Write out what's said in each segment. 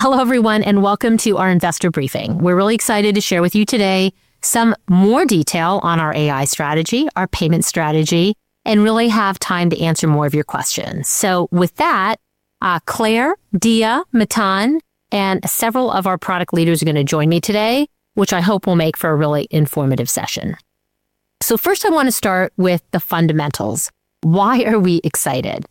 Hello everyone and welcome to our investor briefing. We're really excited to share with you today some more detail on our AI strategy, our payment strategy, and really have time to answer more of your questions. So with that, Claire, Diya, Matan, and several of our product leaders are going to join me today, which I hope will make for a really informative session. So first I want to start with the fundamentals. Why are we excited?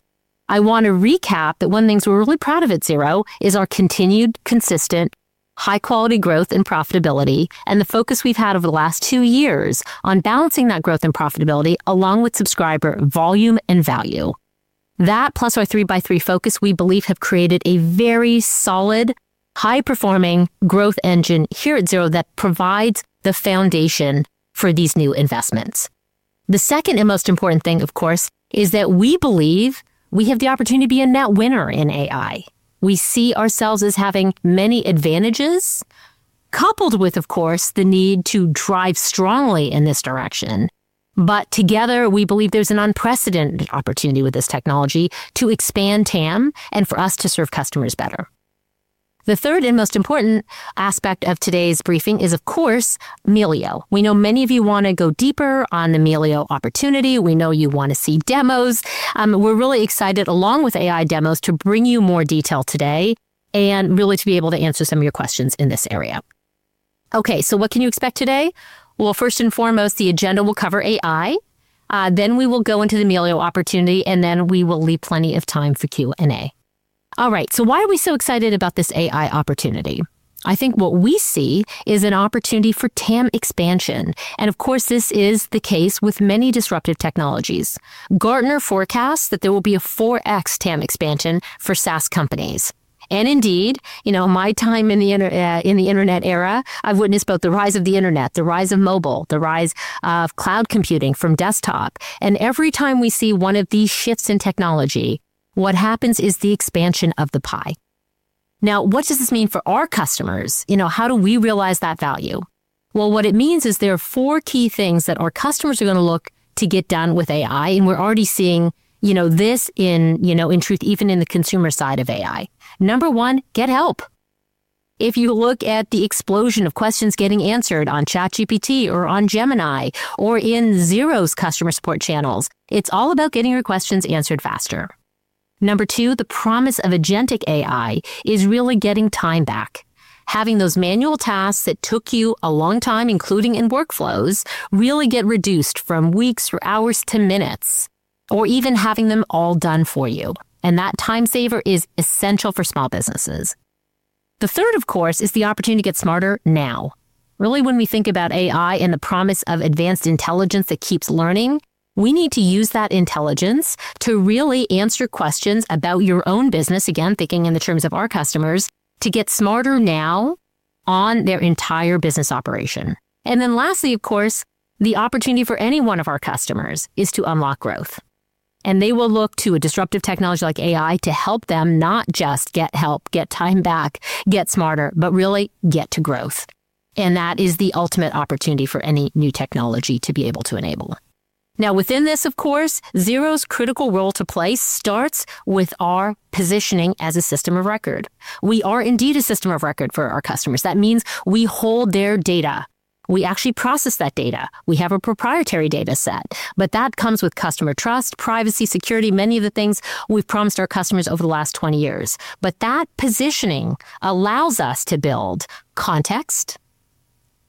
I want to recap that one thing we're really proud of at Xero is our continued, consistent, high-quality growth and profitability, and the focus we've had over the last two years on balancing that growth and profitability along with subscriber volume and value. That, plus our 3x3 focus, we believe have created a very solid, high-performing growth engine here at Xero that provides the foundation for these new investments. The second and most important thing, of course, is that we believe we have the opportunity to be a net winner in AI. We see ourselves as having many advantages, coupled with, of course, the need to drive strongly in this direction. But together we believe there's an unprecedented opportunity with this technology to expand TAM and for us to serve customers better. The third and most important aspect of today's briefing is, of course, Melio. We know many of you want to go deeper on the Melio opportunity. We know you want to see demos. We're really excited, along with AI demos, to bring you more detail today and really to be able to answer some of your questions in this area. Okay, so what can you expect today? Well, first and foremost, the agenda will cover AI. Then we will go into the Melio opportunity, and then we will leave plenty of time for Q&A. All right, so why are we so excited about this AI opportunity? I think what we see is an opportunity for TAM expansion. Of course, this is the case with many disruptive technologies. Gartner forecasts that there will be a 4x TAM expansion for SaaS companies. Indeed, you know, in my time in the Internet era, I've witnessed both the rise of the Internet, the rise of mobile, the rise of cloud computing from desktop. Every time we see one of these shifts in technology, what happens is the expansion of the pie. Now, what does this mean for our customers? You know, how do we realize that value? Well, what it means is there are four key things that our customers are going to look to get done with AI. And we're already seeing, you know, this in, you know, in truth, even in the consumer side of AI. Number one, get help. If you look at the explosion of questions getting answered on ChatGPT or on Gemini or in Xero's customer support channels, it's all about getting your questions answered faster. Number two, the promise of agentic AI is really getting time back. Having those manual tasks that took you a long time, including in workflows, really get reduced from weeks for hours to minutes, or even having them all done for you. And that time saver is essential for small businesses. The third, of course, is the opportunity to get smarter now. Really, when we think about AI and the promise of advanced intelligence that keeps learning, we need to use that intelligence to really answer questions about your own business. Again, thinking in the terms of our customers, to get smarter now on their entire business operation. Then lastly, of course, the opportunity for any one of our customers is to unlock growth, and they will look to a disruptive technology like AI to help them not just get help, get time back, get smarter, but really get to growth. That is the ultimate opportunity for any new technology to be able to enable. Now, within this, of course, Xero's critical role to play starts with our positioning as a system of record. We are indeed a system of record for our customers. That means we hold their data. We actually process that data. We have a proprietary data set, but that comes with customer trust, privacy, security, many of the things we've promised our customers over the last 20 years. But that positioning allows us to build context,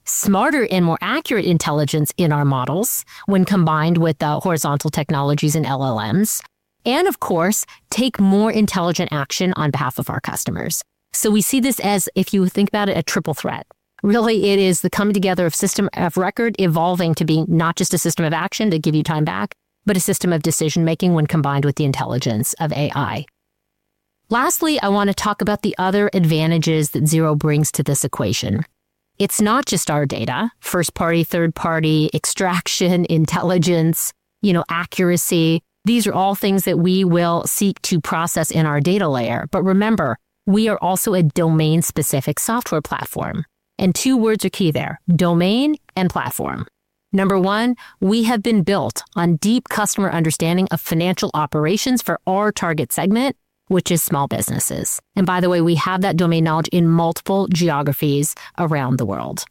smarter and more accurate intelligence in our models when combined with horizontal technologies and LLMs, and of course, take more intelligent action on behalf of our customers. So we see this as, if you think about it, a triple threat. Really, it is the coming together of system of record evolving to be not just a system of action to give you time back, but a system of decision making when combined with the intelligence of AI. Lastly, I want to talk about the other advantages that Xero brings to this equation. It's not just our data. First-party, third-party extraction intelligence, you know, accuracy. These are all things that we will seek to process in our data layer. But remember, we are also a domain-specific software platform. Two words are key there: domain and platform. Number one, we have been built on deep customer understanding of financial operations for our target segment, which is small businesses. By the way, we have that domain knowledge in multiple geographies around the world.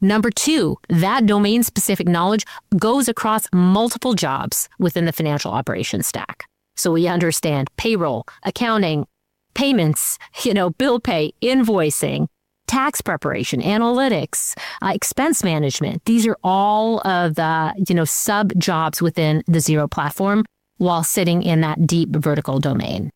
Number two, that domain-specific knowledge goes across multiple jobs within the financial operations stack. So we understand payroll, accounting, payments, you know, bill pay, invoicing, tax preparation, analytics, expense management. These are all of the, you know, sub-jobs within the Xero platform while sitting in that deep vertical domain.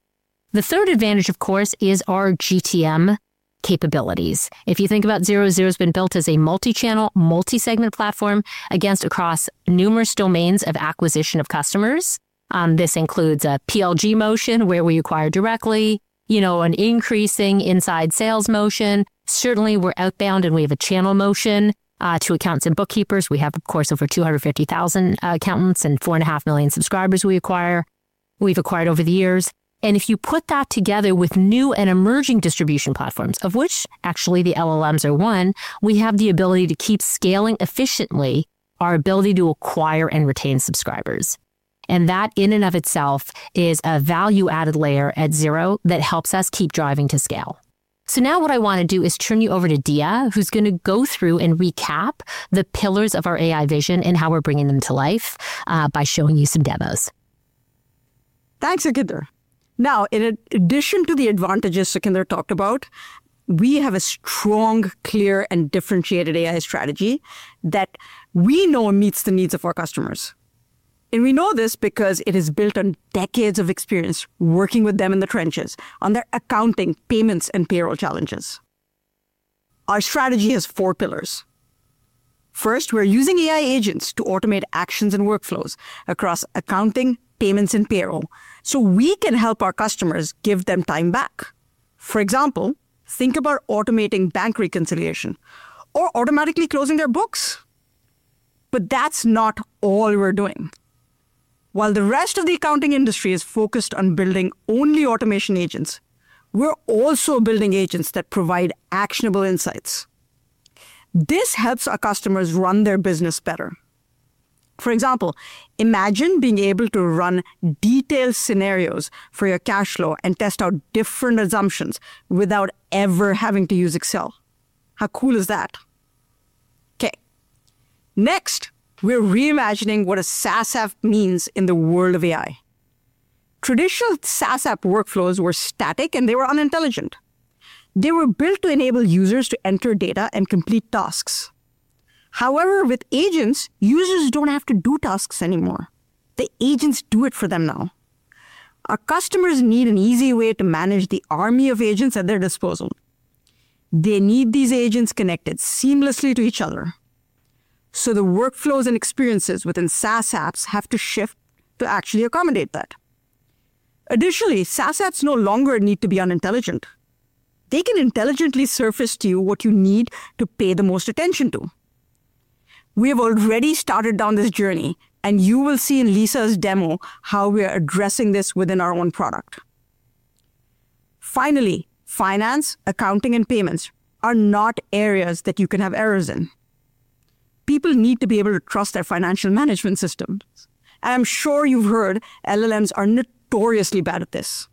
The third advantage, of course, is our GTM capabilities. If you think about Xero, Xero has been built as a multi-channel, multi-segment platform across numerous domains of acquisition of customers. This includes a PLG motion where we acquire directly, you know, an increasing inside sales motion. Certainly we're outbound and we have a channel motion, to accounts and bookkeepers. We have, of course, over 250,000 accountants and 4.5 million subscribers we acquire, we've acquired over the years. And if you put that together with new and emerging distribution platforms, of which actually the LLMs are one, we have the ability to keep scaling efficiently, our ability to acquire and retain subscribers. And that in and of itself is a value-added layer at Xero that helps us keep driving to scale. So now what I want to do is turn you over to Diya, who's going to go through and recap the pillars of our AI vision and how we're bringing them to life, by showing you some demos. Thanks, Sukhinder. Now, in addition to the advantages Sukhinder talked about, we have a strong, clear, and differentiated AI strategy that we know meets the needs of our customers. And we know this because it is built on decades of experience working with them in the trenches on their accounting, payments, and payroll challenges. Our strategy has four pillars. First, we're using AI agents to automate actions and workflows across accounting, payments, and payroll so we can help our customers give them time back. For example, think about automating bank reconciliation or automatically closing their books. But that's not all we're doing. While the rest of the accounting industry is focused on building only automation agents, we're also building agents that provide actionable insights. This helps our customers run their business better. For example, imagine being able to run detailed scenarios for your cash flow and test out different assumptions without ever having to use Excel. How cool is that? Okay, next we're reimagining what a SaaS app means in the world of AI. Traditional SaaS app workflows were static and they were unintelligent. They were built to enable users to enter data and complete tasks. However, with agents, users don't have to do tasks anymore. The agents do it for them now. Our customers need an easy way to manage the army of agents at their disposal. They need these agents connected seamlessly to each other. So the workflows and experiences within SaaS apps have to shift to actually accommodate that. Additionally, SaaS apps no longer need to be unintelligent. They can intelligently surface to you what you need to pay the most attention to. We have already started down this journey and you will see in Lisa's demo how we are addressing this within our own product. Finally, finance, accounting, and payments are not areas that you can have errors in. People need to be able to trust their financial management systems. I'm sure you've heard LLMs are notoriously bad at this.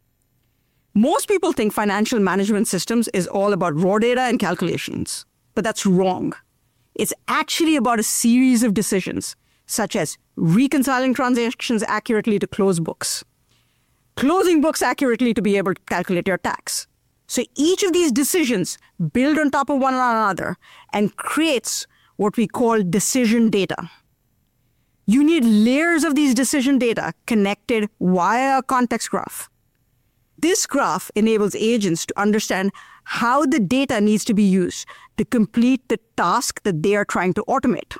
Most people think financial management systems are all about raw data and calculations, but that's wrong. It's actually about a series of decisions such as reconciling transactions accurately to close books, closing books accurately to be able to calculate your tax. Each of these decisions builds on top of one another and creates what we call decision data. You need layers of these decision data connected via a context graph. This graph enables agents to understand how the data needs to be used to complete the task that they are trying to automate.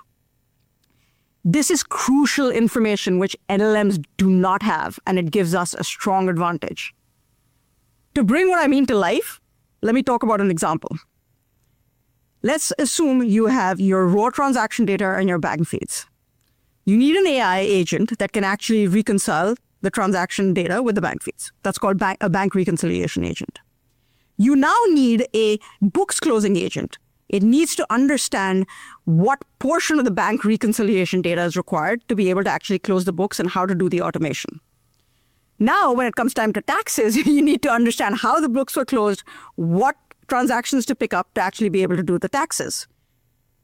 This is crucial information which LLMs do not have, and it gives us a strong advantage. To bring what I mean to life, let me talk about an example. Let's assume you have your raw transaction data and your bank feeds. You need an AI agent that can actually reconcile the transaction data with the bank feeds. That's called a bank reconciliation agent. You now need a books closing agent. It needs to understand what portion of the bank reconciliation data is required to be able to actually close the books and how to do the automation. Now, when it comes time to taxes, you need to understand how the books were closed, what transactions to pick up to actually be able to do the taxes.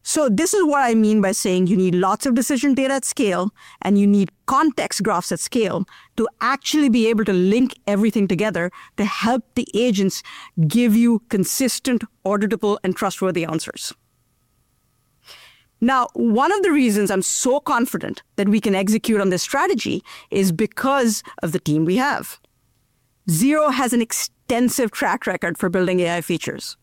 So this is what I mean by saying you need lots of decision data at scale and you need context graphs at scale to actually be able to link everything together to help the agents give you consistent, auditable, and trustworthy answers. Now, one of the reasons I'm so confident that we can execute on this strategy is because of the team we have. Xero has an extensive track record for building AI features.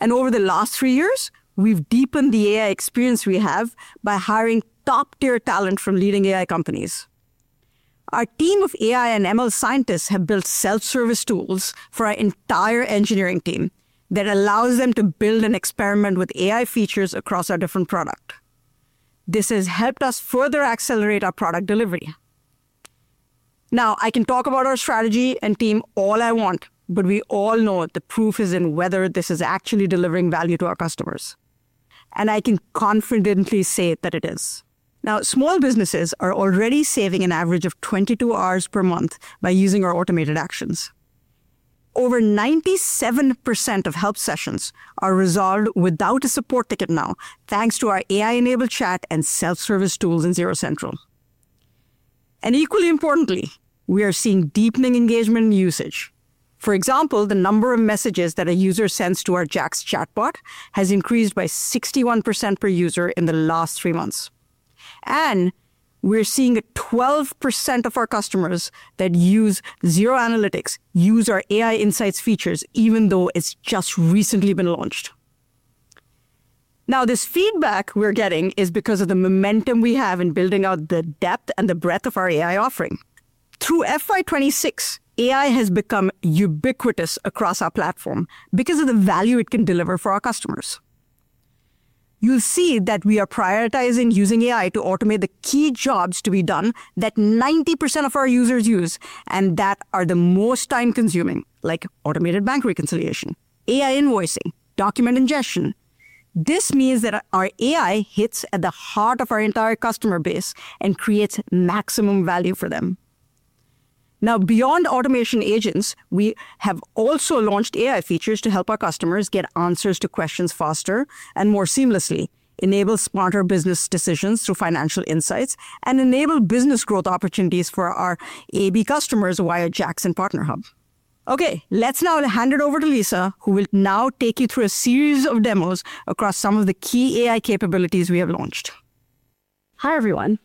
Over the last three years, we've deepened the AI experience we have by hiring top-tier talent from leading AI companies. Our team of AI and ML scientists have built self-service tools for our entire engineering team that allows them to build and experiment with AI features across our different products. This has helped us further accelerate our product delivery. Now, I can talk about our strategy and team all I want, but we all know the proof is in whether this is actually delivering value to our customers. And I can confidently say that it is. Now, small businesses are already saving an average of 22 hours per month by using our automated actions. Over 97% of help sessions are resolved without a support ticket now, thanks to our AI-enabled chat and self-service tools in Xero Central. And equally importantly, we are seeing deepening engagement and usage. For example, the number of messages that a user sends to our JAX chatbot has increased by 61% per user in the last three months. And we're seeing 12% of our customers that use Xero Analytics use our AI Insights features, even though it's just recently been launched. Now, this feedback we're getting is because of the momentum we have in building out the depth and the breadth of our AI offering. Through FY 2026, AI has become ubiquitous across our platform because of the value it can deliver for our customers. You'll see that we are prioritizing using AI to automate the key jobs to be done that 90% of our users use, and that are the most time-consuming, like automated bank reconciliation, AI invoicing, document ingestion. This means that our AI hits at the heart of our entire customer base and creates maximum value for them. Now, beyond automation agents, we have also launched AI features to help our customers get answers to questions faster and more seamlessly, enable smarter business decisions through financial insights, and enable business growth opportunities for our AB customers via JAX and Partner Hub. Okay, let's now hand it over to Lisa, who will now take you through a series of demos across some of the key AI capabilities we have launched. Hi everyone.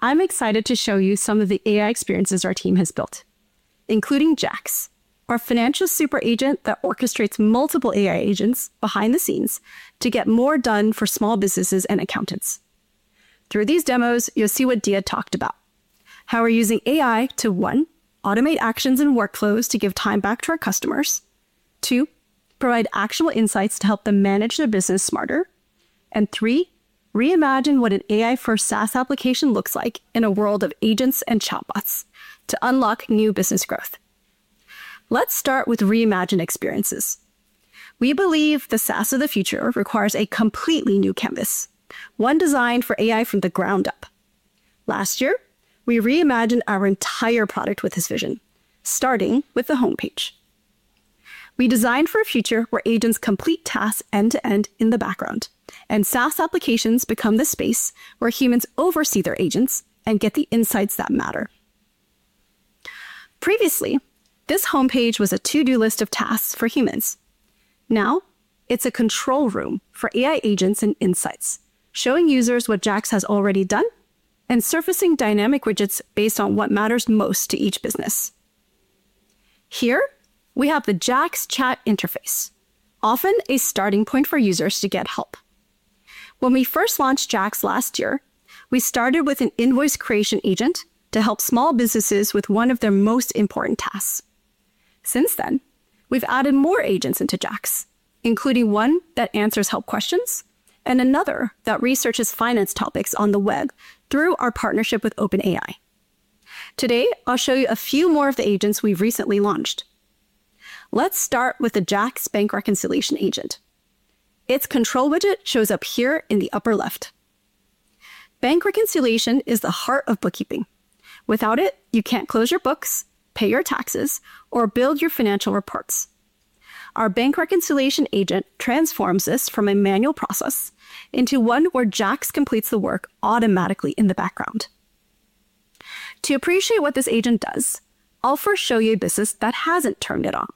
I'm excited to show you some of the AI experiences our team has built, including JAX, our financial super agent that orchestrates multiple AI agents behind the scenes to get more done for small businesses and accountants. Through these demos, you'll see what Diya talked about, how we're using AI to, one, automate actions and workflows to give time back to our customers. Two, provide actual insights to help them manage their business smarter. And three, reimagine what an AI-first SaaS application looks like in a world of agents and chatbots to unlock new business growth. Let's start with reimagined experiences. We believe the SaaS of the future requires a completely new canvas, one designed for AI from the ground up. Last year, we reimagined our entire product with this vision, starting with the homepage. We designed for a future where agents complete tasks end to end in the background, and SaaS applications become the space where humans oversee their agents and get the insights that matter. Previously, this homepage was a to-do list of tasks for humans. Now, it's a control room for AI agents and insights, showing users what JAX has already done and surfacing dynamic widgets based on what matters most to each business. Here, we have the JAX chat interface, often a starting point for users to get help. When we first launched JAX last year, we started with an invoice creation agent to help small businesses with one of their most important tasks. Since then, we've added more agents into JAX, including one that answers help questions and another that researches finance topics on the web through our partnership with OpenAI. Today, I'll show you a few more of the agents we've recently launched. Let's start with the JAX bank reconciliation agent. Its control widget shows up here in the upper left. Bank reconciliation is the heart of bookkeeping. Without it, you can't close your books, pay your taxes, or build your financial reports. Our bank reconciliation agent transforms this from a manual process into one where JAX completes the work automatically in the background. To appreciate what this agent does, I'll first show you a business that hasn't turned it on.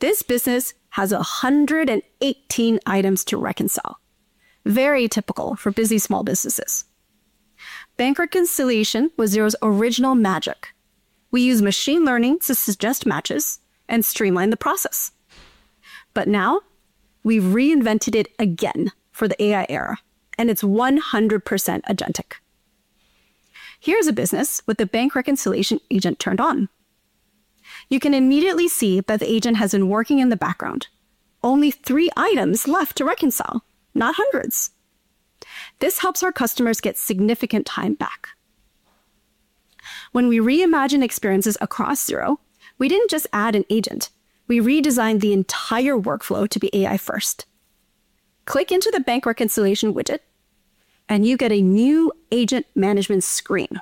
This business has 118 items to reconcile, very typical for busy small businesses. Bank reconciliation was Xero's original magic. We use machine learning to suggest matches and streamline the process. But now we've reinvented it again for the AI era, and it's 100% agentic. Here's a business with the bank reconciliation agent turned on. You can immediately see that the agent has been working in the background. Only 3 items left to reconcile, not hundreds. This helps our customers get significant time back. When we reimagine experiences across Xero, we didn't just add an agent. We redesigned the entire workflow to be AI-first. Click into the bank reconciliation widget and you get a new agent management screen.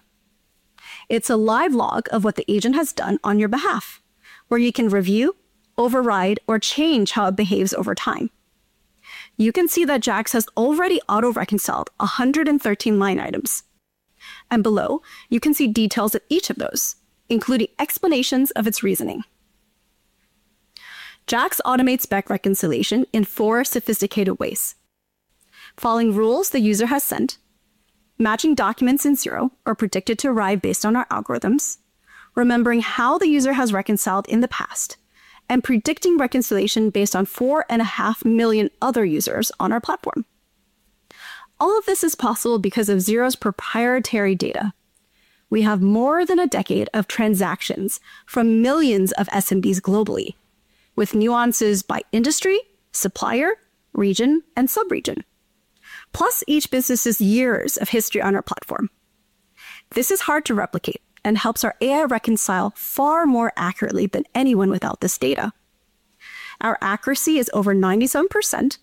It's a live log of what the agent has done on your behalf, where you can review, override, or change how it behaves over time. You can see that JAX has already auto-reconciled 113 line items. Below, you can see details of each of those, including explanations of its reasoning. JAX automates bank reconciliation in 4 sophisticated ways: following rules the user has sent, matching documents in Xero are predicted to arrive based on our algorithms, remembering how the user has reconciled in the past, and predicting reconciliation based on 4.5 million other users on our platform. All of this is possible because of Xero's proprietary data. We have more than a decade of transactions from millions of SMBs globally, with nuances by industry, supplier, region, and subregion, plus each business's years of history on our platform. This is hard to replicate and helps our AI reconcile far more accurately than anyone without this data. Our accuracy is over 97%,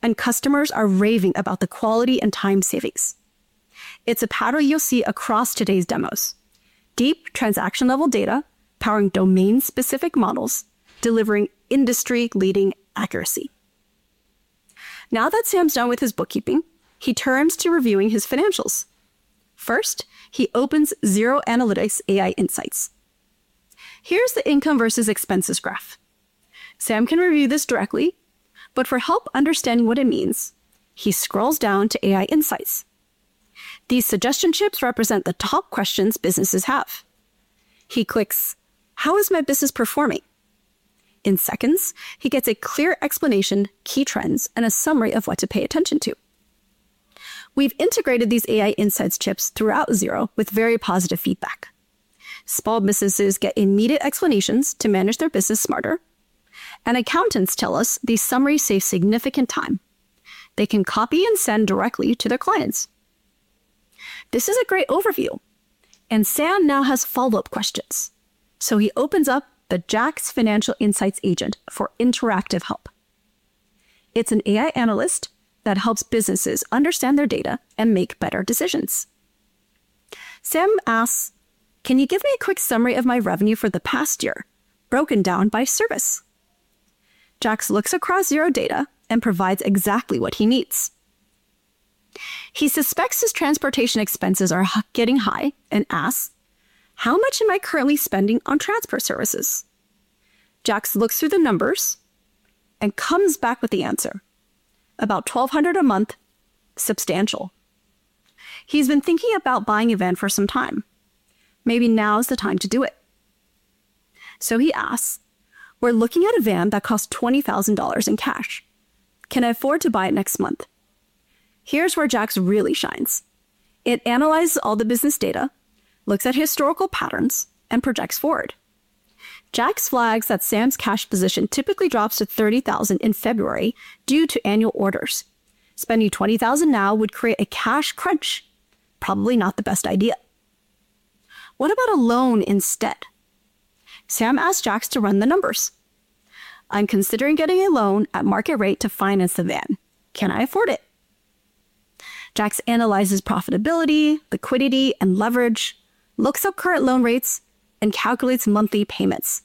and customers are raving about the quality and time savings. It's a pattern you'll see across today's demos: deep transaction-level data powering domain-specific models, delivering industry-leading accuracy. Now that Sam's done with his bookkeeping, he turns to reviewing his financials. First, he opens Xero Analytics AI Insights. Here's the income versus expenses graph. Sam can review this directly, but for help understanding what it means, he scrolls down to AI Insights. These suggestion chips represent the top questions businesses have. He clicks, "How is my business performing?" In seconds, he gets a clear explanation, key trends, and a summary of what to pay attention to. We've integrated these AI Insights chips throughout Xero with very positive feedback. Small businesses get immediate explanations to manage their business smarter, and accountants tell us these summaries save significant time. They can copy and send directly to their clients. This is a great overview, and Sam now has follow-up questions, so he opens up the JAX Financial Insights agent for interactive help. It's an AI analyst that helps businesses understand their data and make better decisions. Sam asks, "Can you give me a quick summary of my revenue for the past year, broken down by service?" JAX looks across Xero data and provides exactly what he needs. He suspects his transportation expenses are getting high and asks, "How much am I currently spending on transport services?" JAX looks through the numbers and comes back with the answer, "About $1,200 a month, substantial." He's been thinking about buying a van for some time. Maybe now's the time to do it. So he asks, "We're looking at a van that costs $20,000 in cash. Can I afford to buy it next month?" Here's where JAX really shines. It analyzes all the business data, looks at historical patterns, and projects forward. JAX flags that Sam's cash position typically drops to $30,000 in February due to annual orders. Spending $20,000 now would create a cash crunch, probably not the best idea. "What about a loan instead?" Sam asks JAX to run the numbers. "I'm considering getting a loan at market rate to finance the van. Can I afford it?" JAX analyzes profitability, liquidity, and leverage, looks up current loan rates, and calculates monthly payments.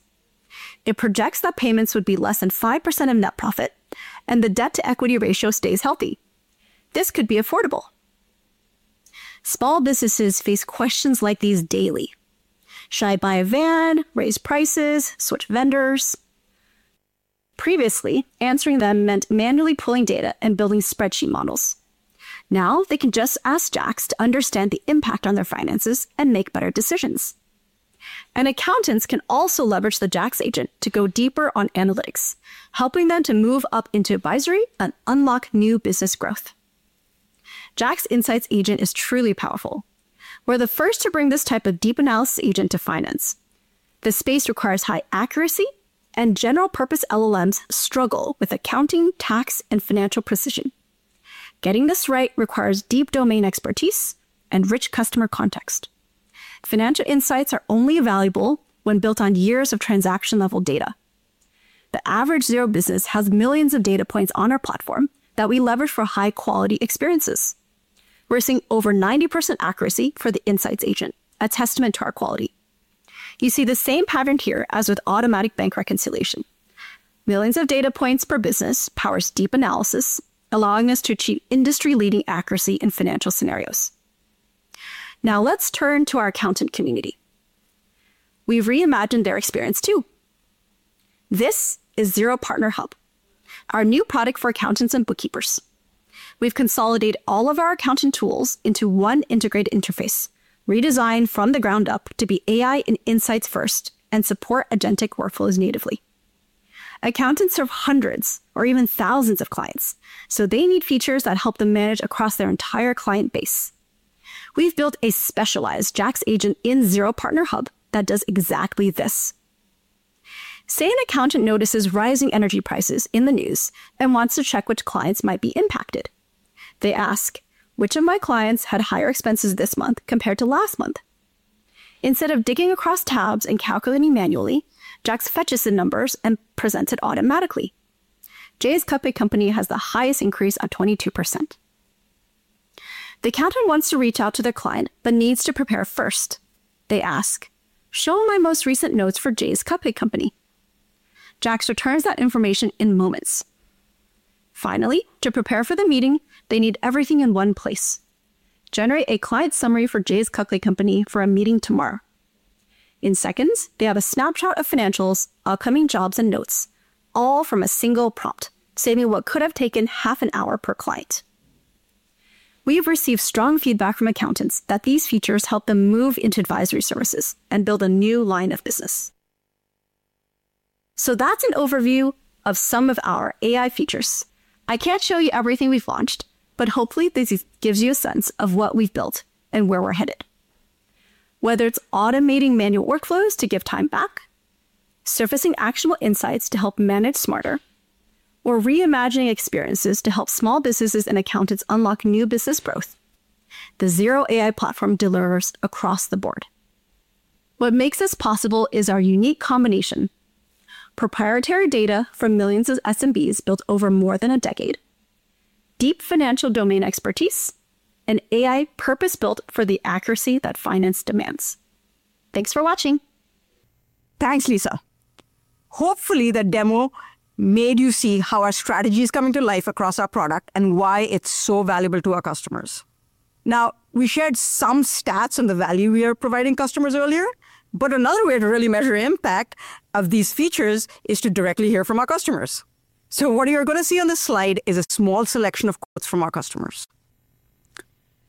It projects that payments would be less than 5% of net profit, and the debt-to-equity ratio stays healthy. This could be affordable. Small businesses face questions like these daily: "Should I buy a van, raise prices, switch vendors?" Previously, answering them meant manually pulling data and building spreadsheet models. Now they can just ask JAX to understand the impact on their finances and make better decisions. Accountants can also leverage the JAX agent to go deeper on analytics, helping them to move up into advisory and unlock new business growth. JAX Insights agent is truly powerful. We're the first to bring this type of deep analysis agent to finance. This space requires high accuracy, and general-purpose LLMs struggle with accounting, tax, and financial precision. Getting this right requires deep domain expertise and rich customer context. Financial insights are only valuable when built on years of transaction-level data. The average Xero business has millions of data points on our platform that we leverage for high-quality experiences. We're seeing over 90% accuracy for the Insights agent, a testament to our quality. You see the same pattern here as with automatic bank reconciliation. Millions of data points per business powers deep analysis, allowing us to achieve industry-leading accuracy in financial scenarios. Now let's turn to our accountant community. We've reimagined their experience too. This is Xero Partner Hub, our new product for accountants and bookkeepers. We've consolidated all of our accounting tools into one integrated interface, redesigned from the ground up to be AI and insights-first and support agentic workflows natively. Accountants serve hundreds or even thousands of clients, so they need features that help them manage across their entire client base. We've built a specialized JAX agent in Xero Partner Hub that does exactly this. Say an accountant notices rising energy prices in the news and wants to check which clients might be impacted. They ask, "Which of my clients had higher expenses this month compared to last month?" Instead of digging across tabs and calculating manually, JAX fetches the numbers and presents it automatically. Jay's Cupcake Company has the highest increase of 22%. The accountant wants to reach out to their client but needs to prepare first. They ask, "Show my most recent notes for Jay's Cupcake Company." JAX returns that information in moments. Finally, to prepare for the meeting, they need everything in one place: generate a client summary for Jay's Cupcake Company for a meeting tomorrow. In seconds, they have a snapshot of financials, upcoming jobs, and notes, all from a single prompt, saving what could have taken half an hour per client. We've received strong feedback from accountants that these features help them move into advisory services and build a new line of business. So that's an overview of some of our AI features. I can't show you everything we've launched, but hopefully this gives you a sense of what we've built and where we're headed. Whether it's automating manual workflows to give time back, surfacing actionable insights to help manage smarter, or reimagining experiences to help small businesses and accountants unlock new business growth, the Xero AI platform delivers across the board. What makes this possible is our unique combination: proprietary data from millions of SMBs built over more than a decade, deep financial domain expertise, and AI purpose-built for the accuracy that finance demands. Thanks for watching. Thanks, Lisa. Hopefully, that demo made you see how our strategy is coming to life across our product and why it's so valuable to our customers. Now, we shared some stats on the value we are providing customers earlier, but another way to really measure impact of these features is to directly hear from our customers. So what you're going to see on this slide is a small selection of quotes from our customers.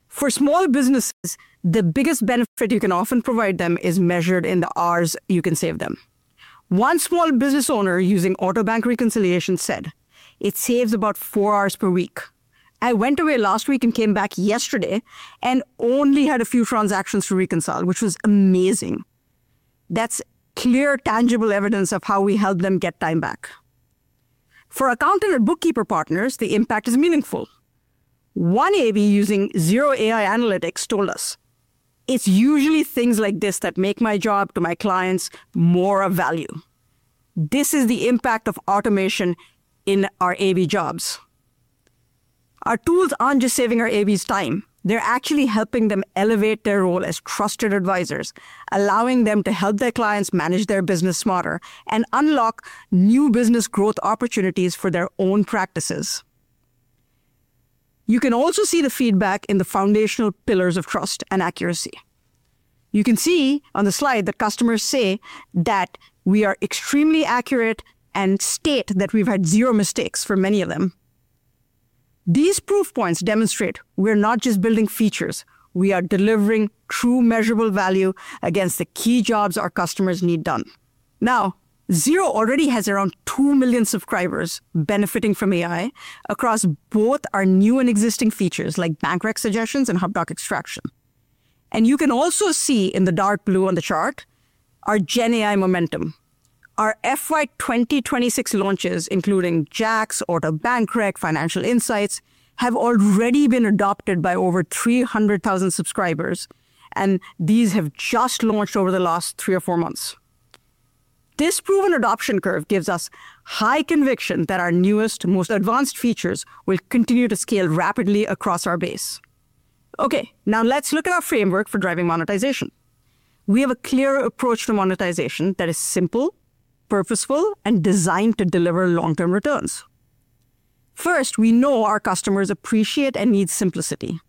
"For small businesses, the biggest benefit you can often provide them is measured in the hours you can save them." One small business owner using auto bank reconciliation said, "It saves about four hours per week. I went away last week and came back yesterday and only had a few transactions to reconcile, which was amazing." That's clear, tangible evidence of how we help them get time back. For accountant and bookkeeper partners, the impact is meaningful. One AB using Xero AI analytics told us, "It's usually things like this that make my job to my clients more of value." This is the impact of automation in our AB jobs. Our tools aren't just saving our ABs' time. They're actually helping them elevate their role as trusted advisors, allowing them to help their clients manage their business smarter and unlock new business growth opportunities for their own practices. You can also see the feedback in the foundational pillars of trust and accuracy. You can see on the slide that customers say that we are extremely accurate and state that we've had zero mistakes for many of them. These proof points demonstrate we're not just building features. We are delivering true, measurable value against the key jobs our customers need done. Now, Xero already has around 2 million subscribers benefiting from AI across both our new and existing features like bank rec suggestions and Hubdoc extraction. You can also see in the dark blue on the chart our Gen AI momentum. Our FY 2026 launches, including JAX auto bank rec financial insights, have already been adopted by over 300,000 subscribers, and these have just launched over the last three or four months. This proven adoption curve gives us high conviction that our newest, most advanced features will continue to scale rapidly across our base. Okay, now let's look at our framework for driving monetization. We have a clear approach to monetization that is simple, purposeful, and designed to deliver long-term returns. First, we know our customers appreciate and need simplicity,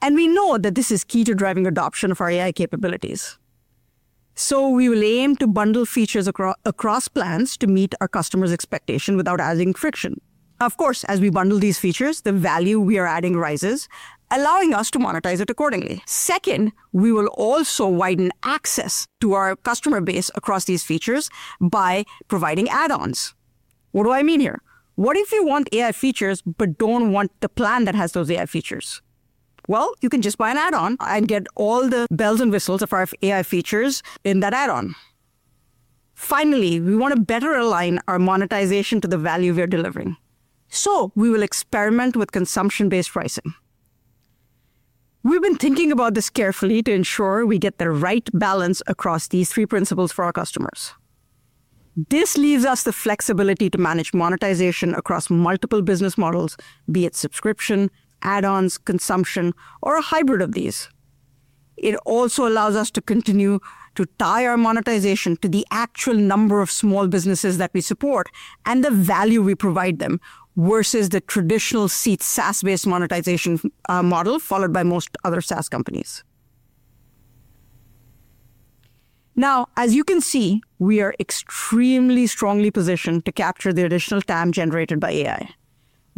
and we know that this is key to driving adoption of our AI capabilities. We will aim to bundle features across plans to meet our customers' expectation without adding friction. Of course, as we bundle these features, the value we are adding rises, allowing us to monetize it accordingly. Second, we will also widen access to our customer base across these features by providing add-ons. What do I mean here? What if you want AI features but don't want the plan that has those AI features? Well, you can just buy an add-on and get all the bells and whistles of our AI features in that add-on. Finally, we want to better align our monetization to the value we are delivering. We will experiment with consumption-based pricing. We've been thinking about this carefully to ensure we get the right balance across these three principles for our customers. This leaves us the flexibility to manage monetization across multiple business models, be it subscription, add-ons, consumption, or a hybrid of these. It also allows us to continue to tie our monetization to the actual number of small businesses that we support and the value we provide them versus the traditional seat SaaS-based monetization model followed by most other SaaS companies. Now, as you can see, we are extremely strongly positioned to capture the additional time generated by AI.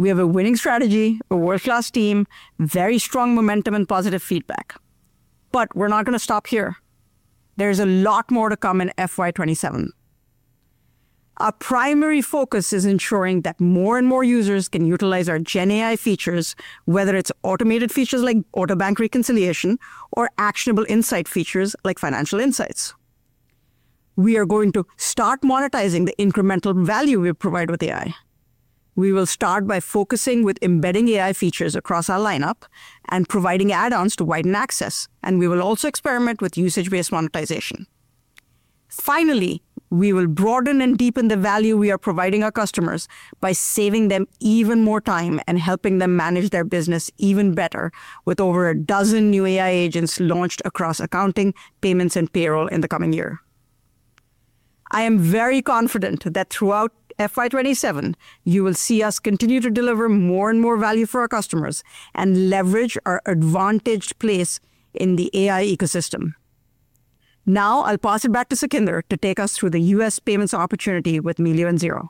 We have a winning strategy, a world-class team, very strong momentum, and positive feedback. But we're not going to stop here. There's a lot more to come in FY 2027. Our primary focus is ensuring that more and more users can utilize our Gen AI features, whether it's automated features like auto bank reconciliation or actionable insight features like financial insights. We are going to start monetizing the incremental value we provide with AI. We will start by focusing on embedding AI features across our lineup and providing add-ons to widen access, and we will also experiment with usage-based monetization. Finally, we will broaden and deepen the value we are providing our customers by saving them even more time and helping them manage their business even better with over a dozen new AI agents launched across accounting, payments, and payroll in the coming year. I am very confident that throughout FY 2027, you will see us continue to deliver more and more value for our customers and leverage our advantaged place in the AI ecosystem. Now I'll pass it back to Sukhinder to take us through the U.S. payments opportunity with Melio and Xero.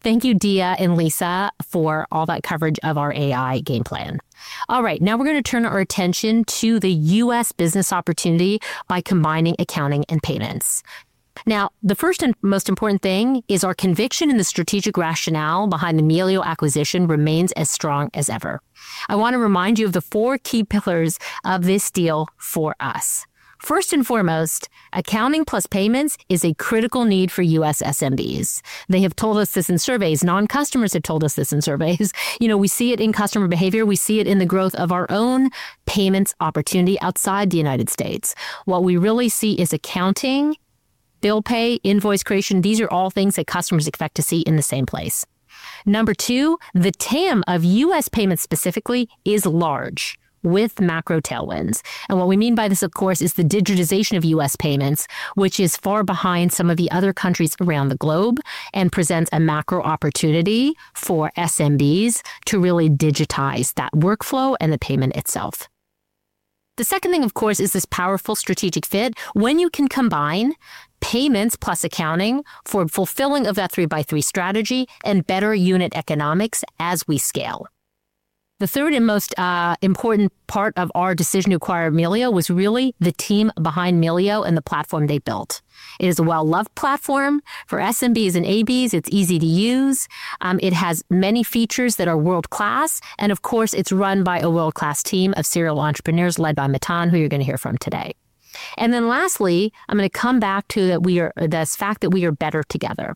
Thank you, Diya and Lisa, for all that coverage of our AI game plan. All right, now we're going to turn our attention to the U.S. business opportunity by combining accounting and payments. Now, the first and most important thing is our conviction in the strategic rationale behind the Melio acquisition remains as strong as ever. I want to remind you of the four key pillars of this deal for us. First and foremost, accounting plus payments is a critical need for U.S. SMBs. They have told us this in surveys. Non-customers have told us this in surveys. You know, we see it in customer behavior. We see it in the growth of our own payments opportunity outside the United States. What we really see is accounting, bill pay, invoice creation. These are all things that customers expect to see in the same place. Number two, the TAM of U.S. payments specifically is large with macro tailwinds. What we mean by this, of course, is the digitization of U.S. payments, which is far behind some of the other countries around the globe and presents a macro opportunity for SMBs to really digitize that workflow and the payment itself. The second thing, of course, is this powerful strategic fit when you can combine payments plus accounting for fulfilling of that three-by-three strategy and better unit economics as we scale. The third and most important part of our decision to acquire Melio was really the team behind Melio and the platform they built. It is a well-loved platform for SMBs and ABs. It's easy to use. It has many features that are world-class. And of course, it's run by a world-class team of serial entrepreneurs led by Matan, who you're going to hear from today. Then lastly, I'm going to come back to the fact that we are better together.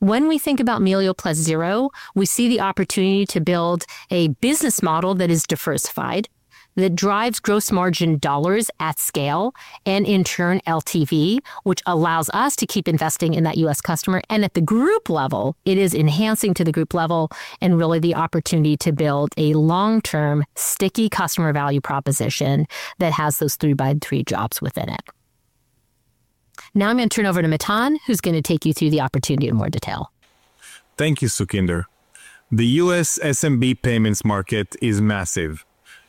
When we think about Melio plus Xero, we see the opportunity to build a business model that is diversified, that drives gross margin dollars at scale and in turn LTV, which allows us to keep investing in that U.S. customer. And at the group level, it is enhancing to the group level and really the opportunity to build a long-term sticky customer value proposition that has those three-by-three jobs within it. Now I'm going to turn over to Matan, who's going to take you through the opportunity in more detail. Thank you, Sukhinder. The U.S. SMB payments market is massive.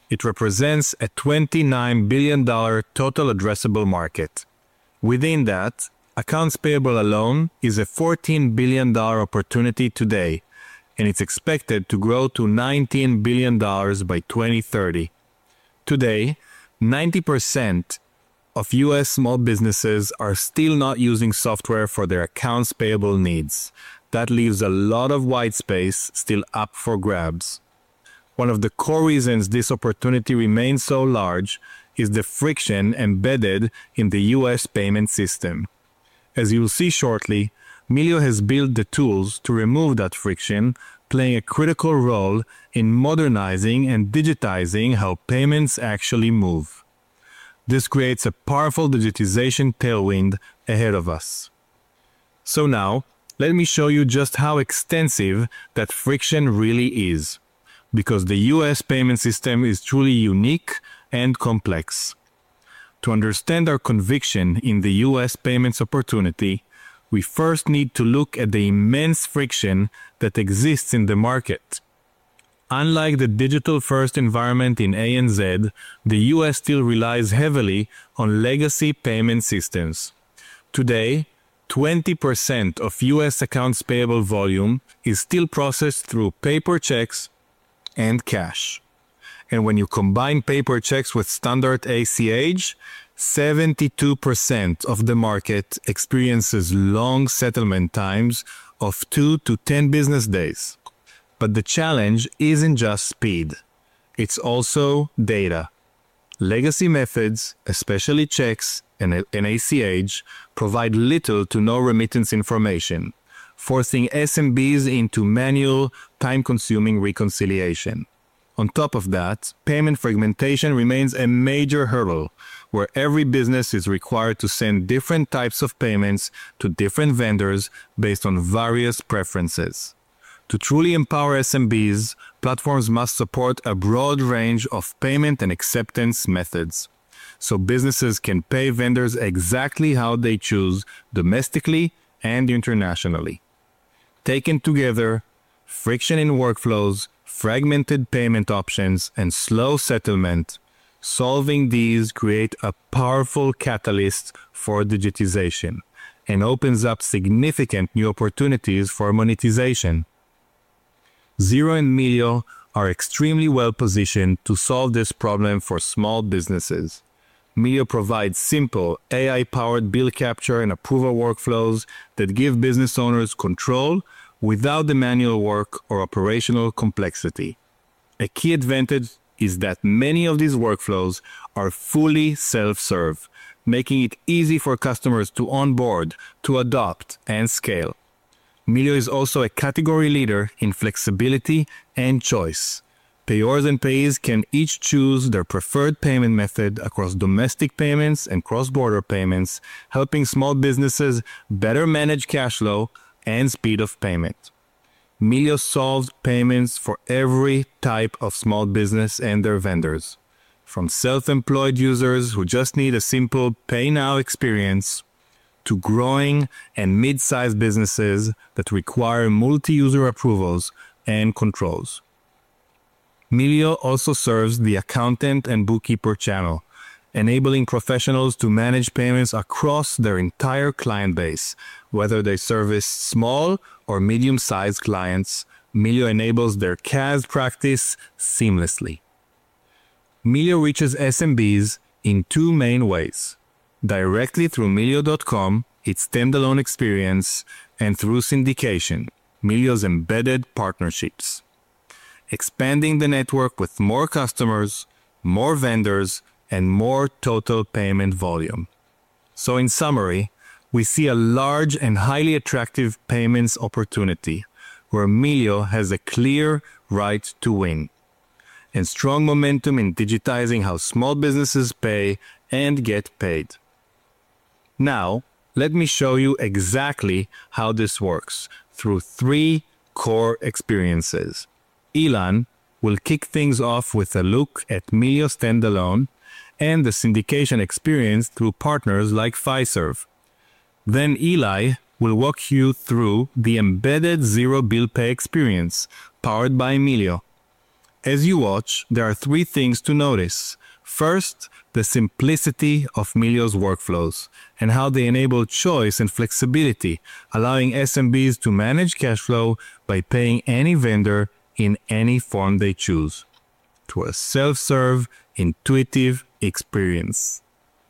It represents a $29 billion total addressable market. Within that, accounts payable alone is a $14 billion opportunity today, and it's expected to grow to $19 billion by 2030. Today, 90% of U.S. small businesses are still not using software for their accounts payable needs. That leaves a lot of white space still up for grabs. One of the core reasons this opportunity remains so large is the friction embedded in the U.S. payment system. As you'll see shortly, Melio has built the tools to remove that friction, playing a critical role in modernizing and digitizing how payments actually move. This creates a powerful digitization tailwind ahead of us. So now let me show you just how extensive that friction really is, because the U.S. payment system is truly unique and complex. To understand our conviction in the U.S. payments opportunity, we first need to look at the immense friction that exists in the market. Unlike the digital-first environment in ANZ, the U.S. still relies heavily on legacy payment systems. Today, 20% of U.S. accounts payable volume is still processed through paper checks and cash. When you combine paper checks with standard ACH, 72% of the market experiences long settlement times of 2-10 business days. The challenge isn't just speed. It's also data. Legacy methods, especially checks and ACH, provide little to no remittance information, forcing SMBs into manual, time-consuming reconciliation. On top of that, payment fragmentation remains a major hurdle, where every business is required to send different types of payments to different vendors based on various preferences. To truly empower SMBs, platforms must support a broad range of payment and acceptance methods so businesses can pay vendors exactly how they choose, domestically and internationally. Taken together, friction in workflows, fragmented payment options, and slow settlement, solving these creates a powerful catalyst for digitization and opens up significant new opportunities for monetization. Xero and Melio are extremely well-positioned to solve this problem for small businesses. Melio provides simple AI-powered bill capture and approval workflows that give business owners control without the manual work or operational complexity. A key advantage is that many of these workflows are fully self-serve, making it easy for customers to onboard, to adopt, and scale. Melio is also a category leader in flexibility and choice. Payors and payees can each choose their preferred payment method across domestic payments and cross-border payments, helping small businesses better manage cash flow and speed of payment. Melio solves payments for every type of small business and their vendors, from self-employed users who just need a simple pay now experience to growing and mid-sized businesses that require multi-user approvals and controls. Melio also serves the accountant and bookkeeper channel, enabling professionals to manage payments across their entire client base. Whether they service small or medium-sized clients, Melio enables their CAS practice seamlessly. Melio reaches SMBs in two main ways: directly through melio.com, its standalone experience, and through syndication, Melio's embedded partnerships, expanding the network with more customers, more vendors, and more total payment volume. So in summary, we see a large and highly attractive payments opportunity where Melio has a clear right to win and strong momentum in digitizing how small businesses pay and get paid. Now let me show you exactly how this works through three core experiences. Ilan will kick things off with a look at Melio standalone and the syndication experience through partners like Fiserv. Then Eli will walk you through the embedded Xero Bill Pay experience powered by Melio. As you watch, there are three things to notice. First, the simplicity of Melio's workflows and how they enable choice and flexibility, allowing SMBs to manage cash flow by paying any vendor in any form they choose to a self-serve, intuitive experience.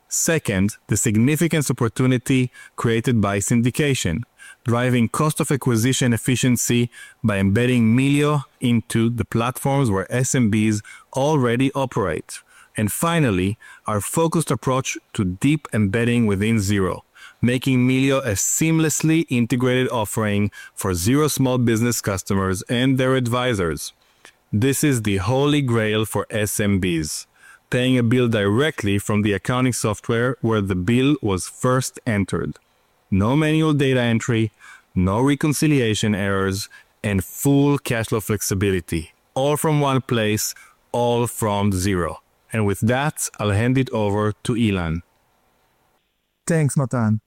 Second, the significance opportunity created by syndication, driving cost-of-acquisition efficiency by embedding Melio into the platforms where SMBs already operate. And finally, our focused approach to deep embedding within Xero, making Melio a seamlessly integrated offering for Xero small business customers and their advisors. This is the holy grail for SMBs: paying a bill directly from the accounting software where the bill was first entered. No manual data entry, no reconciliation errors, and full cash flow flexibility, all from one place, all from Xero. With that, I'll hand it over to Ilan. Thanks, Matan.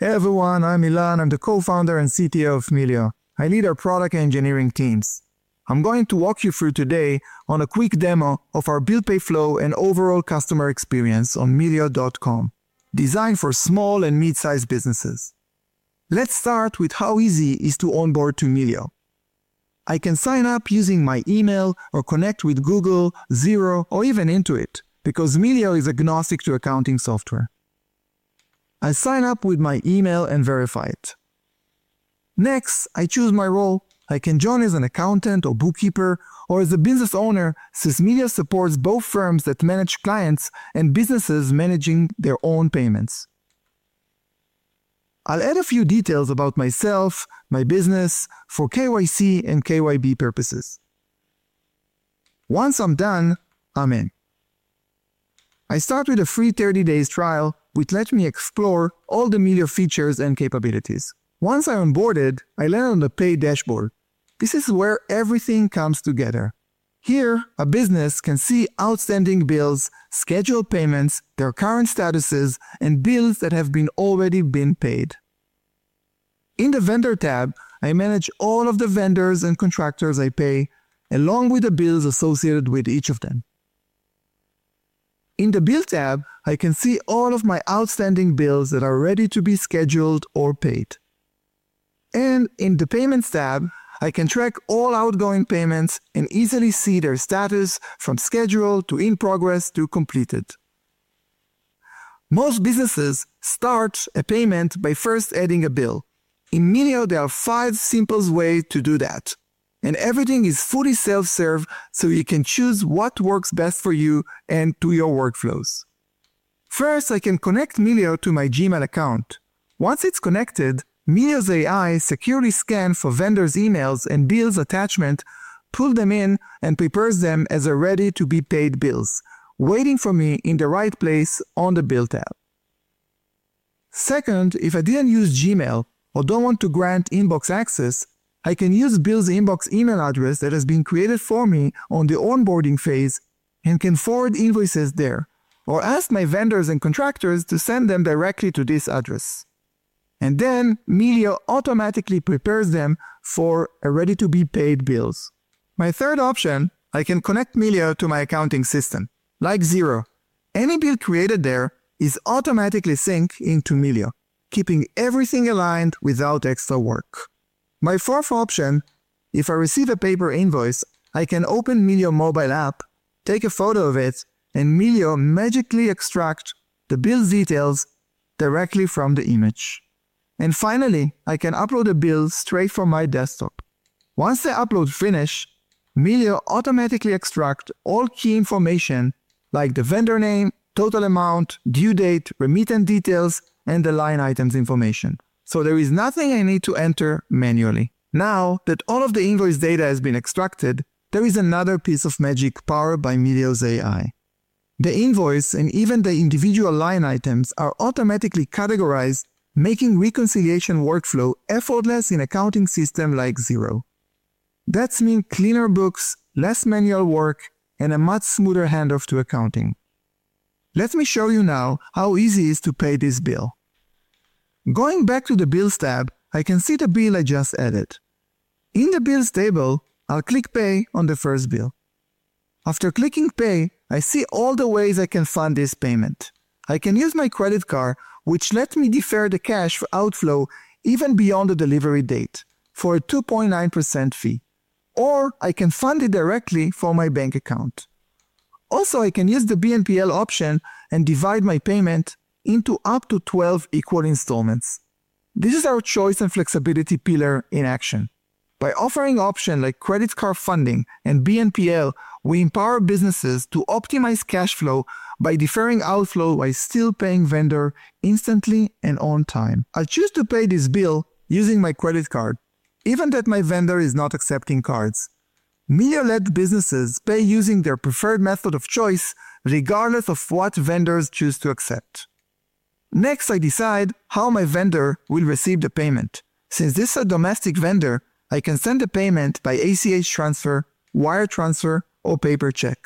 Everyone, I'm Ilan. I'm the Co-founder and CTO of Melio. I lead our product and engineering teams. I'm going to walk you through today on a quick demo of our bill pay flow and overall customer experience on melio.com, designed for small and mid-sized businesses. Let's start with how easy it is to onboard to Melio. I can sign up using my email or connect with Google, Xero, or even Intuit because Melio is agnostic to accounting software. I sign up with my email and verify it. Next, I choose my role. I can join as an accountant or bookkeeper or as a business owner since Melio supports both firms that manage clients and businesses managing their own payments. I'll add a few details about myself, my business, for KYC and KYB purposes. Once I'm done, I'm in. I start with a free 30-day trial which lets me explore all the Melio features and capabilities. Once I'm onboarded, I land on the Pay dashboard. This is where everything comes together. Here, a business can see outstanding bills, scheduled payments, their current statuses, and bills that have already been paid. In the vendor tab, I manage all of the vendors and contractors I pay, along with the bills associated with each of them. In the bill tab, I can see all of my outstanding bills that are ready to be scheduled or paid. In the payments tab, I can track all outgoing payments and easily see their status from scheduled to in progress to completed. Most businesses start a payment by first adding a bill. In Melio, there are five simple ways to do that, and everything is fully self-serve so you can choose what works best for you and to your workflows. First, I can connect Melio to my Gmail account. Once it's connected, Melio's AI securely scans for vendors' emails and bills attachments, pulls them in, and prepares them as ready-to-be-paid bills, waiting for me in the right place on the bill tab. Second, if I didn't use Gmail or don't want to grant inbox access, I can use Melio's inbox email address that has been created for me on the onboarding phase and can forward invoices there or ask my vendors and contractors to send them directly to this address. And then Melio automatically prepares them for ready-to-be-paid bills. My third option, I can connect Melio to my accounting system, like Xero. Any bill created there is automatically synced into Melio, keeping everything aligned without extra work. My fourth option, if I receive a paper invoice, I can open Melio's mobile app, take a photo of it, and Melio magically extracts the bill details directly from the image. And finally, I can upload a bill straight from my desktop. Once the upload finishes, Melio automatically extracts all key information like the vendor name, total amount, due date, remittance details, and the line items information, so there is nothing I need to enter manually. Now that all of the invoice data has been extracted, there is another piece of magic powered by Melio's AI. The invoice and even the individual line items are automatically categorized, making reconciliation workflow effortless in an accounting system like Xero. That means cleaner books, less manual work, and a much smoother handoff to accounting. Let me show you now how easy it is to pay this bill. Going back to the bills tab, I can see the bill I just added. In the bills table, I'll click pay on the first bill. After clicking pay, I see all the ways I can fund this payment. I can use my credit card, which lets me defer the cash outflow even beyond the delivery date for a 2.9% fee, or I can fund it directly from my bank account. Also, I can use the BNPL option and divide my payment into up to 12 equal installments. This is our choice and flexibility pillar in action. By offering options like credit card funding and BNPL, we empower businesses to optimize cash flow by deferring outflow while still paying vendors instantly and on time. I choose to pay this bill using my credit card, even though my vendor is not accepting cards. Melio lets businesses pay using their preferred method of choice, regardless of what vendors choose to accept. Next, I decide how my vendor will receive the payment. Since this is a domestic vendor, I can send the payment by ACH transfer, wire transfer, or paper check.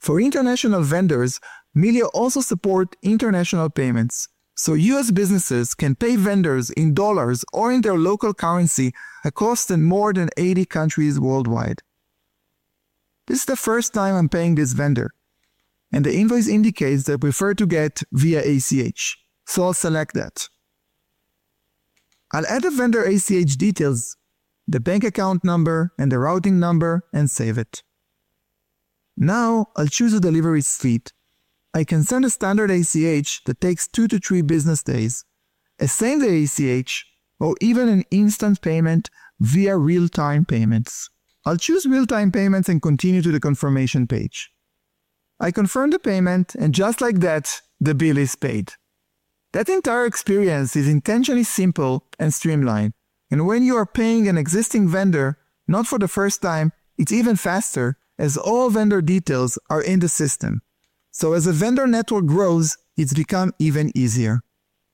For international vendors, Melio also supports international payments, so U.S. businesses can pay vendors in dollars or in their local currency across more than 80 countries worldwide. This is the first time I'm paying this vendor, and the invoice indicates they prefer to get via ACH, so I'll select that. I'll add the vendor ACH details, the bank account number, and the routing number, and save it. Now I'll choose a delivery speed. I can send a standard ACH that takes 2-3 business days, a same-day ACH, or even an instant payment via real-time payments. I'll choose real-time payments and continue to the confirmation page. I confirm the payment, and just like that, the bill is paid. That entire experience is intentionally simple and streamlined. And when you are paying an existing vendor, not for the first time, it's even faster as all vendor details are in the system. So as a vendor network grows, it's become even easier.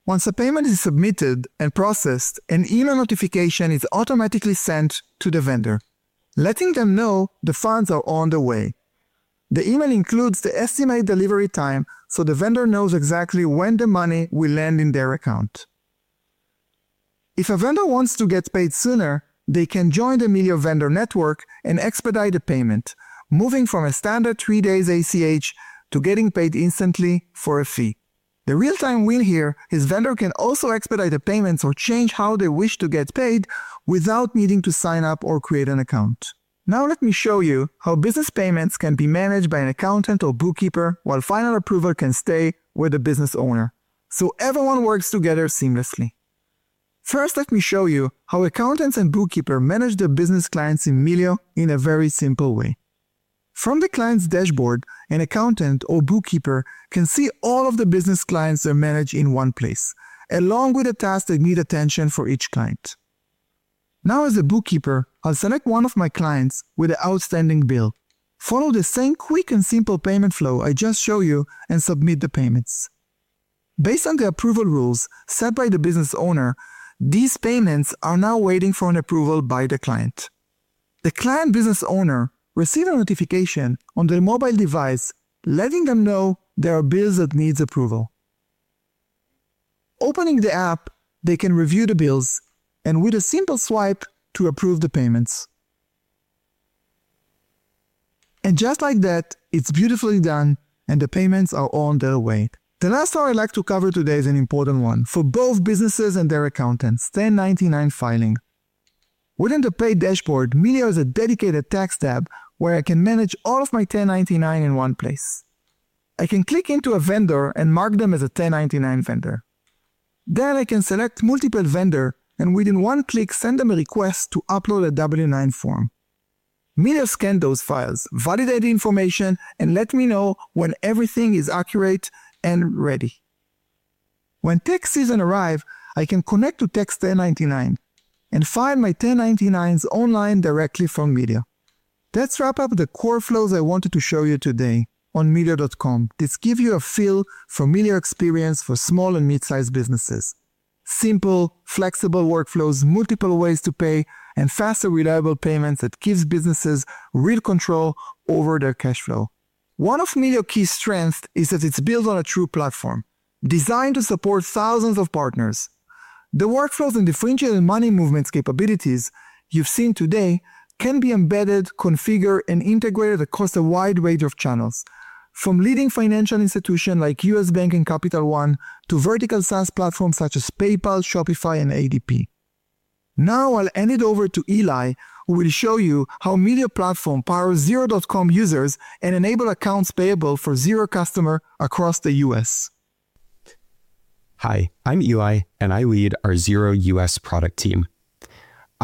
Once a payment is submitted and processed, an email notification is automatically sent to the vendor, letting them know the funds are on the way. The email includes the estimated delivery time so the vendor knows exactly when the money will land in their account. If a vendor wants to get paid sooner, they can join the Melio vendor network and expedite the payment, moving from a standard 3-day ACH to getting paid instantly for a fee. The real-time win here is vendors can also expedite the payments or change how they wish to get paid without needing to sign up or create an account. Now let me show you how business payments can be managed by an accountant or bookkeeper while final approval can stay with the business owner, so everyone works together seamlessly. First, let me show you how accountants and bookkeepers manage their business clients in Melio in a very simple way. From the client's dashboard, an accountant or bookkeeper can see all of the business clients they manage in one place, along with the tasks that need attention for each client. Now, as a bookkeeper, I'll select one of my clients with an outstanding bill, follow the same quick and simple payment flow I just showed you, and submit the payments. Based on the approval rules set by the business owner, these payments are now waiting for an approval by the client. The client business owner receives a notification on their mobile device letting them know there are bills that need approval. Opening the app, they can review the bills and, with a simple swipe, approve the payments. And just like that, it's beautifully done, and the payments are on their way. The last one I'd like to cover today is an important one for both businesses and their accountants: 1099 filing. Within the pay dashboard, Melio has a dedicated tax tab where I can manage all of my 1099s in one place. I can click into a vendor and mark them as a 1099 vendor. Then I can select multiple vendors and, within one click, send them a request to upload a W-9 form. Melio scans those files, validates the information, and lets me know when everything is accurate and ready. When tax season arrives, I can connect to Tax1099 and file my 1099s online directly from Melio. That's a wrap-up of the core flows I wanted to show you today on melio.com. This gives you a feel-familiar experience for small and mid-sized businesses: simple, flexible workflows, multiple ways to pay, and faster, reliable payments that give businesses real control over their cash flow. One of Melio's key strengths is that it's built on a true platform designed to support thousands of partners. The workflows and differentiated money movements capabilities you've seen today can be embedded, configured, and integrated across a wide range of channels, from leading financial institutions like U.S. Bank and Capital One to vertical SaaS platforms such as PayPal, Shopify, and ADP. Now I'll hand it over to Eli, who will show you how Melio's platform powers Xero users and enables accounts payable for Xero customers across the U.S.. Hi, I'm Eli, and I lead our Xero U.S. product team.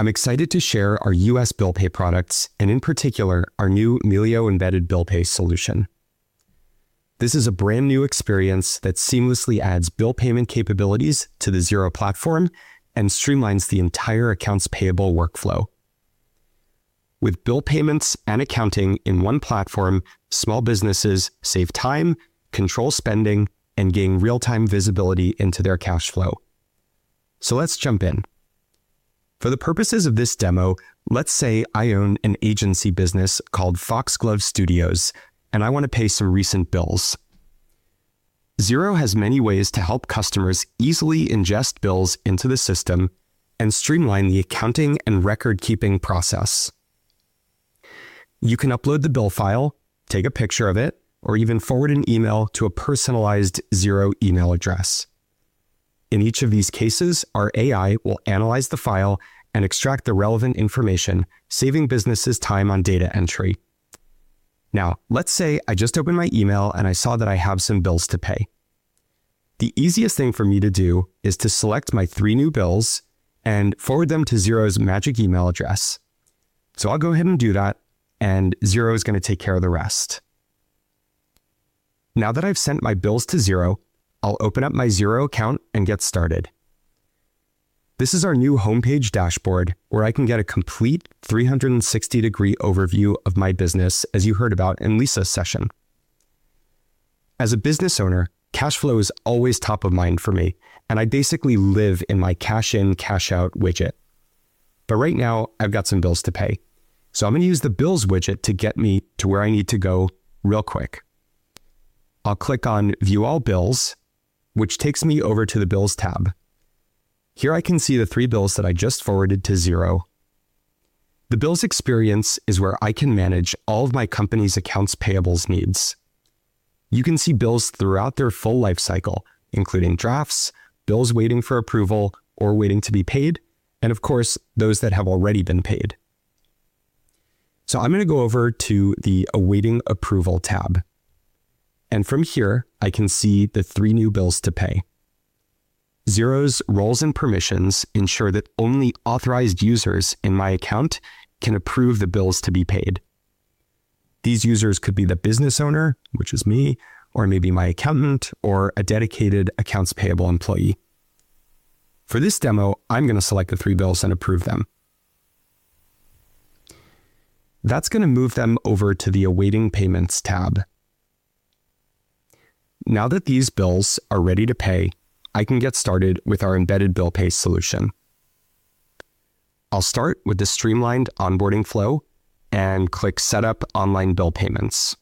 I'm excited to share our U.S. bill pay products and, in particular, our new Melio Embedded Bill Pay solution. This is a brand-new experience that seamlessly adds bill payment capabilities to the Xero platform and streamlines the entire accounts payable workflow. With bill payments and accounting in one platform, small businesses save time, control spending, and gain real-time visibility into their cash flow. So let's jump in. For the purposes of this demo, let's say I own an agency business called Foxglove Studios, and I want to pay some recent bills. Xero has many ways to help customers easily ingest bills into the system and streamline the accounting and record-keeping process. You can upload the bill file, take a picture of it, or even forward an email to a personalized Xero email address. In each of these cases, our AI will analyze the file and extract the relevant information, saving businesses time on data entry. Now, let's say I just opened my email and I saw that I have some bills to pay. The easiest thing for me to do is to select my three new bills and forward them to Xero's magic email address. So I'll go ahead and do that, and Xero is going to take care of the rest. Now that I've sent my bills to Xero, I'll open up my Xero account and get started. This is our new homepage dashboard where I can get a complete 360-degree overview of my business, as you heard about in Lisa's session. As a business owner, cash flow is always top of mind for me, and I basically live in my Cash In, Cash Out widget. But right now, I've got some bills to pay, so I'm going to use the Bills widget to get me to where I need to go real quick. I'll click on View All Bills, which takes me over to the Bills tab. Here I can see the three bills that I just forwarded to Xero. The Bills experience is where I can manage all of my company's accounts payable's needs. You can see bills throughout their full life cycle, including drafts, bills waiting for approval, or waiting to be paid, and, of course, those that have already been paid. So I'm going to go over to the Awaiting Approval tab. And from here, I can see the three new bills to pay. Xero's roles and permissions ensure that only authorized users in my account can approve the bills to be paid. These users could be the business owner, which is me, or maybe my accountant, or a dedicated accounts payable employee. For this demo, I'm going to select the three bills and approve them. That's going to move them over to the Awaiting Payments tab. Now that these bills are ready to pay, I can get started with our embedded bill pay solution. I'll start with the streamlined onboarding flow and click Set Up Online Bill Payments.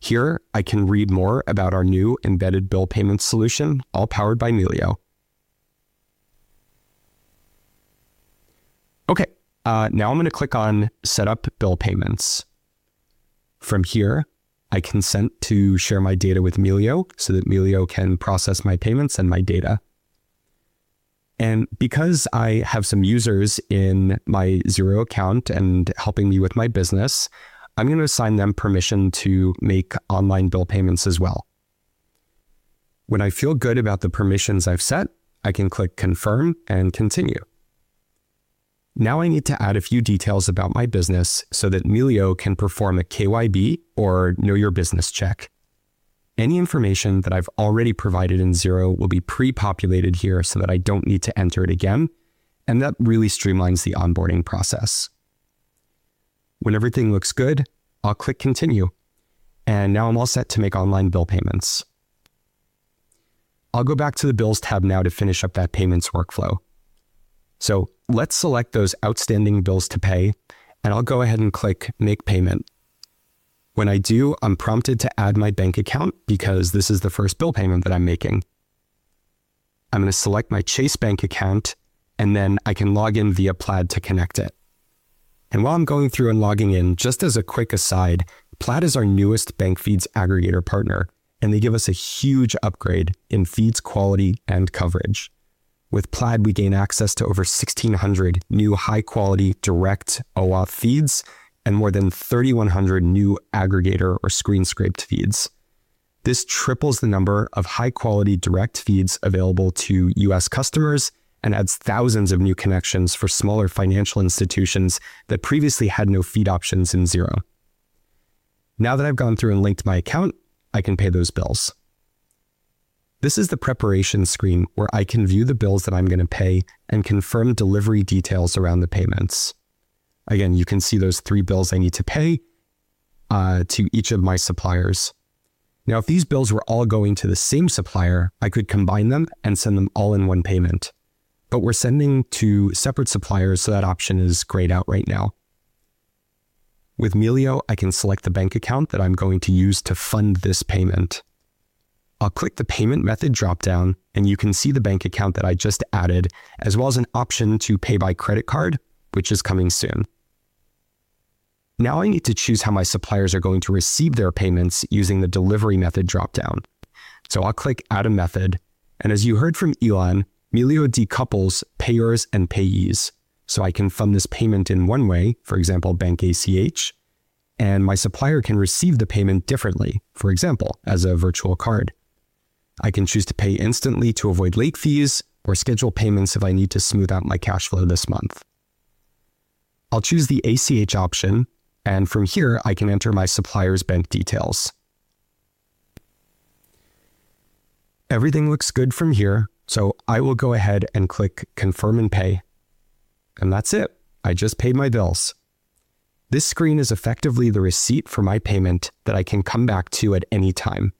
Here I can read more about our new embedded bill payment solution, all powered by Melio. Okay, now I'm going to click on Set Up Bill Payments. From here, I consent to share my data with Melio so that Melio can process my payments and my data. Because I have some users in my Xero account and helping me with my business, I'm going to assign them permission to make online bill payments as well. When I feel good about the permissions I've set, I can click Confirm and Continue. Now I need to add a few details about my business so that Melio can perform a KYB or Know Your Business check. Any information that I've already provided in Xero will be pre-populated here so that I don't need to enter it again, and that really streamlines the onboarding process. When everything looks good, I'll click Continue. And now I'm all set to make online bill payments. I'll go back to the Bills tab now to finish up that payments workflow. Let's select those outstanding bills to pay, and I'll go ahead and click Make Payment. When I do, I'm prompted to add my bank account because this is the first bill payment that I'm making. I'm going to select my Chase Bank account, and then I can log in via Plaid to connect it. And while I'm going through and logging in, just as a quick aside, Plaid is our newest Bank Feeds aggregator partner, and they give us a huge upgrade in feeds quality and coverage. With Plaid, we gain access to over 1,600 new high-quality direct OAuth feeds and more than 3,100 new aggregator or screen-scraped feeds. This triples the number of high-quality direct feeds available to U.S. customers and adds thousands of new connections for smaller financial institutions that previously had no feed options in Xero. Now that I've gone through and linked my account, I can pay those bills. This is the preparation screen where I can view the bills that I'm going to pay and confirm delivery details around the payments. Again, you can see those three bills I need to pay to each of my suppliers. Now, if these bills were all going to the same supplier, I could combine them and send them all in one payment. But we're sending to separate suppliers, so that option is grayed out right now. With Melio, I can select the bank account that I'm going to use to fund this payment. I'll click the Payment Method dropdown, and you can see the bank account that I just added, as well as an option to pay by credit card, which is coming soon. Now I need to choose how my suppliers are going to receive their payments using the Delivery Method dropdown. So I'll click Add a Method. As you heard from Ilan, Melio decouples payers and payees so I can fund this payment in one way, for example, bank ACH, and my supplier can receive the payment differently, for example, as a virtual card. I can choose to pay instantly to avoid late fees or schedule payments if I need to smooth out my cash flow this month. I'll choose the ACH option, and from here I can enter my supplier's bank details. Everything looks good from here, so I will go ahead and click Confirm and Pay. And that's it. I just paid my bills. This screen is effectively the receipt for my payment that I can come back to at any time.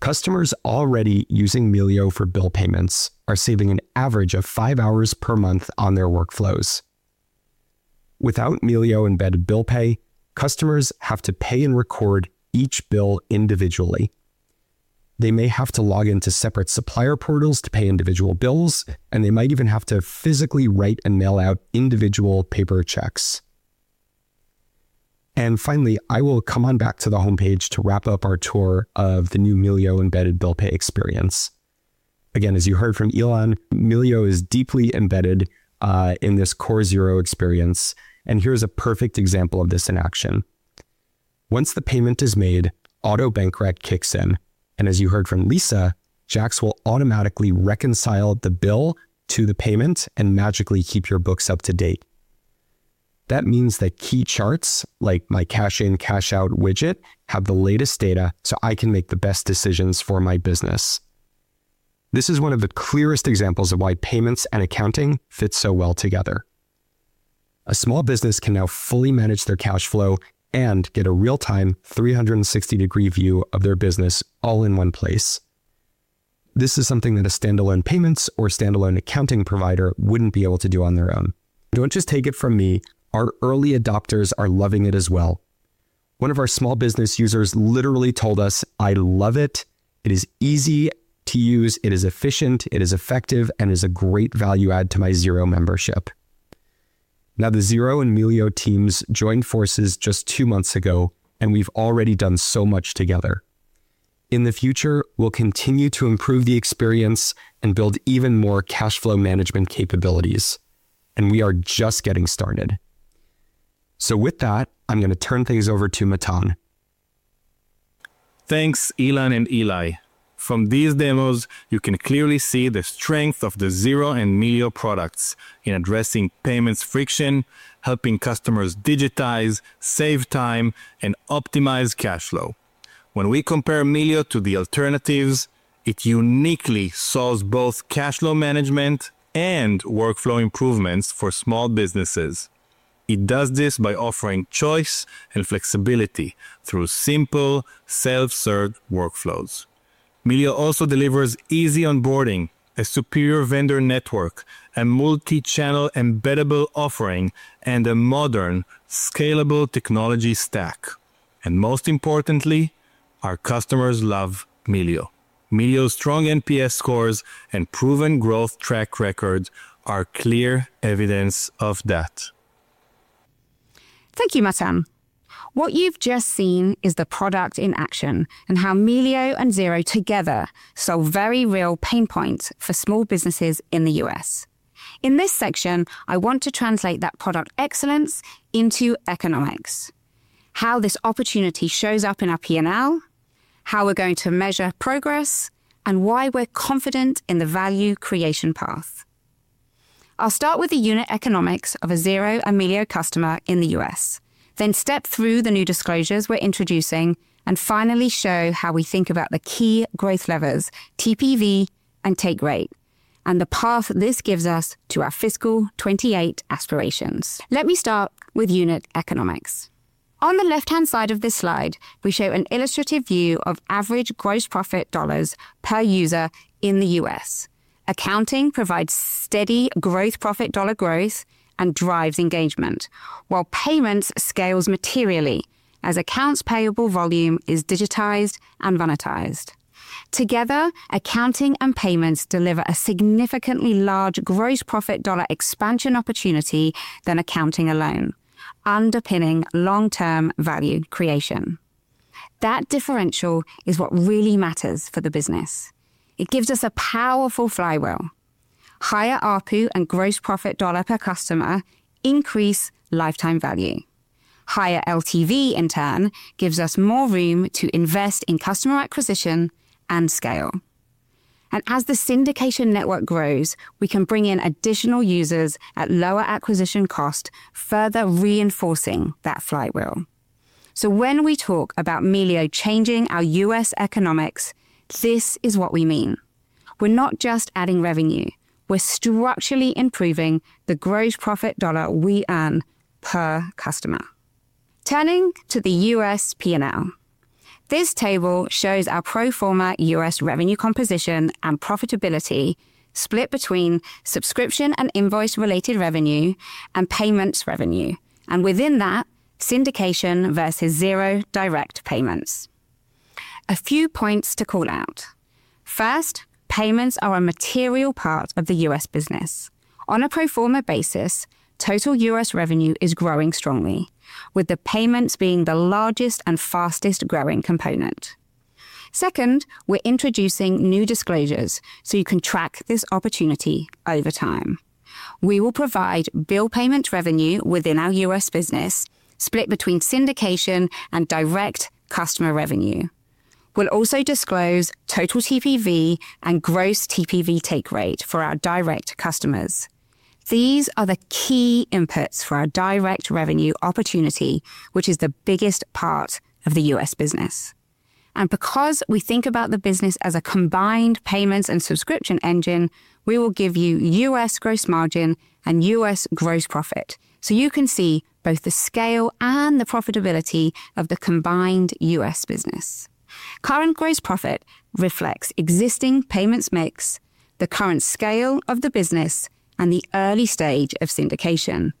Customers already using Melio for bill payments are saving an average of five hours per month on their workflows. Without Melio Embedded Bill Pay, customers have to pay and record each bill individually. They may have to log into separate supplier portals to pay individual bills, and they might even have to physically write and mail out individual paper checks. Finally, I will come on back to the homepage to wrap up our tour of the new Melio Embedded Bill Pay experience. Again, as you heard from Ilan, Melio is deeply embedded in this core Xero experience, and here is a perfect example of this in action. Once the payment is made, auto bank rec kicks in, and as you heard from Lisa, JAX will automatically reconcile the bill to the payment and magically keep your books up to date. That means that key charts like my Cash In, Cash Out widget have the latest data so I can make the best decisions for my business. This is one of the clearest examples of why payments and accounting fit so well together. A small business can now fully manage their cash flow and get a real-time 360-degree view of their business all in one place. This is something that a standalone payments or standalone accounting provider wouldn't be able to do on their own. Don't just take it from me, our early adopters are loving it as well. One of our small business users literally told us, "I love it. It is easy to use. It is efficient. It is effective, and it is a great value add to my Xero membership." Now the Xero and Melio teams joined forces just two months ago, and we've already done so much together. In the future, we'll continue to improve the experience and build even more cash flow management capabilities, and we are just getting started. So with that, I'm going to turn things over to Matan. Thanks, Ilan and Eli. From these demos, you can clearly see the strength of the Xero and Melio products in addressing payments friction, helping customers digitize, save time, and optimize cash flow. When we compare Melio to the alternatives, it uniquely solves both cash flow management and workflow improvements for small businesses. It does this by offering choice and flexibility through simple, self-served workflows. Melio also delivers easy onboarding, a superior vendor network, a multi-channel embeddable offering, and a modern, scalable technology stack. Most importantly, our customers love Melio. Melio's strong NPS scores and proven growth track records are clear evidence of that. Thank you, Matan. What you've just seen is the product in action and how Melio and Xero together solve very real pain points for small businesses in the U.S.. In this section, I want to translate that product excellence into economics: how this opportunity shows up in our P&L, how we're going to measure progress, and why we're confident in the value creation path. I'll start with the unit economics of a Xero and Melio customer in the U.S., then step through the new disclosures we're introducing, and finally show how we think about the key growth levers, TPV and take rate, and the path this gives us to our fiscal 2028 aspirations. Let me start with unit economics. On the left-hand side of this slide, we show an illustrative view of average gross profit dollars per user in the U.S.. Accounting provides steady growth profit dollar growth and drives engagement, while payments scale materially as accounts payable volume is digitized and monetized. Together, accounting and payments deliver a significantly large gross profit dollar expansion opportunity than accounting alone, underpinning long-term value creation. That differential is what really matters for the business. It gives us a powerful flywheel. Higher ARPU and gross profit dollar per customer increase lifetime value. Higher LTV, in turn, gives us more room to invest in customer acquisition and scale. As the syndication network grows, we can bring in additional users at lower acquisition cost, further reinforcing that flywheel. When we talk about Melio changing our U.S. economics, this is what we mean. We're not just adding revenue. We're structurally improving the gross profit dollar we earn per customer. Turning to the U.S. P&L. This table shows our pro forma U.S. revenue composition and profitability split between subscription and invoice-related revenue and payments revenue, and within that, syndication versus Xero direct payments. A few points to call out. First, payments are a material part of the U.S. business. On a pro forma basis, total U.S. revenue is growing strongly, with the payments being the largest and fastest growing component. Second, we're introducing new disclosures so you can track this opportunity over time. We will provide bill payment revenue within our U.S. business split between syndication and direct customer revenue. We'll also disclose total TPV and gross TPV take rate for our direct customers. These are the key inputs for our direct revenue opportunity, which is the biggest part of the U.S. business. Because we think about the business as a combined payments and subscription engine, we will give you U.S. gross margin and U.S. gross profit so you can see both the scale and the profitability of the combined U.S. business. Current gross profit reflects existing payments mix, the current scale of the business, and the early stage of syndication.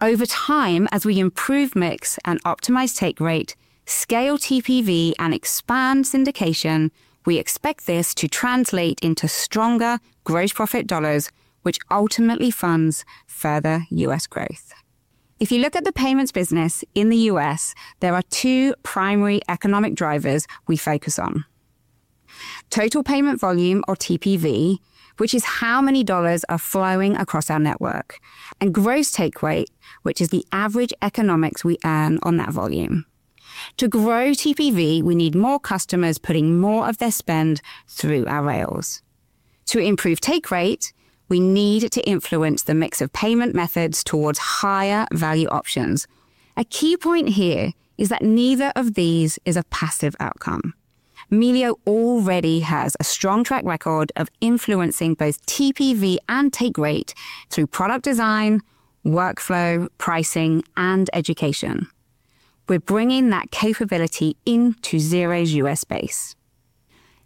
Over time, as we improve mix and optimize take rate, scale TPV, and expand syndication, we expect this to translate into stronger gross profit dollars, which ultimately funds further U.S. growth. If you look at the payments business in the U.S., there are two primary economic drivers we focus on: total payment volume or TPV, which is how many dollars are flowing across our network, and gross take rate, which is the average economics we earn on that volume. To grow TPV, we need more customers putting more of their spend through our rails. To improve take rate, we need to influence the mix of payment methods towards higher value options. A key point here is that neither of these is a passive outcome. Melio already has a strong track record of influencing both TPV and take rate through product design, workflow, pricing, and education. We're bringing that capability into Xero's U.S. base.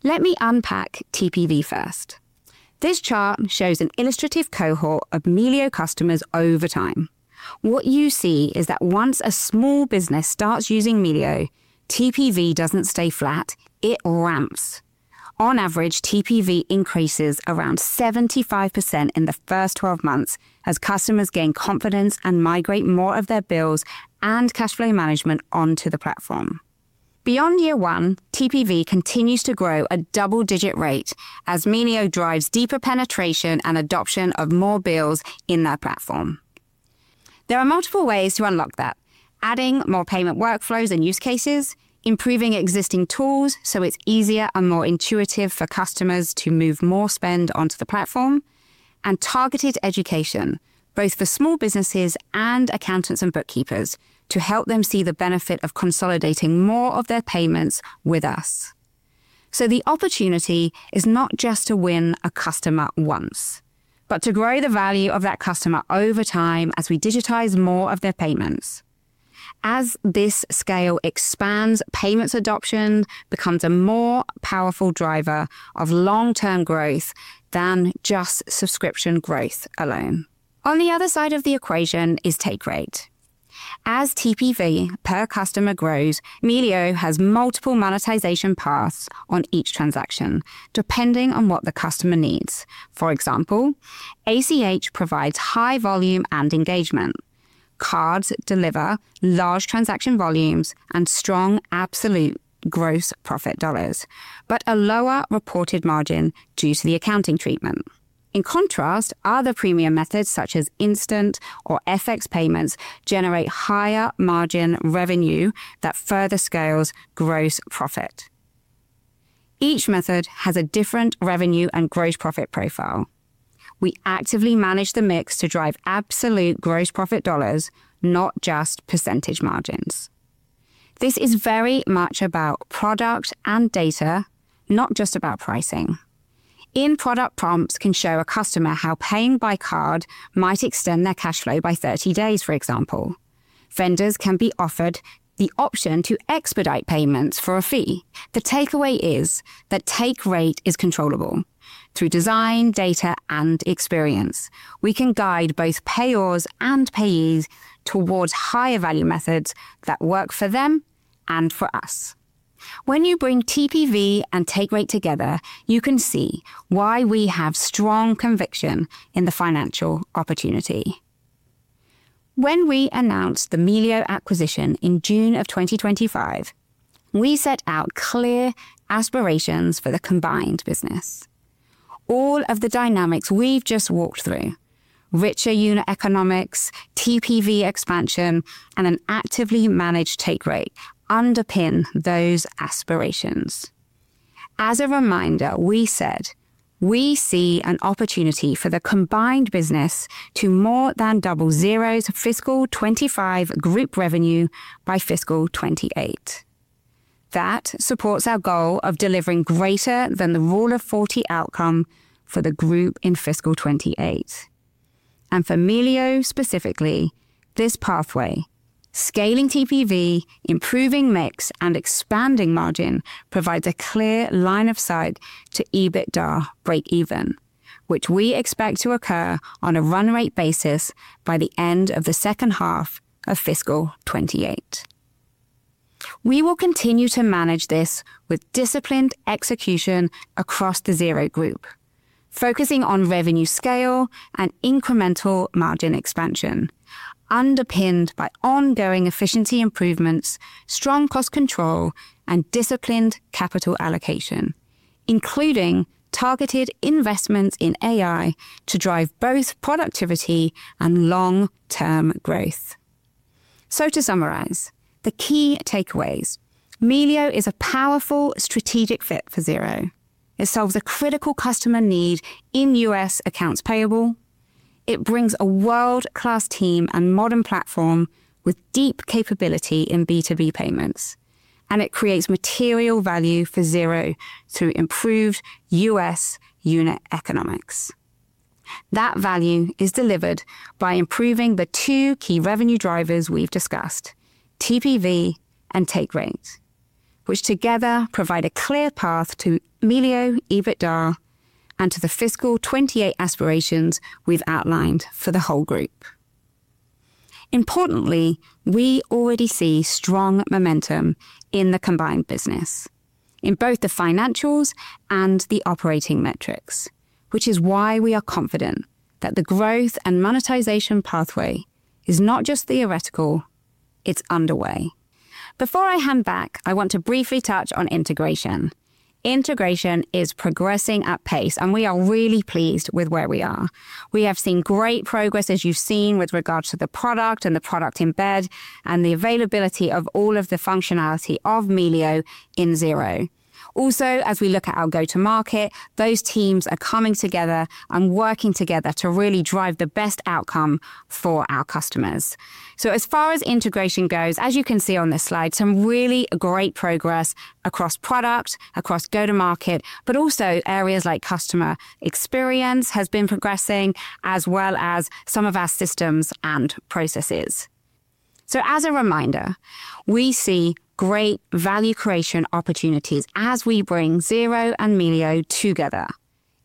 Let me unpack TPV first. This chart shows an illustrative cohort of Melio customers over time. What you see is that once a small business starts using Melio, TPV doesn't stay flat; it ramps. On average, TPV increases around 75% in the first 12 months as customers gain confidence and migrate more of their bills and cash flow management onto the platform. Beyond year one, TPV continues to grow at a double-digit rate as Melio drives deeper penetration and adoption of more bills in their platform. There are multiple ways to unlock that: adding more payment workflows and use cases, improving existing tools so it's easier and more intuitive for customers to move more spend onto the platform, and targeted education, both for small businesses and accountants and bookkeepers, to help them see the benefit of consolidating more of their payments with us. So the opportunity is not just to win a customer once, but to grow the value of that customer over time as we digitize more of their payments. As this scale expands, payments adoption becomes a more powerful driver of long-term growth than just subscription growth alone. On the other side of the equation is take rate. As TPV per customer grows, Melio has multiple monetization paths on each transaction, depending on what the customer needs. For example, ACH provides high volume and engagement. Cards deliver large transaction volumes and strong absolute gross profit dollars, but a lower reported margin due to the accounting treatment. In contrast, other premium methods such as instant or FX payments generate higher margin revenue that further scales gross profit. Each method has a different revenue and gross profit profile. We actively manage the mix to drive absolute gross profit dollars, not just percentage margins. This is very much about product and data, not just about pricing. In-product prompts can show a customer how paying by card might extend their cash flow by 30 days, for example. Vendors can be offered the option to expedite payments for a fee. The takeaway is that take rate is controllable. Through design, data, and experience, we can guide both payers and payees towards higher value methods that work for them and for us. When you bring TPV and take rate together, you can see why we have strong conviction in the financial opportunity. When we announced the Melio acquisition in June of 2025, we set out clear aspirations for the combined business. All of the dynamics we've just walked through (richer unit economics, TPV expansion, and an actively managed take rate) underpin those aspirations. As a reminder, we said, "We see an opportunity for the combined business to more than double Xero's fiscal 2025 group revenue by fiscal 2028." That supports our goal of delivering greater than the Rule of 40 outcome for the group in fiscal 2028. For Melio specifically, this pathway, scaling TPV, improving mix, and expanding margin, provides a clear line of sight to EBITDA break-even, which we expect to occur on a run-rate basis by the end of the second half of fiscal 2028. We will continue to manage this with disciplined execution across the Xero group, focusing on revenue scale and incremental margin expansion, underpinned by ongoing efficiency improvements, strong cost control, and disciplined capital allocation, including targeted investments in AI to drive both productivity and long-term growth. To summarize the key takeaways: Melio is a powerful strategic fit for Xero. It solves a critical customer need in U.S. accounts payable. It brings a world-class team and modern platform with deep capability in B2B payments. And it creates material value for Xero through improved U.S. unit economics. That value is delivered by improving the two key revenue drivers we've discussed—TPV and take rate—which together provide a clear path to Melio, EBITDA, and to the fiscal 2028 aspirations we've outlined for the whole group. Importantly, we already see strong momentum in the combined business, in both the financials and the operating metrics, which is why we are confident that the growth and monetization pathway is not just theoretical. It's underway. Before I hand back, I want to briefly touch on integration. Integration is progressing at pace, and we are really pleased with where we are. We have seen great progress, as you've seen, with regards to the product and the product embed and the availability of all of the functionality of Melio in Xero. Also, as we look at our go-to-market, those teams are coming together and working together to really drive the best outcome for our customers. So as far as integration goes, as you can see on this slide, some really great progress across product, across go-to-market, but also areas like customer experience has been progressing, as well as some of our systems and processes. So as a reminder, we see great value creation opportunities as we bring Xero and Melio together.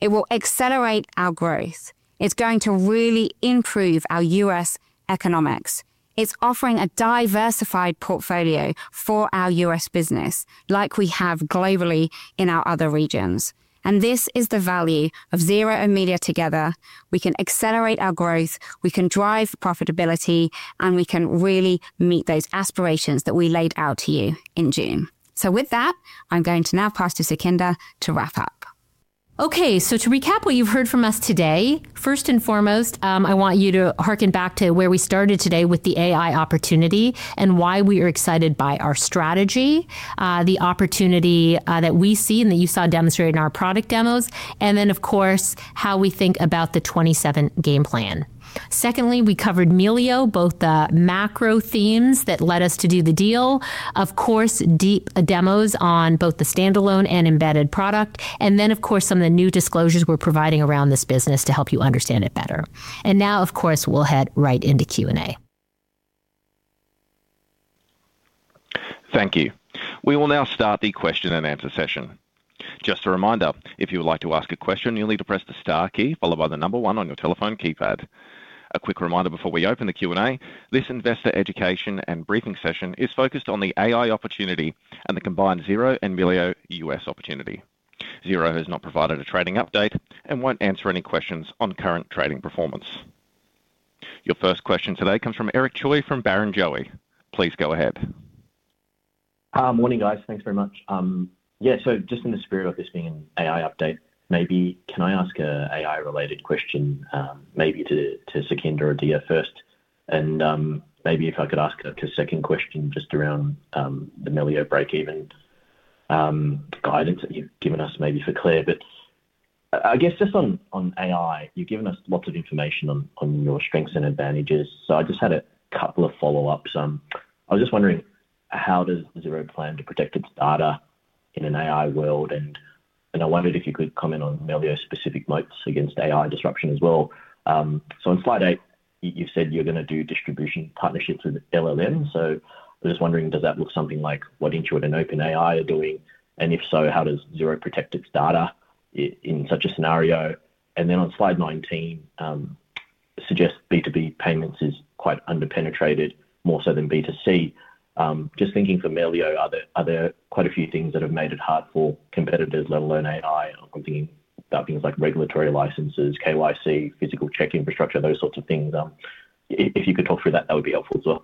It will accelerate our growth. It's going to really improve our U.S. economics. It's offering a diversified portfolio for our U.S. business, like we have globally in our other regions. And this is the value of Xero and Melio together: we can accelerate our growth, we can drive profitability, and we can really meet those aspirations that we laid out to you in June. So with that, I'm going to now pass to Sukhinder to wrap up. Okay, so to recap what you've heard from us today, first and foremost, I want you to hearken back to where we started today with the AI opportunity and why we are excited by our strategy, the opportunity that we see and that you saw demonstrated in our product demos, and then, of course, how we think about the 2027 game plan. Secondly, we covered Melio, both the macro themes that led us to do the deal, of course, deep demos on both the standalone and embedded product, and then, of course, some of the new disclosures we're providing around this business to help you understand it better. And now, of course, we'll head right into Q&A. Thank you. We will now start the question and answer session. Just a reminder, if you would like to ask a question, you'll need to press the star key followed by the number one on your telephone keypad. A quick reminder before we open the Q&A: this investor education and briefing session is focused on the AI opportunity and the combined Xero and Melio U.S. opportunity. Xero has not provided a trading update and won't answer any questions on current trading performance. Your first question today comes from Eric Choi from Barrenjoey. Please go ahead. Morning, guys. Thanks very much. Yeah, so just in the spirit of this being an AI update, maybe can I ask an AI-related question, maybe to Sukhinder or Diya first? And maybe if I could ask a second question just around the Melio break-even guidance that you've given us, maybe for Claire. But I guess just on AI, you've given us lots of information on your strengths and advantages, so I just had a couple of follow-ups. I was just wondering, how does Xero plan to protect its data in an AI world? And I wondered if you could comment on Melio-specific moats against AI disruption as well. So on slide 8, you've said you're going to do distribution partnerships with LLMs, so I was just wondering, does that look something like what Intuit and OpenAI are doing? And if so, how does Xero protect its data in such a scenario? And then on slide 19, suggest B2B payments is quite under-penetrated, more so than B2C. Just thinking for Melio, are there quite a few things that have made it hard for competitors, let alone AI? I'm thinking about things like regulatory licenses, KYC, physical check infrastructure, those sorts of things. If you could talk through that, that would be helpful as well.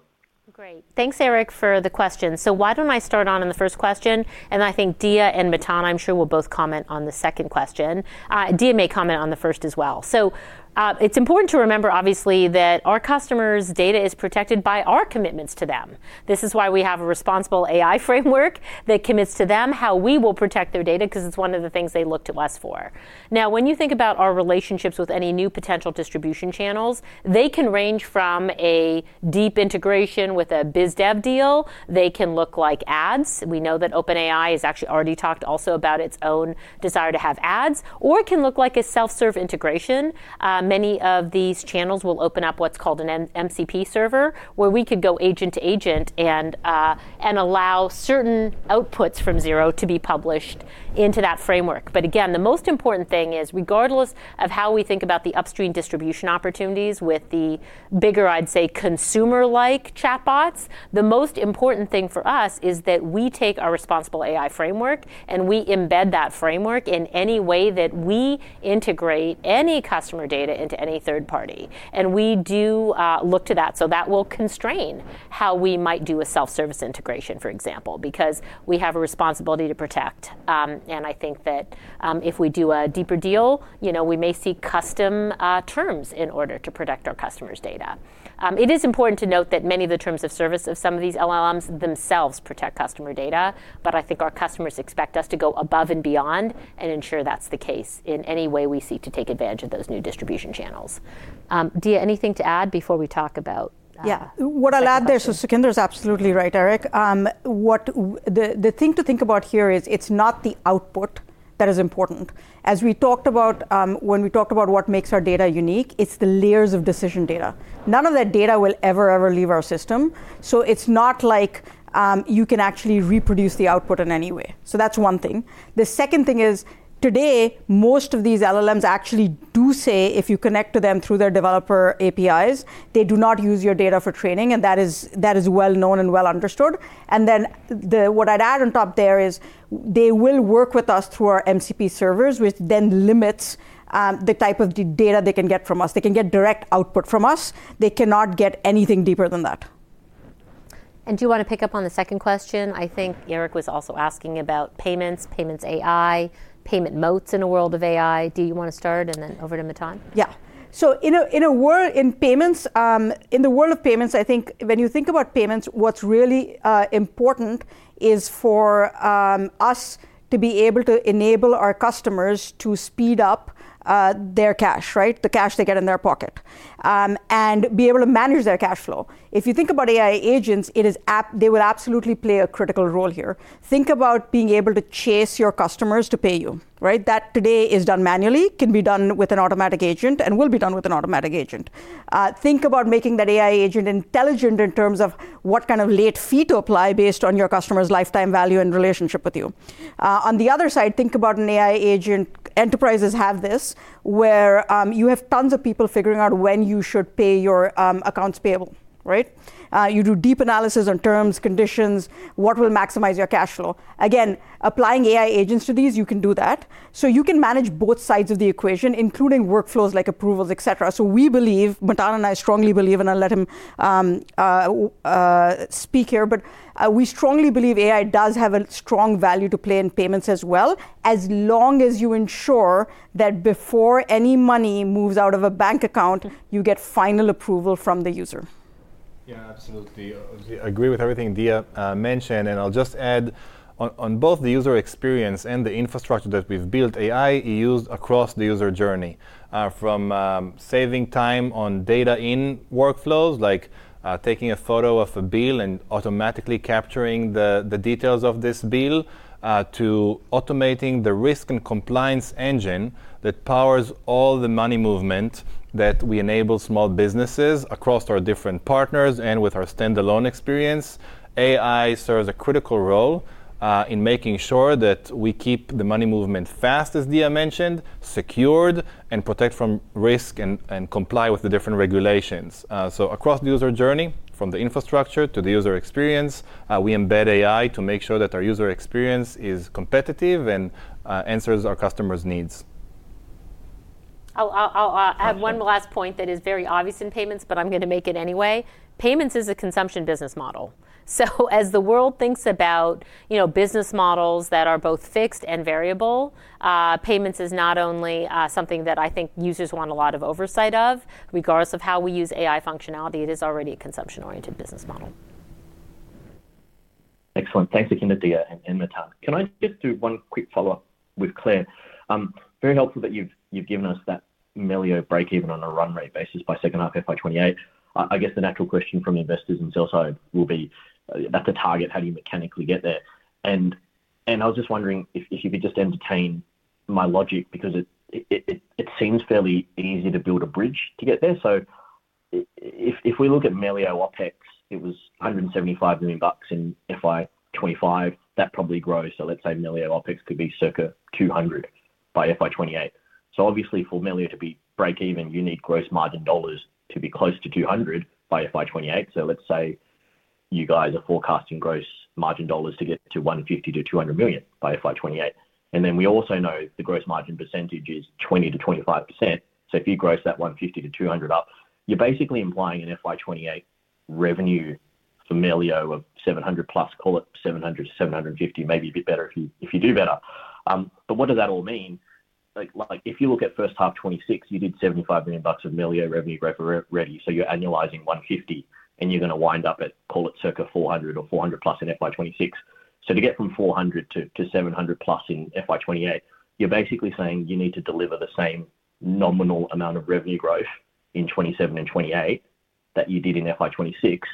Great. Thanks, Eric, for the question. So why don't I start on the first question? And I think Diya and Matan, I'm sure, will both comment on the second question. Diya may comment on the first as well. So it's important to remember, obviously, that our customers' data is protected by our commitments to them. This is why we have a responsible AI framework that commits to them how we will protect their data, because it's one of the things they look to us for. Now, when you think about our relationships with any new potential distribution channels, they can range from a deep integration with a BizDev deal. They can look like ads. We know that OpenAI has actually already talked also about its own desire to have ads. Or it can look like a self-serve integration. Many of these channels will open up what's called an MCP server, where we could go agent to agent and allow certain outputs from Xero to be published into that framework. But again, the most important thing is, regardless of how we think about the upstream distribution opportunities with the bigger, I'd say, consumer-like chatbots, the most important thing for us is that we take our responsible AI framework and we embed that framework in any way that we integrate any customer data into any third party. And we do look to that so that will constrain how we might do a self-service integration, for example, because we have a responsibility to protect. And I think that if we do a deeper deal, we may seek custom terms in order to protect our customers' data. It is important to note that many of the terms of service of some of these LLMs themselves protect customer data, but I think our customers expect us to go above and beyond and ensure that's the case in any way we seek to take advantage of those new distribution channels. Diya, anything to add before we talk about? Yeah. What I'll add there is Sukhinder is absolutely right, Eric. The thing to think about here is it's not the output that is important. As we talked about when we talked about what makes our data unique, it's the layers of decision data. None of that data will ever, ever leave our system. So it's not like you can actually reproduce the output in any way. So that's one thing. The second thing is, today, most of these LLMs actually do say if you connect to them through their developer APIs, they do not use your data for training, and that is well known and well understood. And then what I'd add on top there is they will work with us through our MCP servers, which then limits the type of data they can get from us. They can get direct output from us. They cannot get anything deeper than that. Do you want to pick up on the second question? I think Eric was also asking about payments, payments AI, payment moats in a world of AI. Do you want to start, and then over to Matan? Yeah. So in a world in payments in the world of payments, I think when you think about payments, what's really important is for us to be able to enable our customers to speed up their cash, right? The cash they get in their pocket, and be able to manage their cash flow. If you think about AI agents, they will absolutely play a critical role here. Think about being able to chase your customers to pay you, right? That today is done manually, can be done with an automatic agent, and will be done with an automatic agent. Think about making that AI agent intelligent in terms of what kind of late fee to apply based on your customer's lifetime value and relationship with you. On the other side, think about an AI agent enterprises have this, where you have tons of people figuring out when you should pay your accounts payable, right? You do deep analysis on terms, conditions, what will maximize your cash flow. Again, applying AI agents to these, you can do that. So you can manage both sides of the equation, including workflows like approvals, etc. So we believe Matan and I strongly believe, and I'll let him speak here, but we strongly believe AI does have a strong value to play in payments as well, as long as you ensure that before any money moves out of a bank account, you get final approval from the user. Yeah, absolutely. I agree with everything Diya mentioned. And I'll just add, on both the user experience and the infrastructure that we've built, AI is used across the user journey, from saving time on data-in workflows, like taking a photo of a bill and automatically capturing the details of this bill, to automating the risk and compliance engine that powers all the money movement that we enable small businesses across our different partners. And with our standalone experience, AI serves a critical role in making sure that we keep the money movement fast, as Diya mentioned, secured, and protect from risk, and comply with the different regulations. So across the user journey, from the infrastructure to the user experience, we embed AI to make sure that our user experience is competitive and answers our customers' needs. I'll add one last point that is very obvious in payments, but I'm going to make it anyway. Payments is a consumption business model. As the world thinks about business models that are both fixed and variable, payments is not only something that I think users want a lot of oversight of. Regardless of how we use AI functionality, it is already a consumption-oriented business model. Excellent. Thanks, Sukhinder, Diya, and Matan. Can I just do one quick follow-up with Claire? Very helpful that you've given us that Melio break-even on a run rate basis by second half FY 2028. I guess the natural question from investors and sales side will be, "That's a target. How do you mechanically get there?" And I was just wondering if you could just entertain my logic, because it seems fairly easy to build a bridge to get there. So if we look at Melio OpEx, it was $175 million in FY 2025. That probably grows. So let's say Melio OpEx could be circa 200 by FY 2028. So obviously, for Melio to be break-even, you need gross margin dollars to be close to 200 by FY 2028. So let's say you guys are forecasting gross margin dollars to get to $150 million-$200 million by FY 2028. We also know the gross margin percentage is 20%-25%. So if you gross that $150 million-$200 million up, you're basically implying an FY 2028 revenue for Melio of $700+ million, call it $700 million-$750 million, maybe a bit better if you do better. But what does that all mean? If you look at first half 2026, you did $75 million of Melio revenue growth already. So you're annualising $150 million, and you're going to wind up at, call it, circa $400 million or $400+ million in FY 2026. So to get from $400 million to $700+ million in FY 2028, you're basically saying you need to deliver the same nominal amount of revenue growth in 2027 and 2028 that you did in FY 2026.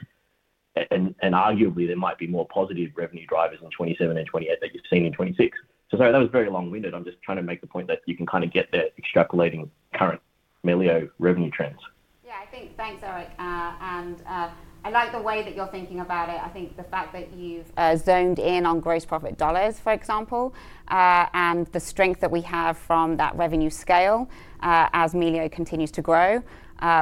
And arguably, there might be more positive revenue drivers in 2027 and 2028 that you've seen in 2026. So sorry, that was very long-winded. I'm just trying to make the point that you can kind of get there extrapolating current Melio revenue trends. Yeah, I think thanks, Eric. And I like the way that you're thinking about it. I think the fact that you've zoned in on gross profit dollars, for example, and the strength that we have from that revenue scale as Melio continues to grow.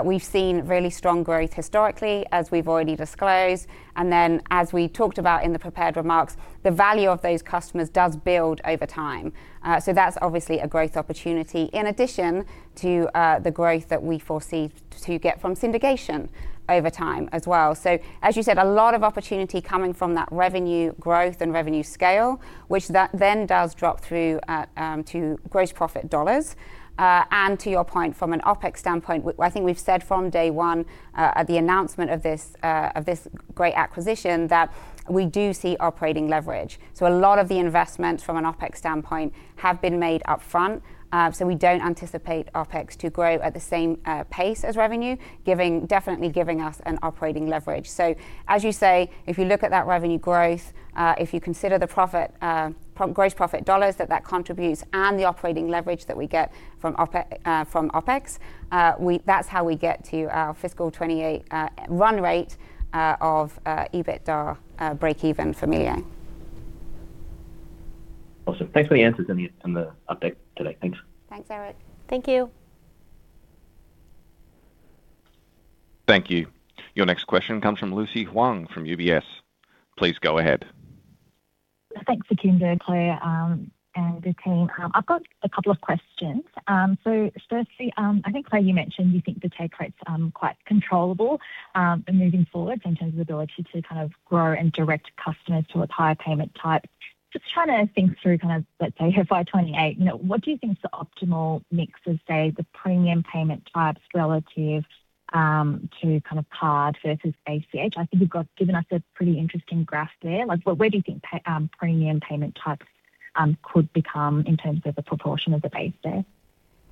We've seen really strong growth historically, as we've already disclosed. And then as we talked about in the prepared remarks, the value of those customers does build over time. So that's obviously a growth opportunity, in addition to the growth that we foresee to get from syndication over time as well. So as you said, a lot of opportunity coming from that revenue growth and revenue scale, which then does drop through to gross profit dollars. And to your point, from an OPEX standpoint, I think we've said from day one at the announcement of this great acquisition that we do see operating leverage. A lot of the investments from an OpEx standpoint have been made upfront. We don't anticipate OpEx to grow at the same pace as revenue, definitely giving us an operating leverage. As you say, if you look at that revenue growth, if you consider the gross profit dollars that that contributes and the operating leverage that we get from OpEx, that's how we get to our fiscal 2028 run rate of EBITDA break-even for Melio. Awesome. Thanks for the answers and the update today. Thanks. Thanks, Eric. Thank you. Thank you. Your next question comes from Lucy Huang from UBS. Please go ahead. Thanks, Sukhinder, Claire, and the team. I've got a couple of questions. So firstly, I think, Claire, you mentioned you think the take rates are quite controllable moving forward in terms of the ability to kind of grow and direct customers to a higher payment type. Just trying to think through kind of, let's say, FY 2028, what do you think is the optimal mix of, say, the premium payment types relative to kind of card versus ACH? I think you've given us a pretty interesting graph there. Where do you think premium payment types could become in terms of the proportion of the base there?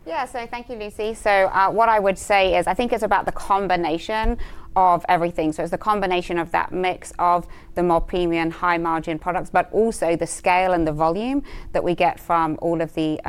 Yeah, so thank you, Lucy. So what I would say is I think it's about the combination of everything. So it's the combination of that mix of the more premium, high-margin products, but also the scale and the volume that we get from all of the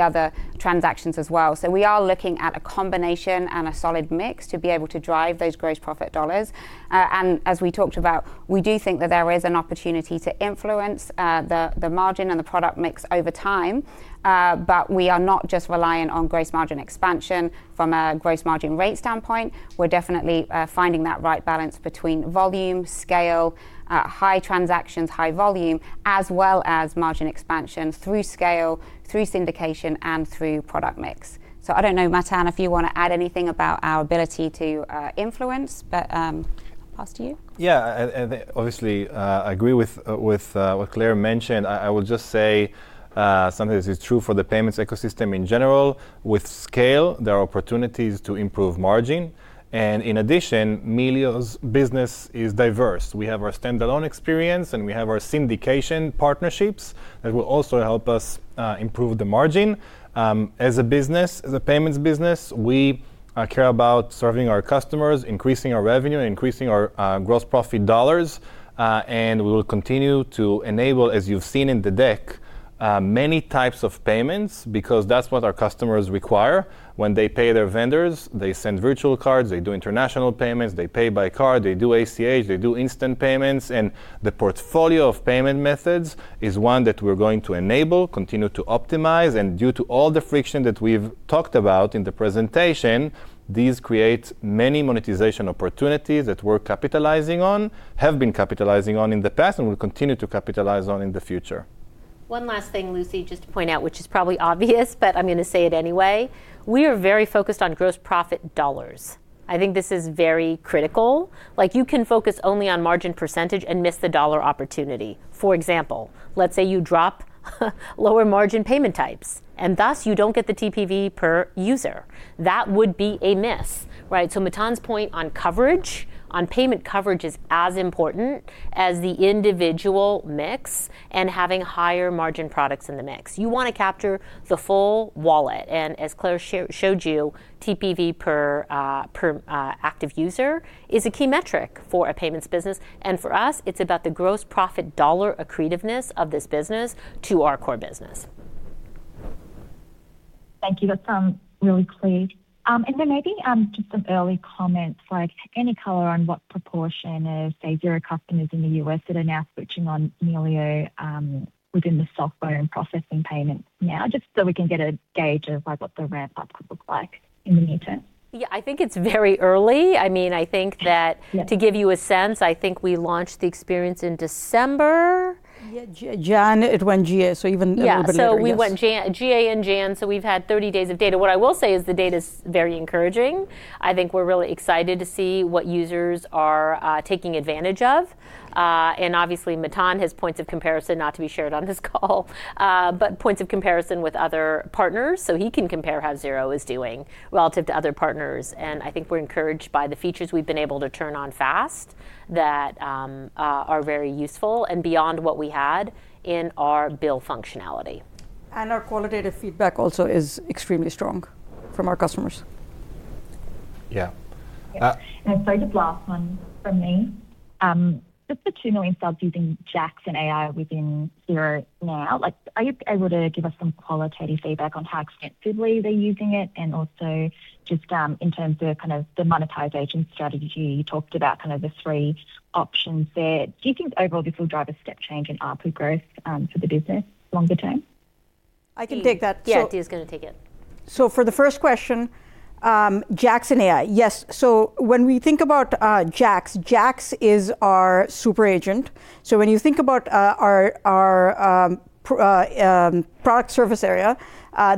other transactions as well. So we are looking at a combination and a solid mix to be able to drive those gross profit dollars. And as we talked about, we do think that there is an opportunity to influence the margin and the product mix over time. But we are not just reliant on gross margin expansion from a gross margin rate standpoint. We're definitely finding that right balance between volume, scale, high transactions, high volume, as well as margin expansion through scale, through syndication, and through product mix. I don't know, Matan, if you want to add anything about our ability to influence, but I'll pass to you. Yeah, obviously, I agree with what Claire mentioned. I will just say something that is true for the payments ecosystem in general. With scale, there are opportunities to improve margin. And in addition, Melio's business is diverse. We have our standalone experience, and we have our syndication partnerships that will also help us improve the margin. As a business, as a payments business, we care about serving our customers, increasing our revenue, and increasing our gross profit dollars. And we will continue to enable, as you've seen in the deck, many types of payments because that's what our customers require. When they pay their vendors, they send virtual cards, they do international payments, they pay by card, they do ACH, they do instant payments. And the portfolio of payment methods is one that we're going to enable, continue to optimize. Due to all the friction that we've talked about in the presentation, these create many monetization opportunities that we're capitalizing on, have been capitalizing on in the past, and will continue to capitalize on in the future. One last thing, Lucy, just to point out, which is probably obvious, but I'm going to say it anyway. We are very focused on gross profit dollars. I think this is very critical. You can focus only on margin percentage and miss the dollar opportunity. For example, let's say you drop lower margin payment types, and thus you don't get the TPV per user. That would be a miss, right? So Matan's point on coverage, on payment coverage is as important as the individual mix and having higher margin products in the mix. You want to capture the full wallet. And as Claire showed you, TPV per active user is a key metric for a payments business. And for us, it's about the gross profit dollar accretiveness of this business to our core business. Thank you. That sounds really clear. Then maybe just some early comments, any color on what proportion of, say, Xero customers in the U.S. that are now switching on Melio within the software and processing payments now, just so we can get a gauge of what the ramp-up could look like in the near term? Yeah, I think it's very early. I mean, I think that to give you a sense, I think we launched the experience in December. Yeah, Jan, it went GA, so even a little bit earlier. Yeah, so we went GA in Jan. So we've had 30 days of data. What I will say is the data's very encouraging. I think we're really excited to see what users are taking advantage of. And obviously, Matan has points of comparison, not to be shared on this call, but points of comparison with other partners so he can compare how Xero is doing relative to other partners. And I think we're encouraged by the features we've been able to turn on fast that are very useful and beyond what we had in our bill functionality. Our qualitative feedback also is extremely strong from our customers. Yeah. I'll start with the last one from me. Just the 2 million subs using JAX AI within Xero now, are you able to give us some qualitative feedback on how extensively they're using it? Also just in terms of kind of the monetization strategy you talked about, kind of the three options there, do you think overall this will drive a step change in ARPU growth for the business longer term? I can take that. Yeah, Diya's going to take it. So for the first question, JAX AI, yes. So when we think about JAX, JAX is our super agent. So when you think about our product service area,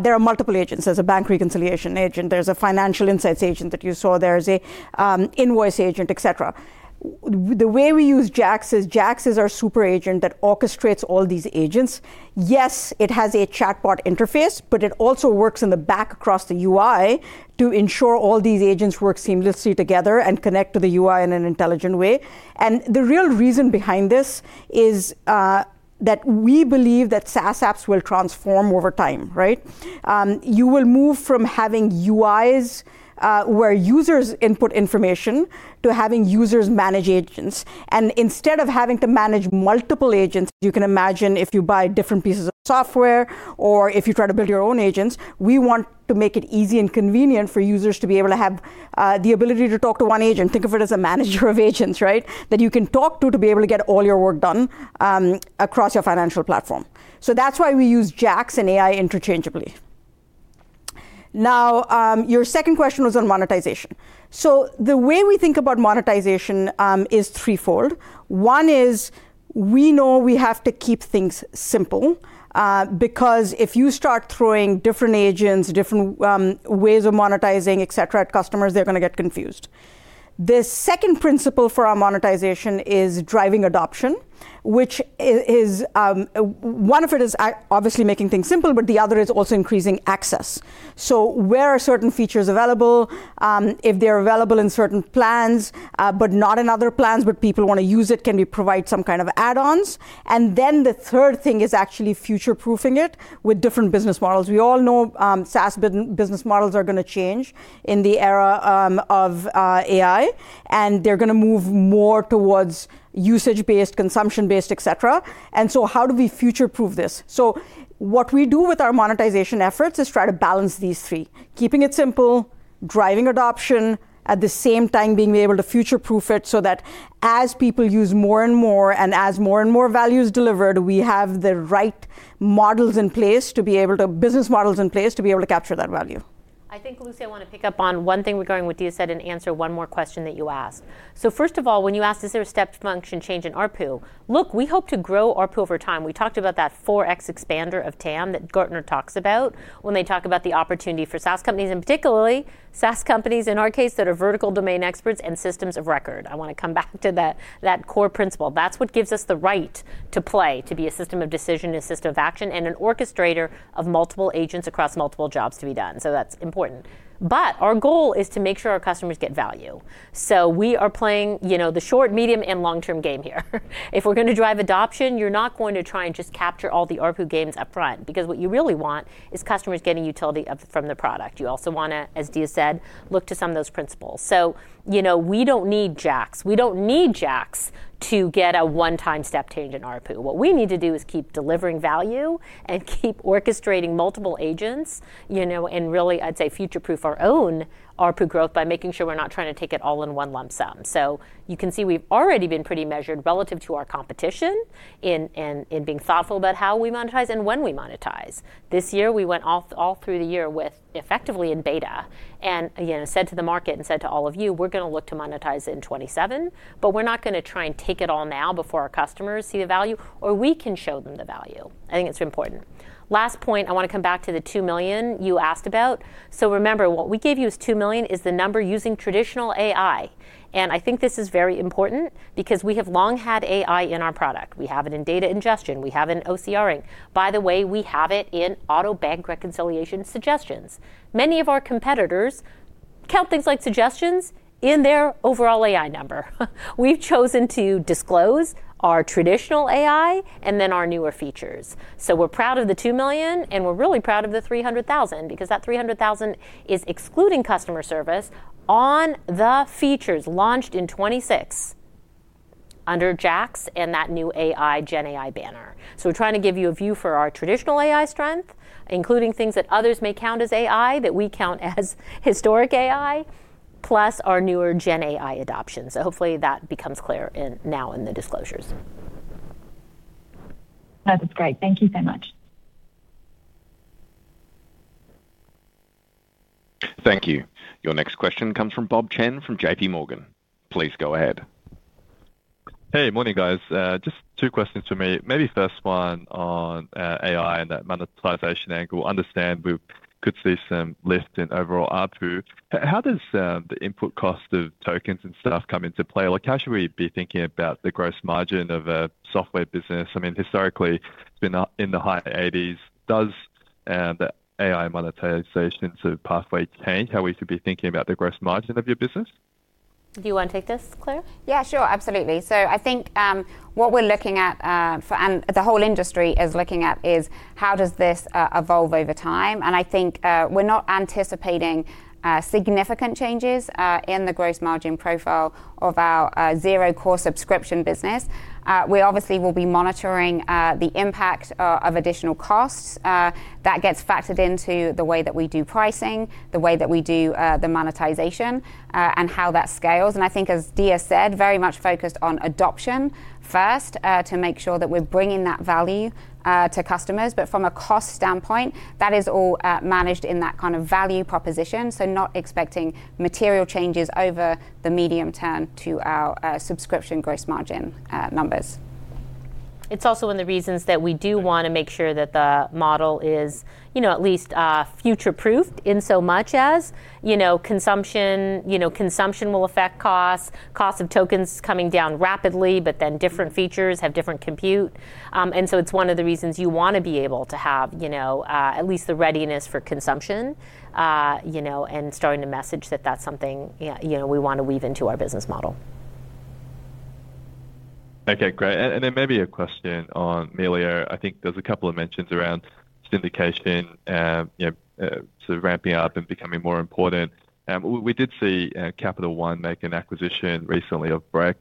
there are multiple agents. There's a bank reconciliation agent. There's a financial insights agent that you saw. There's an invoice agent, etc. The way we use JAX is JAX is our super agent that orchestrates all these agents. Yes, it has a chatbot interface, but it also works in the background across the UI to ensure all these agents work seamlessly together and connect to the UI in an intelligent way. And the real reason behind this is that we believe that SaaS apps will transform over time, right? You will move from having UIs where users input information to having users manage agents. Instead of having to manage multiple agents, as you can imagine, if you buy different pieces of software or if you try to build your own agents, we want to make it easy and convenient for users to be able to have the ability to talk to one agent. Think of it as a manager of agents, right, that you can talk to to be able to get all your work done across your financial platform. So that's why we use JAX and AI interchangeably. Now, your second question was on monetization. So the way we think about monetization is threefold. One is we know we have to keep things simple because if you start throwing different agents, different ways of monetizing, etc., at customers, they're going to get confused. The second principle for our monetization is driving adoption, which is one of it is obviously making things simple, but the other is also increasing access. So where are certain features available? If they're available in certain plans but not in other plans, but people want to use it, can we provide some kind of add-ons? And then the third thing is actually future-proofing it with different business models. We all know SaaS business models are going to change in the era of AI, and they're going to move more towards usage-based, consumption-based, etc. And so how do we future-proof this? So what we do with our monetization efforts is try to balance these three: keeping it simple, driving adoption, at the same time being able to future-proof it so that as people use more and more and as more and more value is delivered, we have the right business models in place to be able to capture that value. I think, Lucy, I want to pick up on one thing we're going with Diya said and answer one more question that you asked. So first of all, when you asked, "Is there a stepped function change in ARPU?" Look, we hope to grow ARPU over time. We talked about that 4x expander of TAM that Gartner talks about when they talk about the opportunity for SaaS companies, and particularly SaaS companies, in our case, that are vertical domain experts and systems of record. I want to come back to that core principle. That's what gives us the right to play, to be a system of decision, a system of action, and an orchestrator of multiple agents across multiple jobs to be done. So that's important. But our goal is to make sure our customers get value. So we are playing the short, medium, and long-term game here. If we're going to drive adoption, you're not going to try and just capture all the ARPU games upfront because what you really want is customers getting utility from the product. You also want to, as Diya said, look to some of those principles. We don't need JAX. We don't need JAX to get a one-time step change in ARPU. What we need to do is keep delivering value and keep orchestrating multiple agents and really, I'd say, future-proof our own ARPU growth by making sure we're not trying to take it all in one lump sum. You can see we've already been pretty measured relative to our competition in being thoughtful about how we monetize and when we monetize. This year, we went all through the year effectively in beta and said to the market and said to all of you, "We're going to look to monetize in 2027, but we're not going to try and take it all now before our customers see the value, or we can show them the value." I think it's important. Last point, I want to come back to the 2 million you asked about. So remember, what we gave you as 2 million is the number using traditional AI. And I think this is very important because we have long had AI in our product. We have it in data ingestion. We have it in OCRing. By the way, we have it in auto bank reconciliation suggestions. Many of our competitors count things like suggestions in their overall AI number. We've chosen to disclose our traditional AI and then our newer features. So we're proud of the 2 million, and we're really proud of the 300,000 because that 300,000 is excluding customer service on the features launched in 2026 under JAX and that new AI GenAI banner. So we're trying to give you a view for our traditional AI strength, including things that others may count as AI that we count as historic AI, plus our newer GenAI adoption. So hopefully, that becomes clear now in the disclosures. That is great. Thank you so much. Thank you. Your next question comes from Bob Chen from JPMorgan. Please go ahead. Hey, morning, guys. Just two questions for me. Maybe first one on AI and that monetization angle. Understand we could see some lift in overall ARPU. How does the input cost of tokens and stuff come into play? How should we be thinking about the gross margin of a software business? I mean, historically, it's been in the high 80s%. Does the AI monetization sort of pathway change how we should be thinking about the gross margin of your business? Do you want to take this, Claire? Yeah, sure. Absolutely. So I think what we're looking at and the whole industry is looking at is how does this evolve over time? I think we're not anticipating significant changes in the gross margin profile of our Xero core subscription business. We obviously will be monitoring the impact of additional costs. That gets factored into the way that we do pricing, the way that we do the monetization, and how that scales. And I think, as Diya said, very much focused on adoption first to make sure that we're bringing that value to customers. But from a cost standpoint, that is all managed in that kind of value proposition, so not expecting material changes over the medium term to our subscription gross margin numbers. It's also one of the reasons that we do want to make sure that the model is at least future-proofed insofar as consumption will affect costs, costs of tokens coming down rapidly, but then different features have different compute. And so it's one of the reasons you want to be able to have at least the readiness for consumption and starting to message that that's something we want to weave into our business model. Okay, great. And then maybe a question on Melio. I think there's a couple of mentions around syndication sort of ramping up and becoming more important. We did see Capital One make an acquisition recently of Brex.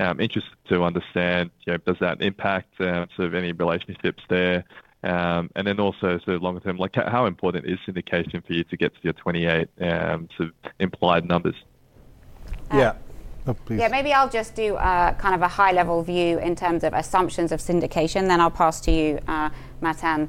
Interested to understand, does that impact sort of any relationships there? And then also sort of longer term, how important is syndication for you to get to your 28 sort of implied numbers? Yeah. Please. Yeah, maybe I'll just do kind of a high-level view in terms of assumptions of syndication. Then I'll pass to you, Matan,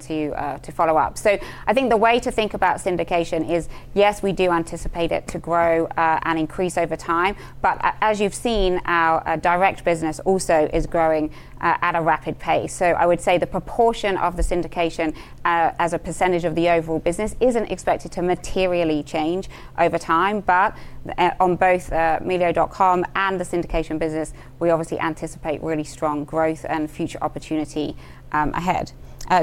to follow up. So I think the way to think about syndication is, yes, we do anticipate it to grow and increase over time. But as you've seen, our direct business also is growing at a rapid pace. So I would say the proportion of the syndication as a percentage of the overall business isn't expected to materially change over time. But on both melio.com and the syndication business, we obviously anticipate really strong growth and future opportunity ahead.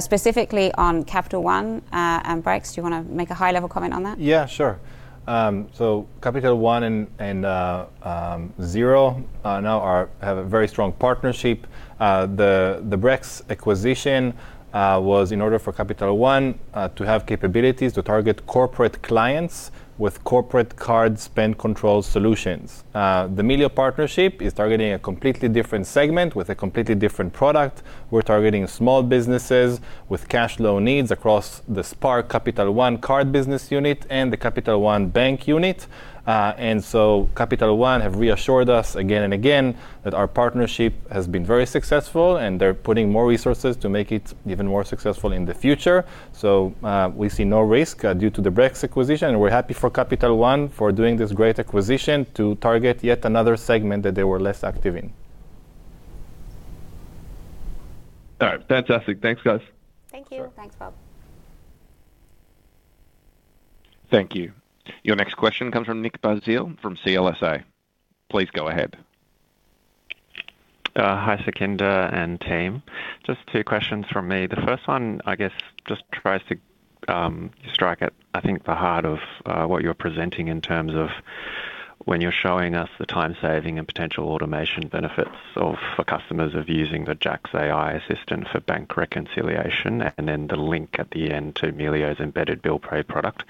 Specifically on Capital One and Brex, do you want to make a high-level comment on that? Yeah, sure. So Capital One and Xero now have a very strong partnership. The Brex acquisition was in order for Capital One to have capabilities to target corporate clients with corporate card spend control solutions. The Melio partnership is targeting a completely different segment with a completely different product. We're targeting small businesses with cash flow needs across the Spark Capital One card business unit and the Capital One bank unit. And so Capital One have reassured us again and again that our partnership has been very successful, and they're putting more resources to make it even more successful in the future. So we see no risk due to the Brex acquisition. And we're happy for Capital One for doing this great acquisition to target yet another segment that they were less active in. All right. Fantastic. Thanks, guys. Thank you. Thanks, Bob. Thank you. Your next question comes from Nick Basile from CLSA. Please go ahead. Hi, Sukhinder and team. Just two questions from me. The first one, I guess, just tries to strike, I think, the heart of what you're presenting in terms of when you're showing us the time-saving and potential automation benefits for customers of using the JAX AI assistant for bank reconciliation and then the link at the end to Melio's embedded Bill Pay product.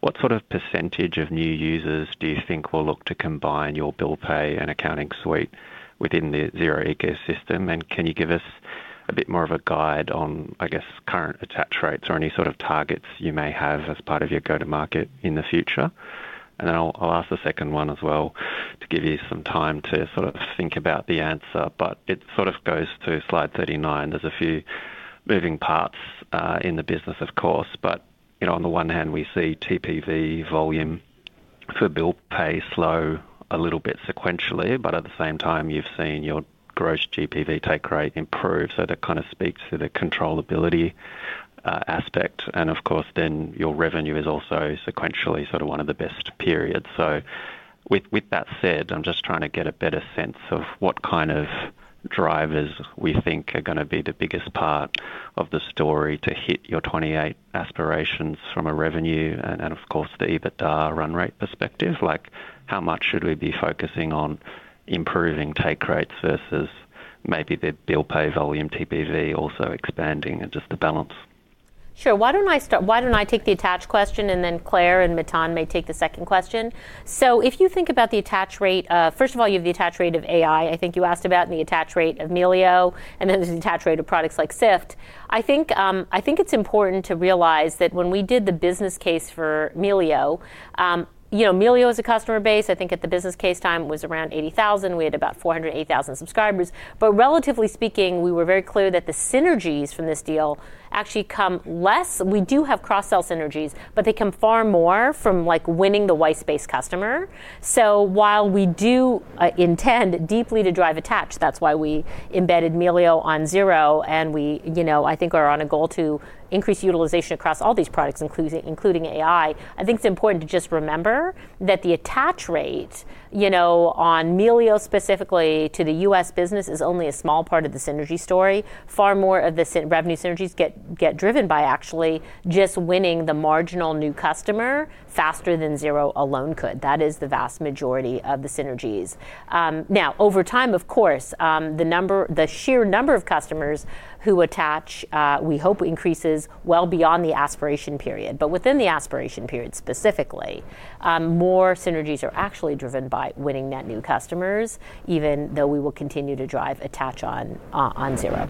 What sort of percentage of new users do you think will look to combine your Bill Pay and accounting suite within the Xero ecosystem? And can you give us a bit more of a guide on, I guess, current attach rates or any sort of targets you may have as part of your go-to-market in the future? And then I'll ask the second one as well to give you some time to sort of think about the answer. But it sort of goes to slide 39. There's a few moving parts in the business, of course. But on the one hand, we see TPV volume for Bill Pay slow a little bit sequentially, but at the same time, you've seen your gross GPV take rate improve. So that kind of speaks to the controllability aspect. And of course, then your revenue is also sequentially sort of one of the best periods. So with that said, I'm just trying to get a better sense of what kind of drivers we think are going to be the biggest part of the story to hit your 28 aspirations from a revenue and, of course, the EBITDA run-rate perspective. How much should we be focusing on improving take rates versus maybe the Bill Pay volume TPV also expanding and just the balance? Sure. Why don't I start? Why don't I take the attach question, and then Claire and Matan may take the second question? So if you think about the attach rate first of all, you have the attach rate of AI, I think you asked about, and the attach rate of Melio, and then there's the attach rate of products like Syft. I think it's important to realize that when we did the business case for Melio, Melio's customer base, I think at the business case time was around 80,000. We had about 480,000 subscribers. But relatively speaking, we were very clear that the synergies from this deal actually come less we do have cross-sell synergies, but they come far more from winning the white space customer. So while we do intend deeply to drive attach, that's why we embedded Melio on Xero, and I think we're on a goal to increase utilization across all these products, including AI. I think it's important to just remember that the attach rate on Melio specifically to the U.S. business is only a small part of the synergy story. Far more of the revenue synergies get driven by actually just winning the marginal new customer faster than Xero alone could. That is the vast majority of the synergies. Now, over time, of course, the sheer number of customers who attach we hope increases well beyond the aspiration period. But within the aspiration period specifically, more synergies are actually driven by winning net new customers, even though we will continue to drive attach on Xero.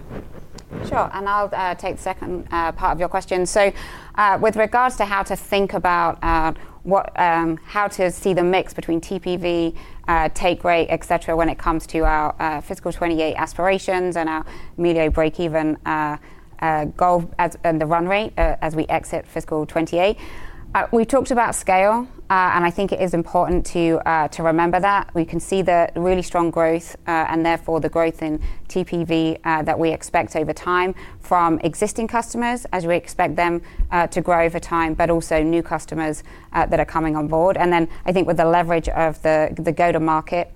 Sure. And I'll take the second part of your question. So with regards to how to think about how to see the mix between TPV, take rate, etc., when it comes to our fiscal 2028 aspirations and our Melio break-even goal and the run rate as we exit fiscal 2028, we've talked about scale, and I think it is important to remember that. We can see the really strong growth and therefore the growth in TPV that we expect over time from existing customers as we expect them to grow over time, but also new customers that are coming on board. And then I think with the leverage of the go-to-market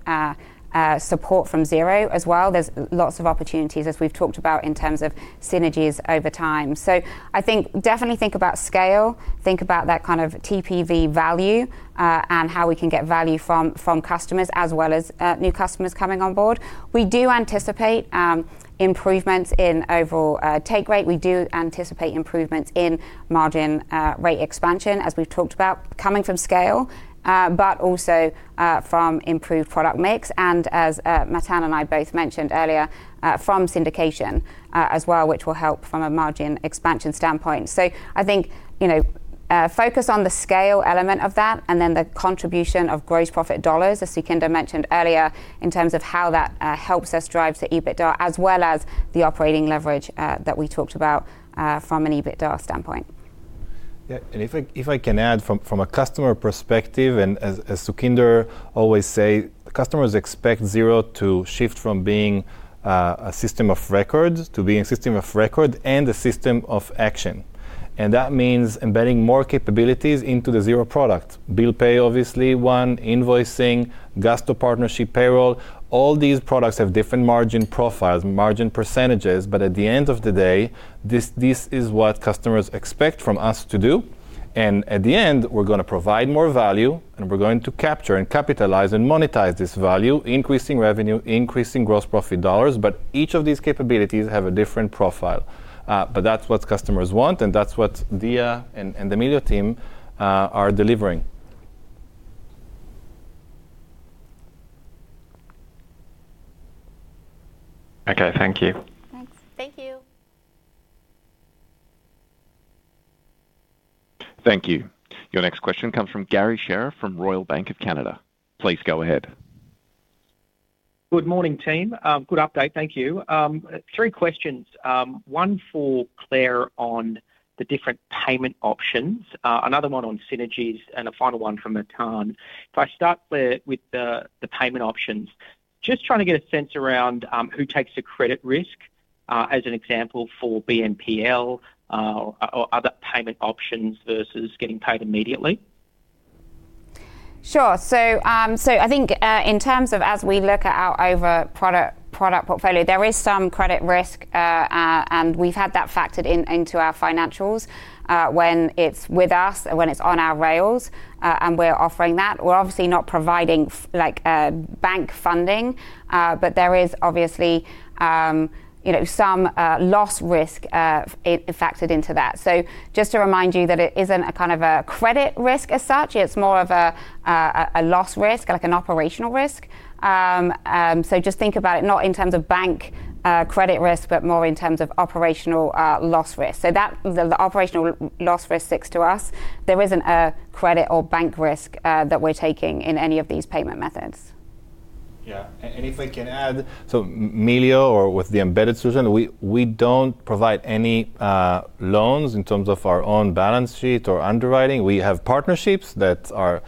support from Xero as well, there's lots of opportunities, as we've talked about, in terms of synergies over time. So I think definitely think about scale. Think about that kind of TPV value and how we can get value from customers as well as new customers coming on board. We do anticipate improvements in overall take rate. We do anticipate improvements in margin rate expansion, as we've talked about, coming from scale, but also from improved product mix. As Matan and I both mentioned earlier, from syndication as well, which will help from a margin expansion standpoint. So I think focus on the scale element of that and then the contribution of gross profit dollars, as Sukhinder mentioned earlier, in terms of how that helps us drive to EBITDA as well as the operating leverage that we talked about from an EBITDA standpoint. Yeah. And if I can add from a customer perspective, and as Sukhinder always says, customers expect Xero to shift from being a system of records to being a system of record and a system of action. And that means embedding more capabilities into the Xero product: Bill Pay, obviously, one, invoicing, Gusto partnership, payroll. All these products have different margin profiles, margin percentages. But at the end of the day, this is what customers expect from us to do. And at the end, we're going to provide more value, and we're going to capture and capitalize and monetize this value, increasing revenue, increasing gross profit dollars. But each of these capabilities have a different profile. But that's what customers want, and that's what Diya and the Melio team are delivering. Okay. Thank you. Thanks. Thank you. Thank you. Your next question comes from Garry Sherriff from Royal Bank of Canada. Please go ahead. Good morning, team. Good update. Thank you. Three questions. One for Claire on the different payment options, another one on synergies, and a final one for Matan. If I start, Claire, with the payment options, just trying to get a sense around who takes a credit risk, as an example, for BNPL or other payment options versus getting paid immediately. Sure. So I think in terms of as we look at our overall product portfolio, there is some credit risk, and we've had that factored into our financials when it's with us, when it's on our rails, and we're offering that. We're obviously not providing bank funding, but there is obviously some loss risk factored into that. So just to remind you that it isn't a kind of a credit risk as such. It's more of a loss risk, like an operational risk. So just think about it not in terms of bank credit risk, but more in terms of operational loss risk. So the operational loss risk sticks to us. There isn't a credit or bank risk that we're taking in any of these payment methods. Yeah. And if I can add, so Melio or with the embedded system, we don't provide any loans in terms of our own balance sheet or underwriting. We have partnerships that are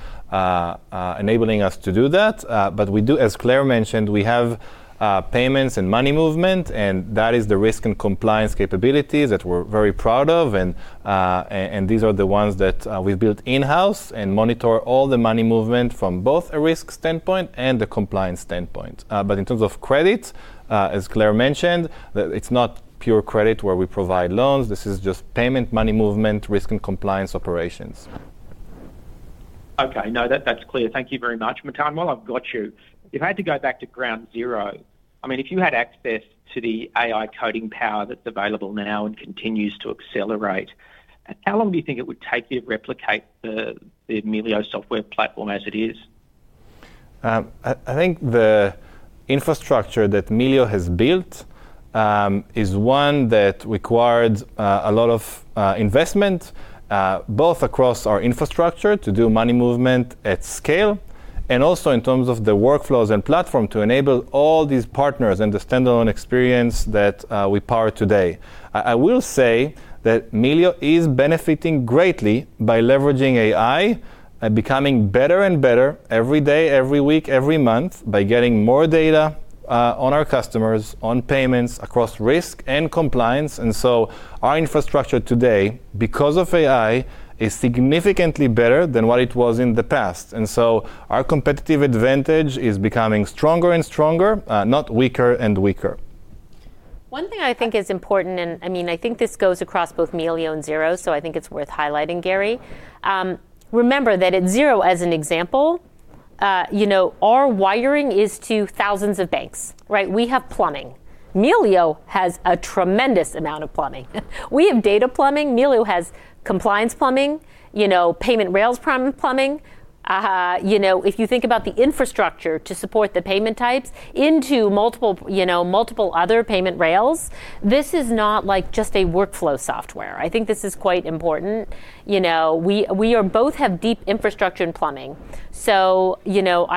enabling us to do that. But as Claire mentioned, we have payments and money movement, and that is the risk and compliance capabilities that we're very proud of. And these are the ones that we've built in-house and monitor all the money movement from both a risk standpoint and a compliance standpoint. But in terms of credit, as Claire mentioned, it's not pure credit where we provide loans. This is just payment, money movement, risk, and compliance operations. Okay. No, that's clear. Thank you very much. Matan, while I've got you, if I had to go back to ground zero, I mean, if you had access to the AI coding power that's available now and continues to accelerate, how long do you think it would take you to replicate the Melio software platform as it is? I think the infrastructure that Melio has built is one that required a lot of investment, both across our infrastructure to do money movement at scale and also in terms of the workflows and platform to enable all these partners and the standalone experience that we power today. I will say that Melio is benefiting greatly by leveraging AI, becoming better and better every day, every week, every month by getting more data on our customers, on payments, across risk and compliance. And so our infrastructure today, because of AI, is significantly better than what it was in the past. And so our competitive advantage is becoming stronger and stronger, not weaker and weaker. One thing I think is important and I mean, I think this goes across both Melio and Xero, so I think it's worth highlighting, Gary. Remember that at Xero, as an example, our wiring is to thousands of banks, right? We have plumbing. Melio has a tremendous amount of plumbing. We have data plumbing. Melio has compliance plumbing, payment rails plumbing. If you think about the infrastructure to support the payment types into multiple other payment rails, this is not just a workflow software. I think this is quite important. We both have deep infrastructure and plumbing. So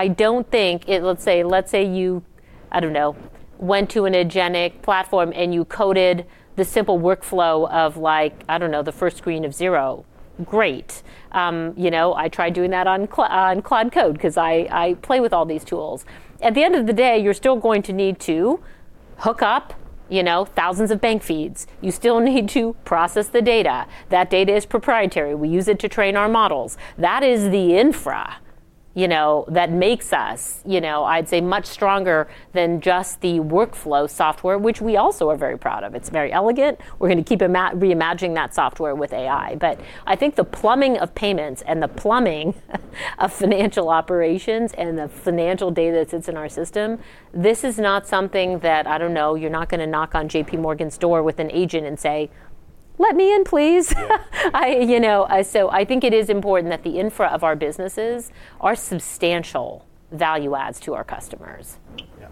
I don't think let's say you, I don't know, went to a gen AI platform and you coded the simple workflow of, I don't know, the first screen of Xero. Great. I tried doing that on Claude Code because I play with all these tools. At the end of the day, you're still going to need to hook up thousands of bank feeds. You still need to process the data. That data is proprietary. We use it to train our models. That is the infra that makes us, I'd say, much stronger than just the workflow software, which we also are very proud of. It's very elegant. We're going to keep reimagining that software with AI. But I think the plumbing of payments and the plumbing of financial operations and the financial data that sits in our system, this is not something that, I don't know, you're not going to knock on JPMorgan's door with an agent and say, "Let me in, please." So I think it is important that the infra of our businesses are substantial value adds to our customers. Yeah.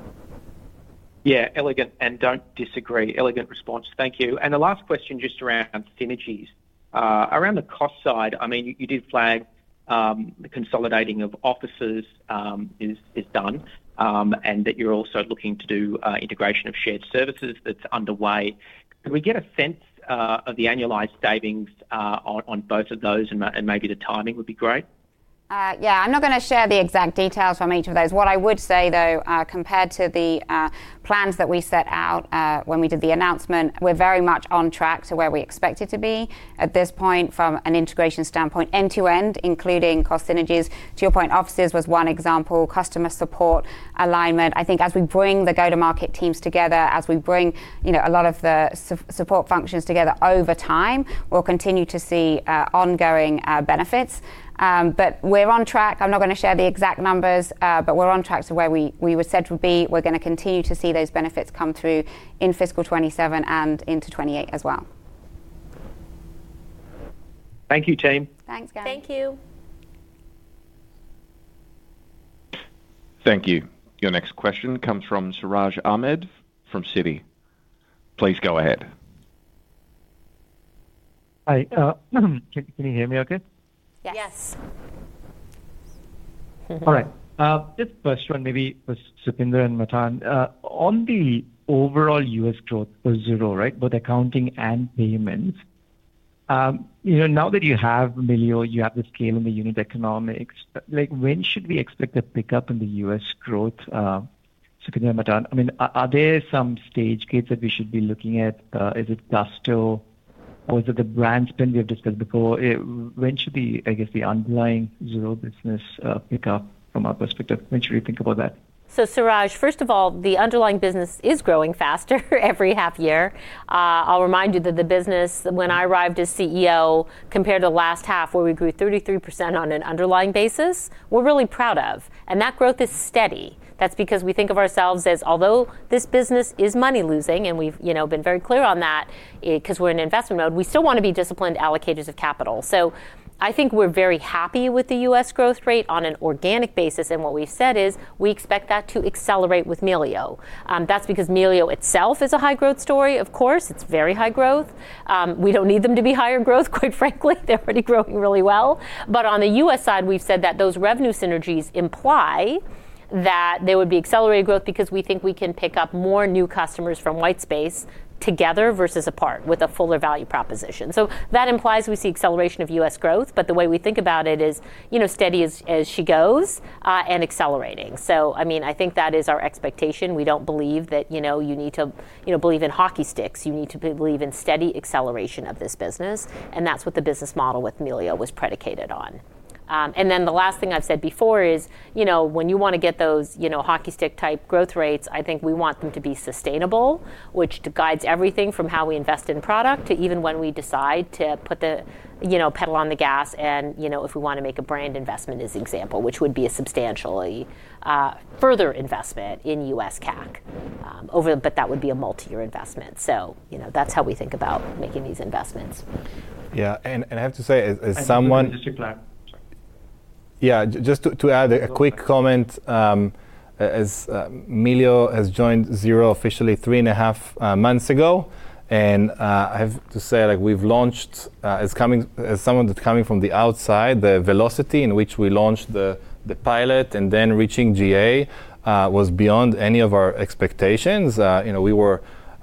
Yeah. Elegant, and don't disagree. Elegant response. Thank you. And the last question just around synergies. Around the cost side, I mean, you did flag the consolidating of offices is done and that you're also looking to do integration of shared services that's underway. Can we get a sense of the annualized savings on both of those, and maybe the timing would be great? Yeah. I'm not going to share the exact details from each of those. What I would say, though, compared to the plans that we set out when we did the announcement, we're very much on track to where we expect it to be at this point from an integration standpoint, end-to-end, including cost synergies. To your point, offices was one example, customer support alignment. I think as we bring the go-to-market teams together, as we bring a lot of the support functions together over time, we'll continue to see ongoing benefits. But we're on track. I'm not going to share the exact numbers, but we're on track to where we were said to be. We're going to continue to see those benefits come through in fiscal 2027 and into 2028 as well. Thank you, team. Thanks, Garry. Thank you. Thank you. Your next question comes from Siraj Ahmed from Citi. Please go ahead. Hi. Can you hear me okay? Yes. Yes. All right. Just first one, maybe for Sukhinder and Matan. On the overall U.S. growth for Xero, right, both accounting and payments, now that you have Melio, you have the scale and the unit economics, when should we expect a pickup in the U.S. growth, Sukhinder and Matan? I mean, are there some stage gates that we should be looking at? Is it Gusto, or is it the brand spend we have discussed before? When should the, I guess, the underlying Xero business pick up from our perspective? When should we think about that? So, Siraj, first of all, the underlying business is growing faster every half year. I'll remind you that the business, when I arrived as CEO, compared to the last half where we grew 33% on an underlying basis, we're really proud of. And that growth is steady. That's because we think of ourselves as although this business is money losing, and we've been very clear on that because we're in investment mode, we still want to be disciplined allocators of capital. So I think we're very happy with the U.S. growth rate on an organic basis. And what we've said is we expect that to accelerate with Melio. That's because Melio itself is a high-growth story, of course. It's very high growth. We don't need them to be higher growth, quite frankly. They're already growing really well. But on the U.S. side, we've said that those revenue synergies imply that there would be accelerated growth because we think we can pick up more new customers from white space together versus apart with a fuller value proposition. So that implies we see acceleration of U.S. growth. But the way we think about it is steady as she goes and accelerating. So I mean, I think that is our expectation. We don't believe that you need to believe in hockey sticks. You need to believe in steady acceleration of this business. And that's what the business model with Melio was predicated on. And then the last thing I've said before is when you want to get those hockey stick-type growth rates, I think we want them to be sustainable, which guides everything from how we invest in product to even when we decide to put the pedal on the gas. And if we want to make a brand investment, as an example, which would be a substantially further investment in U.S. CAC, but that would be a multi-year investment. So that's how we think about making these investments. Yeah. I have to say, as someone. I think it's a distinct lag. Sorry. Yeah. Just to add a quick comment, as Melio has joined Xero officially 3.5 months ago, and I have to say we've launched as someone that's coming from the outside, the velocity in which we launched the pilot and then reaching GA was beyond any of our expectations. We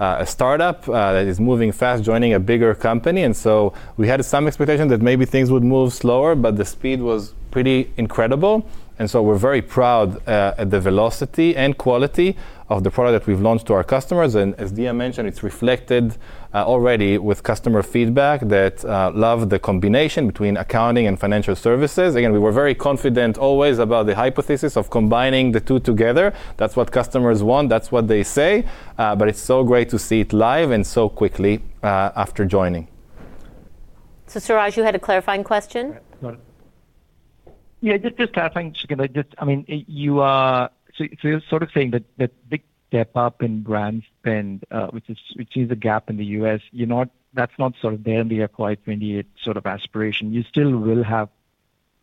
were a startup that is moving fast, joining a bigger company. And so we had some expectation that maybe things would move slower, but the speed was pretty incredible. And so we're very proud at the velocity and quality of the product that we've launched to our customers. And as Diya mentioned, it's reflected already with customer feedback that love the combination between accounting and financial services. Again, we were very confident always about the hypothesis of combining the two together. That's what customers want. That's what they say. But it's so great to see it live and so quickly after joining. So Siraj, you had a clarifying question? Yeah. Just asking, Sukhinder, I mean, so you're sort of saying that big step up in brand spend, which sees a gap in the U.S., that's not sort of there in the FY 2028 sort of aspiration. You still will have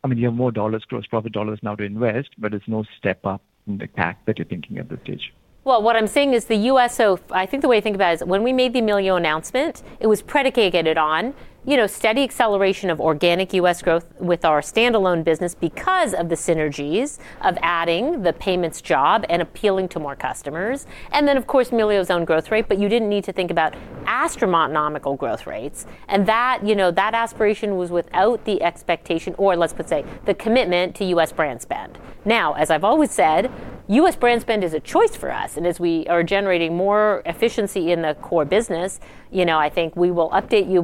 I mean, you have more dollars, gross profit dollars now to invest, but there's no step up in the CAC that you're thinking of at this stage. Well, what I'm saying is the U.S., I think the way to think about it is when we made the Melio announcement, it was predicated on steady acceleration of organic U.S. growth with our standalone business because of the synergies of adding the payments job and appealing to more customers. And then, of course, Melio's own growth rate. But you didn't need to think about astronomical growth rates. And that aspiration was without the expectation or, let's put it say, the commitment to U.S. brand spend. Now, as I've always said, U.S. brand spend is a choice for us. And as we are generating more efficiency in the core business, I think we will update you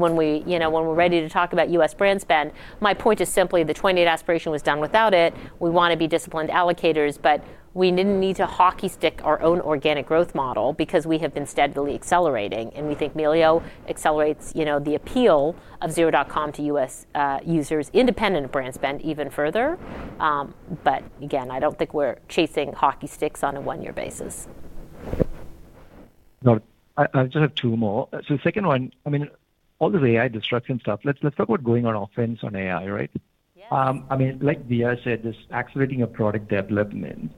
when we're ready to talk about U.S. brand spend. My point is simply, the 2028 aspiration was done without it. We want to be disciplined allocators, but we didn't need to hockey stick our own organic growth model because we have been steadily accelerating. We think Melio accelerates the appeal of Xero.com to U.S. users independent of brand spend even further. But again, I don't think we're chasing hockey sticks on a one-year basis. Got it. I just have two more. So the second one, I mean, all this AI disruption stuff, let's talk about going on offense on AI, right? I mean, like Diya said, just accelerating your product development.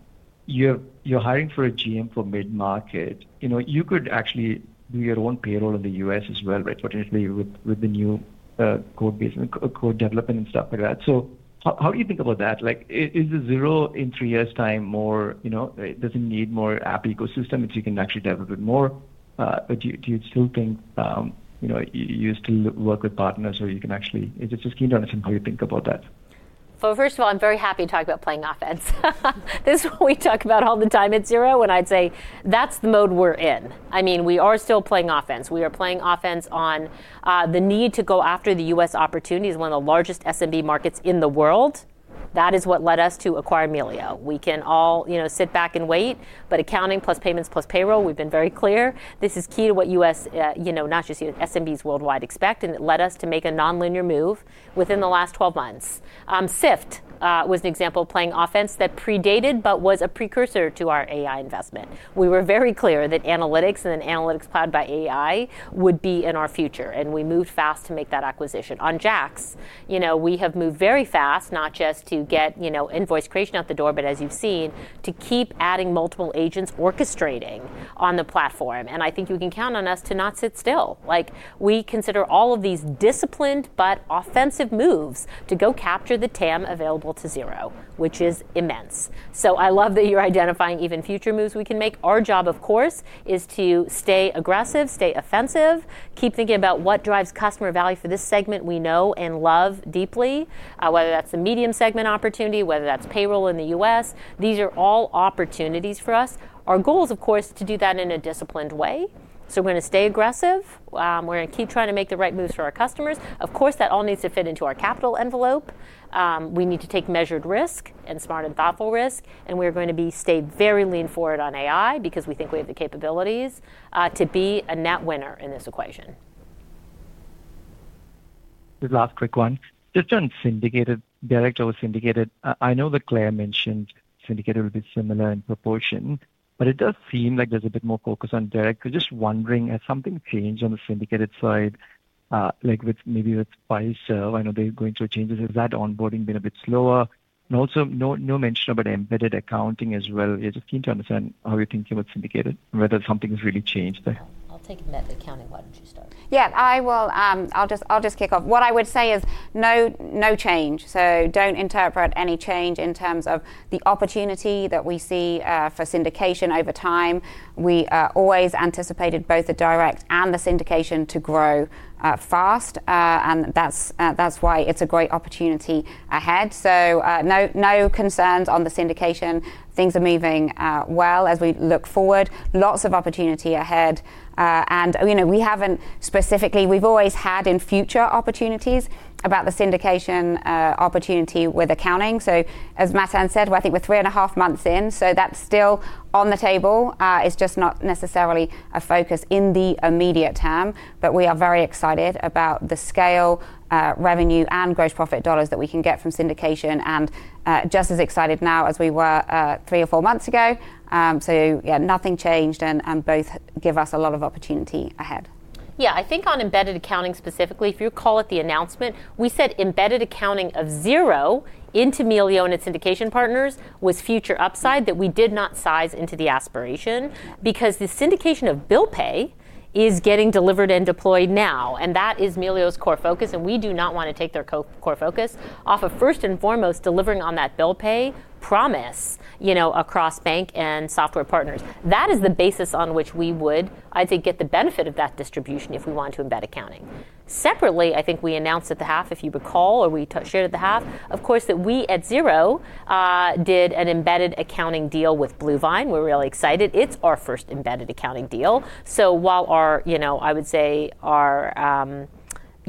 You're hiring for a GM for mid-market. You could actually do your own payroll in the U.S. as well, right, potentially with the new code development and stuff like that. So how do you think about that? Is the Xero in three years' time more it doesn't need more Apple ecosystem, but you can actually develop it more. But do you still think you still work with partners where you can actually is it just keen to understand how you think about that? Well, first of all, I'm very happy to talk about playing offense. This is what we talk about all the time at Xero. And I'd say that's the mode we're in. I mean, we are still playing offense. We are playing offense on the need to go after the U.S. opportunities, one of the largest SMB markets in the world. That is what led us to acquire Melio. We can all sit back and wait, but accounting plus payments plus payroll, we've been very clear, this is key to what U.S., not just SMBs worldwide, expect. And it led us to make a nonlinear move within the last 12 months. Syft was an example playing offense that predated but was a precursor to our AI investment. We were very clear that analytics and then analytics powered by AI would be in our future. We moved fast to make that acquisition. On JAX, we have moved very fast, not just to get invoice creation out the door, but as you've seen, to keep adding multiple agents orchestrating on the platform. I think you can count on us to not sit still. We consider all of these disciplined but offensive moves to go capture the TAM available to Xero, which is immense. I love that you're identifying even future moves we can make. Our job, of course, is to stay aggressive, stay offensive, keep thinking about what drives customer value for this segment we know and love deeply, whether that's the medium segment opportunity, whether that's payroll in the U.S.. These are all opportunities for us. Our goals, of course, is to do that in a disciplined way. We're going to stay aggressive. We're going to keep trying to make the right moves for our customers. Of course, that all needs to fit into our capital envelope. We need to take measured risk and smart and thoughtful risk. We're going to stay very lean forward on AI because we think we have the capabilities to be a net winner in this equation. Just last quick one. Just on syndicated, direct or syndicated, I know that Claire mentioned syndicated will be similar in proportion, but it does seem like there's a bit more focus on direct. Just wondering, has something changed on the syndicated side, maybe with Fiserv? I know they're going through changes. Has that onboarding been a bit slower? And also, no mention about embedded accounting as well. Just keen to understand how you're thinking about syndicated, whether something has really changed there. I'll take a minute. Accounting, why don't you start? Yeah. I'll just kick off. What I would say is no change. So don't interpret any change in terms of the opportunity that we see for syndication over time. We always anticipated both the direct and the syndication to grow fast. And that's why it's a great opportunity ahead. So no concerns on the syndication. Things are moving well as we look forward. Lots of opportunity ahead. And we haven't specifically we've always had in future opportunities about the syndication opportunity with accounting. So as Matan said, I think we're three and a half months in. So that's still on the table. It's just not necessarily a focus in the immediate term. But we are very excited about the scale, revenue, and gross profit dollars that we can get from syndication and just as excited now as we were three or four months ago. So yeah, nothing changed. Both give us a lot of opportunity ahead. Yeah. I think on embedded accounting specifically, if you recall at the announcement, we said embedded accounting of Xero into Melio and its syndication partners was future upside that we did not size into the aspiration because the syndication of bill pay is getting delivered and deployed now. And that is Melio's core focus. And we do not want to take their core focus off of first and foremost delivering on that bill pay promise across bank and software partners. That is the basis on which we would, I think, get the benefit of that distribution if we wanted to embed accounting. Separately, I think we announced at the half, if you recall, or we shared at the half, of course, that we at Xero did an embedded accounting deal with Bluevine. We're really excited. It's our first embedded accounting deal. So while our, I would say, our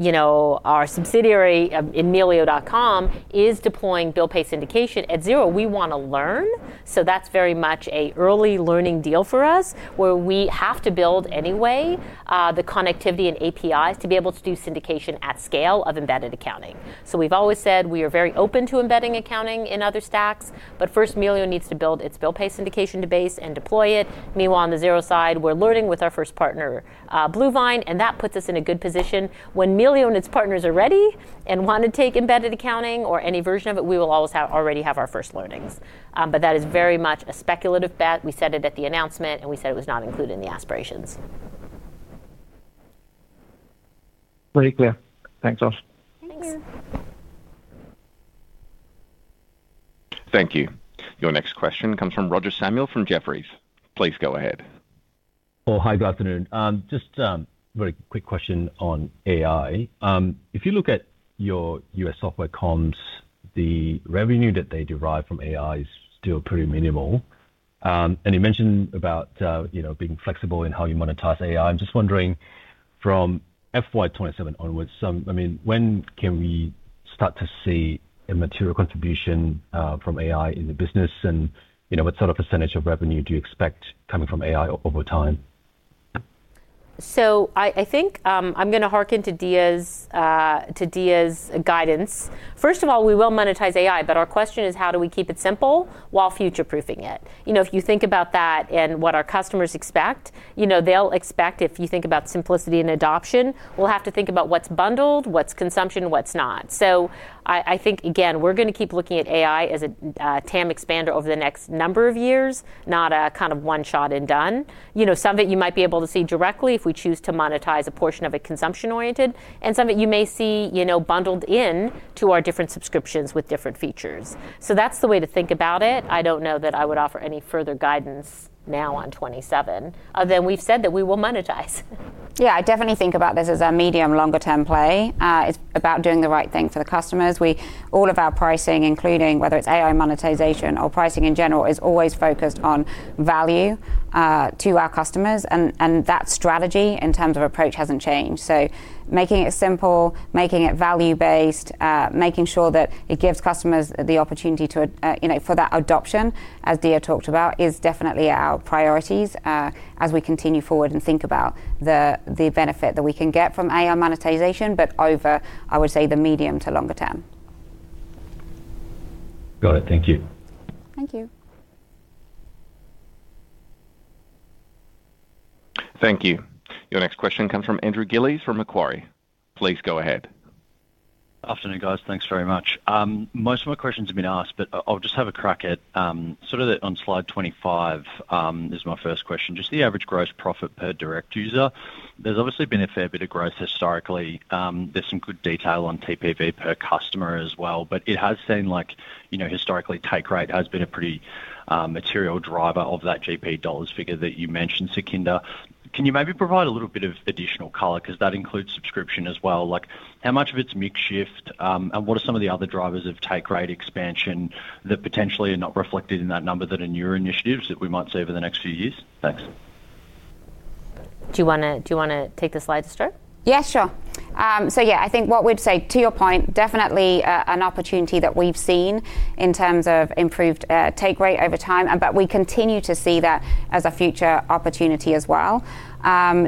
subsidiary in Melio.com is deploying bill pay syndication at Xero, we want to learn. So that's very much an early learning deal for us where we have to build anyway the connectivity and APIs to be able to do syndication at scale of embedded accounting. So we've always said we are very open to embedding accounting in other stacks. But first, Melio needs to build its bill pay syndication base and deploy it. Meanwhile, on the Xero side, we're learning with our first partner, Bluevine. And that puts us in a good position. When Melio and its partners are ready and want to take embedded accounting or any version of it, we will always already have our first learnings. But that is very much a speculative bet. We said it at the announcement, and we said it was not included in the aspirations. Very clear. Thanks. Thank you. Thank you. Your next question comes from Roger Samuel from Jefferies. Please go ahead. Oh, hi. Good afternoon. Just a very quick question on AI. If you look at your U.S. software comms, the revenue that they derive from AI is still pretty minimal. You mentioned about being flexible in how you monetize AI. I'm just wondering, from FY 2027 onwards, I mean, when can we start to see a material contribution from AI in the business? What sort of percentage of revenue do you expect coming from AI over time? So I think I'm going to harken to Diya's guidance. First of all, we will monetize AI. But our question is, how do we keep it simple while future-proofing it? If you think about that and what our customers expect, they'll expect if you think about simplicity and adoption, we'll have to think about what's bundled, what's consumption, what's not. So I think, again, we're going to keep looking at AI as a TAM expander over the next number of years, not a kind of one-shot and done. Some of it you might be able to see directly if we choose to monetize a portion of it consumption-oriented and some that you may see bundled into our different subscriptions with different features. So that's the way to think about it. I don't know that I would offer any further guidance now on 2027 other than we've said that we will monetize. Yeah. I definitely think about this as a medium-longer-term play. It's about doing the right thing for the customers. All of our pricing, including whether it's AI monetization or pricing in general, is always focused on value to our customers. And that strategy in terms of approach hasn't changed. So making it simple, making it value-based, making sure that it gives customers the opportunity for that adoption, as Diya talked about, is definitely our priorities as we continue forward and think about the benefit that we can get from AI monetization, but over, I would say, the medium to longer term. Got it. Thank you. Thank you. Thank you. Your next question comes from Andrew Gillies from Macquarie. Please go ahead. Afternoon, guys. Thanks very much. Most of my questions have been asked, but I'll just have a crack at sort of on slide 25 is my first question. Just the average gross profit per direct user. There's obviously been a fair bit of growth historically. There's some good detail on TPV per customer as well. But it has seemed like historically, take rate has been a pretty material driver of that GP dollars figure that you mentioned, Sukhinder. Can you maybe provide a little bit of additional color because that includes subscription as well? How much of it's mixed shift? And what are some of the other drivers of take rate expansion that potentially are not reflected in that number that are newer initiatives that we might see over the next few years? Thanks. Do you want to take the slide to start? Yeah. Sure. So yeah, I think what we'd say to your point, definitely an opportunity that we've seen in terms of improved take rate over time. But we continue to see that as a future opportunity as well. And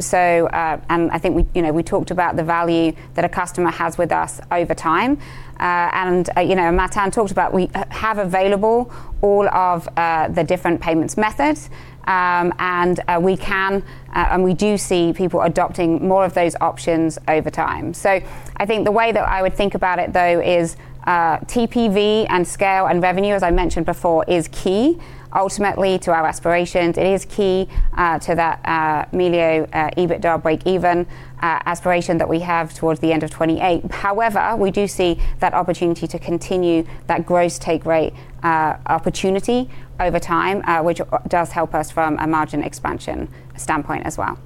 I think we talked about the value that a customer has with us over time. And Matan talked about we have available all of the different payment methods. And we do see people adopting more of those options over time. So I think the way that I would think about it, though, is TPV and scale and revenue, as I mentioned before, is key ultimately to our aspirations. It is key to that Melio EBITDA break-even aspiration that we have towards the end of 2028. However, we do see that opportunity to continue that gross take rate opportunity over time, which does help us from a margin expansion standpoint as well.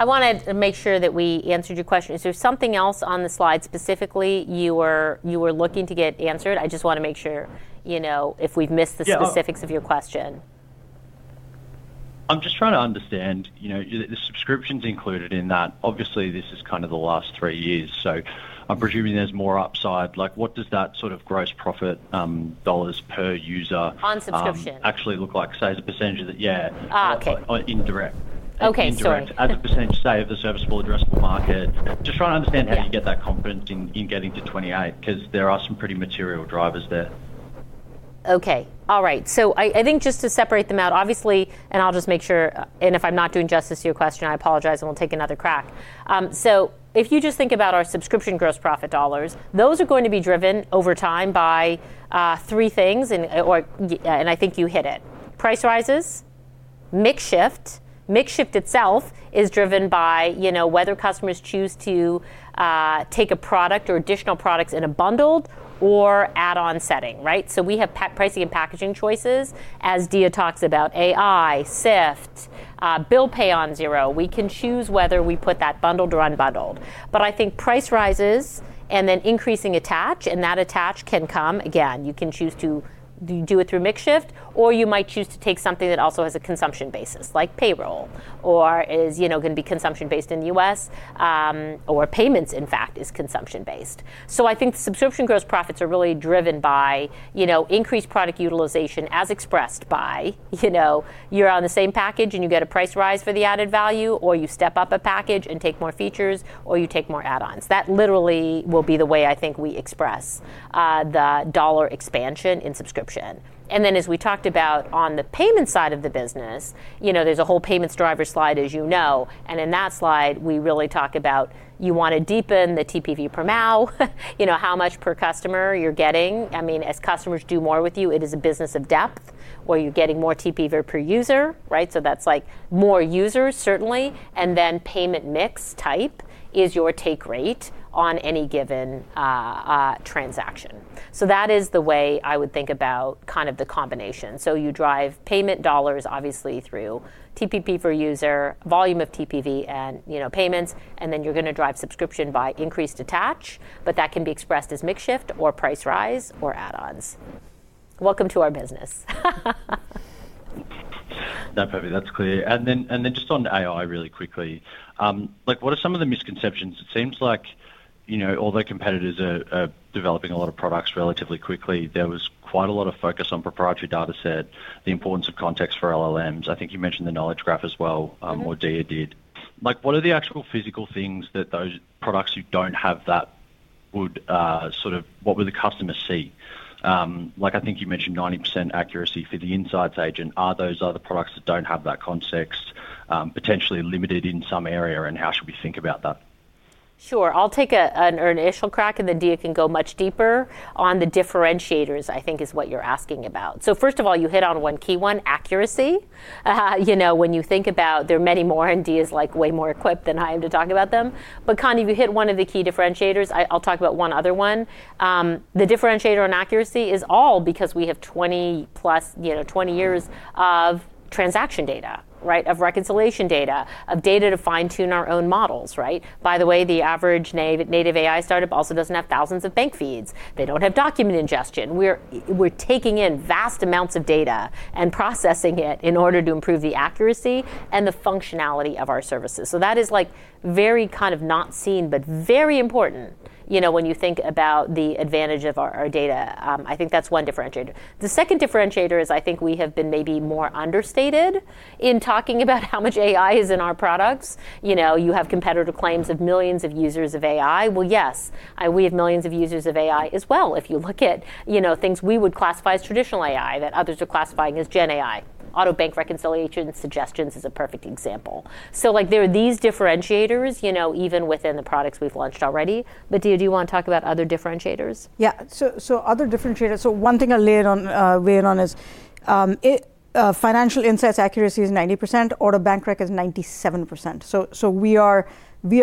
I want to make sure that we answered your question. Is there something else on the slide specifically you were looking to get answered? I just want to make sure if we've missed the specifics of your question. I'm just trying to understand. The subscription's included in that. Obviously, this is kind of the last three years. So I'm presuming there's more upside. What does that sort of gross profit dollars per user? On subscription. Actually look like? Say as a percentage that, yeah, indirect. Okay. Sorry. Indirect as a percentage, say, of the serviceable addressable market. Just trying to understand how you get that confidence in getting to 2028 because there are some pretty material drivers there? Okay. All right. So I think just to separate them out, obviously, and I'll just make sure, and if I'm not doing justice to your question, I apologize, and we'll take another crack. So if you just think about our subscription gross profit dollars, those are going to be driven over time by three things. And I think you hit it. Price rises, mixed shift. Mixed shift itself is driven by whether customers choose to take a product or additional products in a bundled or add-on setting, right? So we have pricing and packaging choices. As Diya talks about, AI, Syft, bill pay on Xero, we can choose whether we put that bundled or unbundled. But I think price rises and then increasing attach. And that attach can come, again, you can choose to do it through mixed shift, or you might choose to take something that also has a consumption basis like payroll or is going to be consumption-based in the U.S. or payments, in fact, is consumption-based. So I think subscription gross profits are really driven by increased product utilization as expressed by you're on the same package and you get a price rise for the added value, or you step up a package and take more features, or you take more add-ons. That literally will be the way I think we express the dollar expansion in subscription. And then, as we talked about, on the payment side of the business, there's a whole payments driver slide, as you know. And in that slide, we really talk about you want to deepen the TPV per user, how much per customer you're getting. I mean, as customers do more with you, it is a business of depth where you're getting more TPV per user, right? So that's more users, certainly. And then payment mix type is your take rate on any given transaction. So that is the way I would think about kind of the combination. So you drive payment dollars, obviously, through TPV per user, volume of TPV, and payments. And then you're going to drive subscription by increased attach. But that can be expressed as mixed shift or price rise or add-ons. Welcome to our business. That's clear. Then just on AI, really quickly, what are some of the misconceptions? It seems like, although competitors are developing a lot of products relatively quickly, there was quite a lot of focus on proprietary dataset, the importance of context for LLMs. I think you mentioned the knowledge graph as well, or Diya did. What are the actual physical things that those products you don't have that would sort of what would the customer see? I think you mentioned 90% accuracy for the insights agent. Are those other products that don't have that context potentially limited in some area? And how should we think about that? Sure. I'll take an initial crack, and then Diya can go much deeper. On the differentiators, I think, is what you're asking about. So first of all, you hit on one key one, accuracy. When you think about there are many more, and Diya's way more equipped than I am to talk about them. But Connie, if you hit one of the key differentiators, I'll talk about one other one. The differentiator on accuracy is all because we have 20+ years of transaction data, right, of reconciliation data, of data to fine-tune our own models, right? By the way, the average native AI startup also doesn't have thousands of bank feeds. They don't have document ingestion. We're taking in vast amounts of data and processing it in order to improve the accuracy and the functionality of our services. So that is very kind of unseen but very important when you think about the advantage of our data. I think that's one differentiator. The second differentiator is I think we have been maybe more understated in talking about how much AI is in our products. You have competitor claims of millions of users of AI. Well, yes, we have millions of users of AI as well. If you look at things we would classify as traditional AI that others are classifying as Gen AI, auto bank reconciliation suggestions is a perfect example. So there are these differentiators even within the products we've launched already. But Diya, do you want to talk about other differentiators? Yeah. Other differentiators. One thing I'll weigh in on is financial insights accuracy is 90%. Auto bank rec is 97%. We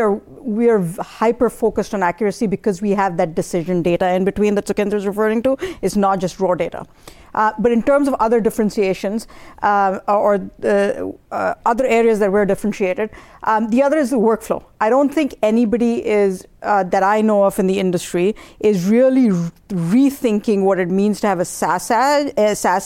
are hyper-focused on accuracy because we have that decision data in between that Sukhinder is referring to. It's not just raw data. But in terms of other differentiations or other areas that we're differentiated, the other is the workflow. I don't think anybody that I know of in the industry is really rethinking what it means to have a SaaS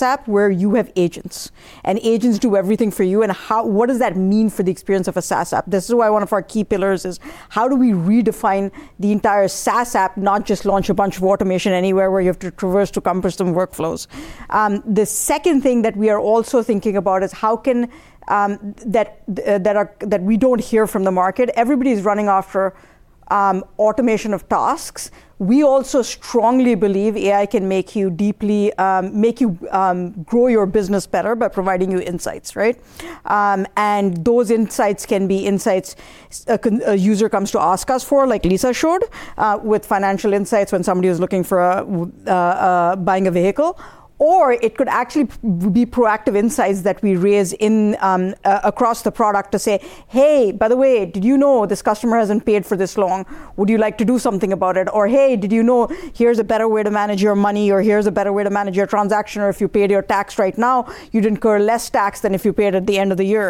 app where you have agents. And agents do everything for you. And what does that mean for the experience of a SaaS app? This is why one of our key pillars is how do we redefine the entire SaaS app, not just launch a bunch of automation anywhere where you have to traverse to cumbersome workflows? The second thing that we are also thinking about is how can that we don't hear from the market. Everybody's running after automation of tasks. We also strongly believe AI can make you deeply make you grow your business better by providing you insights, right? And those insights can be insights a user comes to ask us for, like Lisa showed, with financial insights when somebody is looking for buying a vehicle. Or it could actually be proactive insights that we raise across the product to say, "Hey, by the way, did you know this customer hasn't paid for this long? Would you like to do something about it?" Or, "Hey, did you know here's a better way to manage your money?" Or, "Here's a better way to manage your transaction." Or, "If you paid your tax right now, you'd incur less tax than if you paid at the end of the year."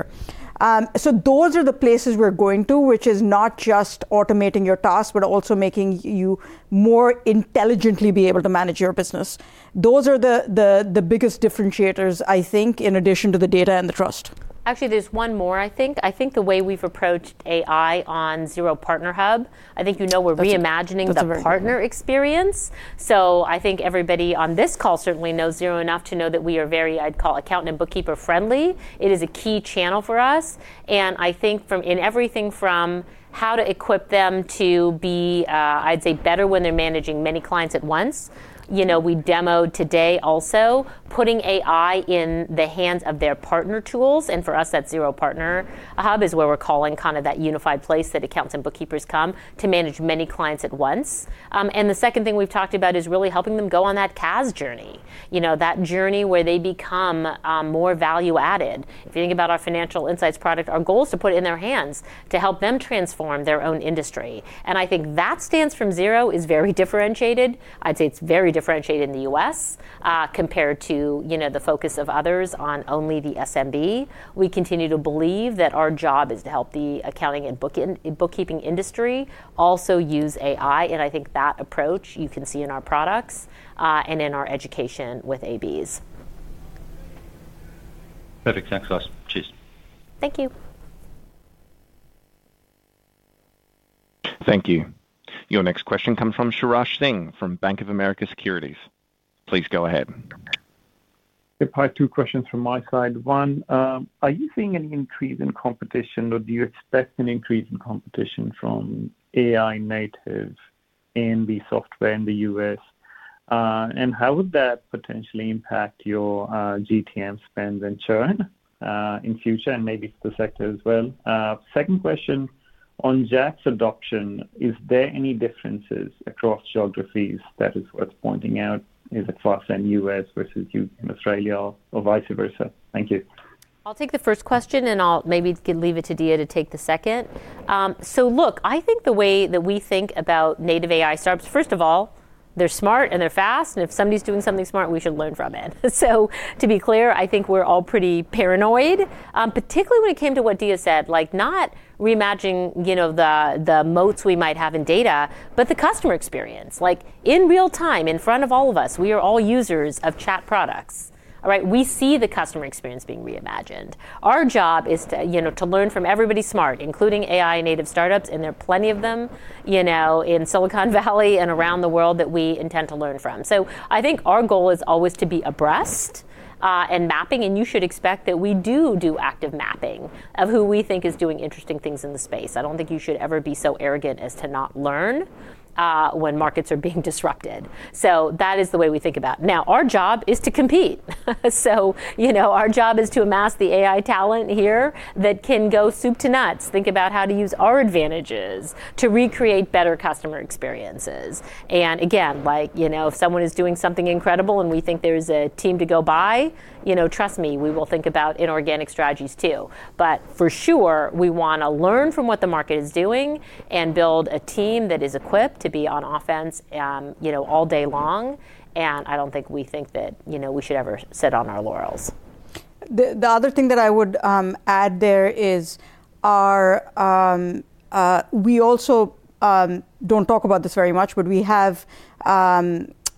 So those are the places we're going to, which is not just automating your tasks but also making you more intelligently be able to manage your business. Those are the biggest differentiators, I think, in addition to the data and the trust. Actually, there's one more, I think. I think the way we've approached AI on Xero Partner Hub I think you know we're reimagining the partner experience. So I think everybody on this call certainly knows Xero enough to know that we are very, I'd call, accountant and bookkeeper-friendly. It is a key channel for us. And I think in everything from how to equip them to be, I'd say, better when they're managing many clients at once, we demoed today also putting AI in the hands of their partner tools. And for us, that's Xero Partner Hub is where we're calling kind of that unified place that accountants and bookkeepers come to manage many clients at once. And the second thing we've talked about is really helping them go on that CAS journey, that journey where they become more value-added. If you think about our financial insights product, our goal is to put it in their hands to help them transform their own industry. I think that stance from Xero is very differentiated. I'd say it's very differentiated in the U.S. compared to the focus of others on only the SMB. We continue to believe that our job is to help the accounting and bookkeeping industry also use AI. I think that approach you can see in our products and in our education with ABs. Perfect. Thanks, guys. Cheers. Thank you. Thank you. Your next question comes from Sriharsh Singh from Bank of America Securities. Please go ahead. If I have two questions from my side. One, are you seeing any increase in competition, or do you expect an increase in competition from AI-native AB software in the U.S.? And how would that potentially impact your GTM spend and churn in future and maybe for the sector as well? Second question, on JAX adoption, is there any differences across geographies that is worth pointing out? Is it fastest in the U.S. versus U.K. in Australia or vice versa? Thank you. I'll take the first question, and I'll maybe leave it to Diya to take the second. So look, I think the way that we think about native AI startups, first of all, they're smart, and they're fast. And if somebody's doing something smart, we should learn from it. So to be clear, I think we're all pretty paranoid, particularly when it came to what Diya said, not reimagining the moats we might have in data, but the customer experience. In real time, in front of all of us, we are all users of chat products, all right? We see the customer experience being reimagined. Our job is to learn from everybody smart, including AI-native startups, and there are plenty of them in Silicon Valley and around the world that we intend to learn from. So I think our goal is always to be abreast and mapping. You should expect that we do do active mapping of who we think is doing interesting things in the space. I don't think you should ever be so arrogant as to not learn when markets are being disrupted. That is the way we think about it. Now, our job is to compete. Our job is to amass the AI talent here that can go soup to nuts, think about how to use our advantages to recreate better customer experiences. Again, if someone is doing something incredible and we think there's a team to go by, trust me, we will think about inorganic strategies too. For sure, we want to learn from what the market is doing and build a team that is equipped to be on offense all day long. I don't think we think that we should ever sit on our laurels. The other thing that I would add there is we also don't talk about this very much, but we have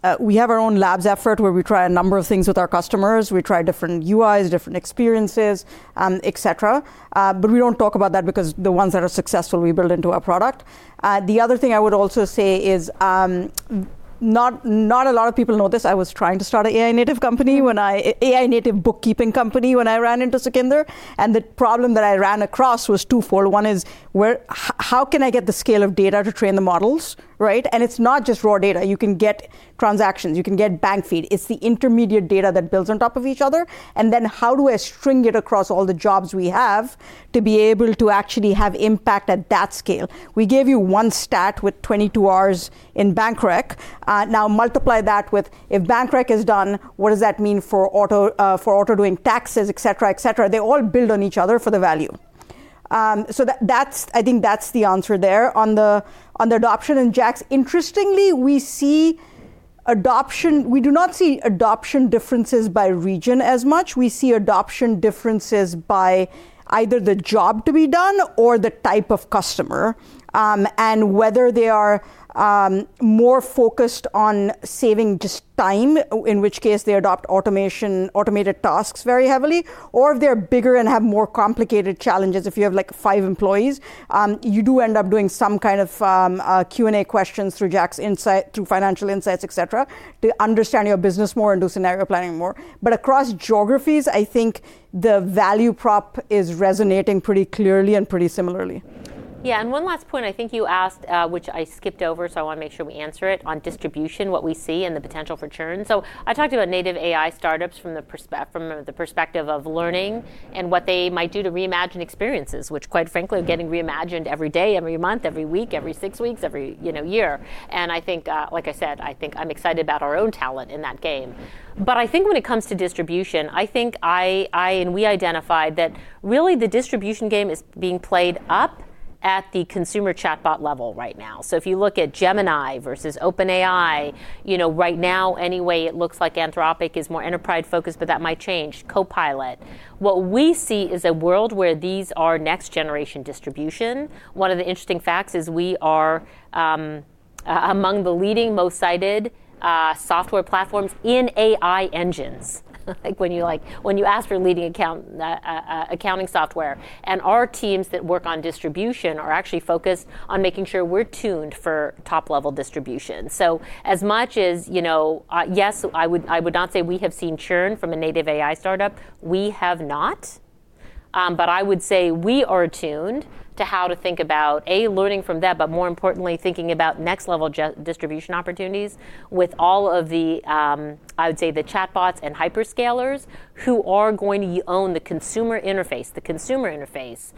our own labs effort where we try a number of things with our customers. We try different UIs, different experiences, etc. But we don't talk about that because the ones that are successful, we build into our product. The other thing I would also say is not a lot of people know this. I was trying to start an AI-native bookkeeping company when I ran into Sukhinder. And the problem that I ran across was twofold. One is, how can I get the scale of data to train the models, right? And it's not just raw data. You can get transactions. You can get bank feed. It's the intermediate data that builds on top of each other. And then how do I string it across all the jobs we have to be able to actually have impact at that scale? We gave you one stat with 22 hours in bank rec. Now, multiply that with if bank rec is done, what does that mean for auto doing taxes, etc., etc.? They all build on each other for the value. So I think that's the answer there on the adoption. And JAX, interestingly, we see adoption we do not see adoption differences by region as much. We see adoption differences by either the job to be done or the type of customer and whether they are more focused on saving just time, in which case they adopt automated tasks very heavily, or if they're bigger and have more complicated challenges. If you have five employees, you do end up doing some kind of Q&A questions through JAX insight, through financial insights, etc., to understand your business more and do scenario planning more. But across geographies, I think the value prop is resonating pretty clearly and pretty similarly. Yeah. And one last point I think you asked, which I skipped over, so I want to make sure we answer it, on distribution, what we see and the potential for churn. So I talked about native AI startups from the perspective of learning and what they might do to reimagine experiences, which, quite frankly, are getting reimagined every day, every month, every week, every six weeks, every year. And like I said, I think I'm excited about our own talent in that game. But I think when it comes to distribution, I think I and we identified that really the distribution game is being played up at the consumer chatbot level right now. So if you look at Gemini versus OpenAI, right now anyway, it looks like Anthropic is more enterprise-focused, but that might change. Copilot, what we see is a world where these are next-generation distribution. One of the interesting facts is we are among the leading, most cited software platforms in AI engines when you ask for leading accounting software. And our teams that work on distribution are actually focused on making sure we're tuned for top-level distribution. So as much as yes, I would not say we have seen churn from a native AI startup. We have not. But I would say we are tuned to how to think about, A, learning from that, but more importantly, thinking about next-level distribution opportunities with all of the, I would say, the chatbots and hyperscalers who are going to own the consumer interface, the consumer interface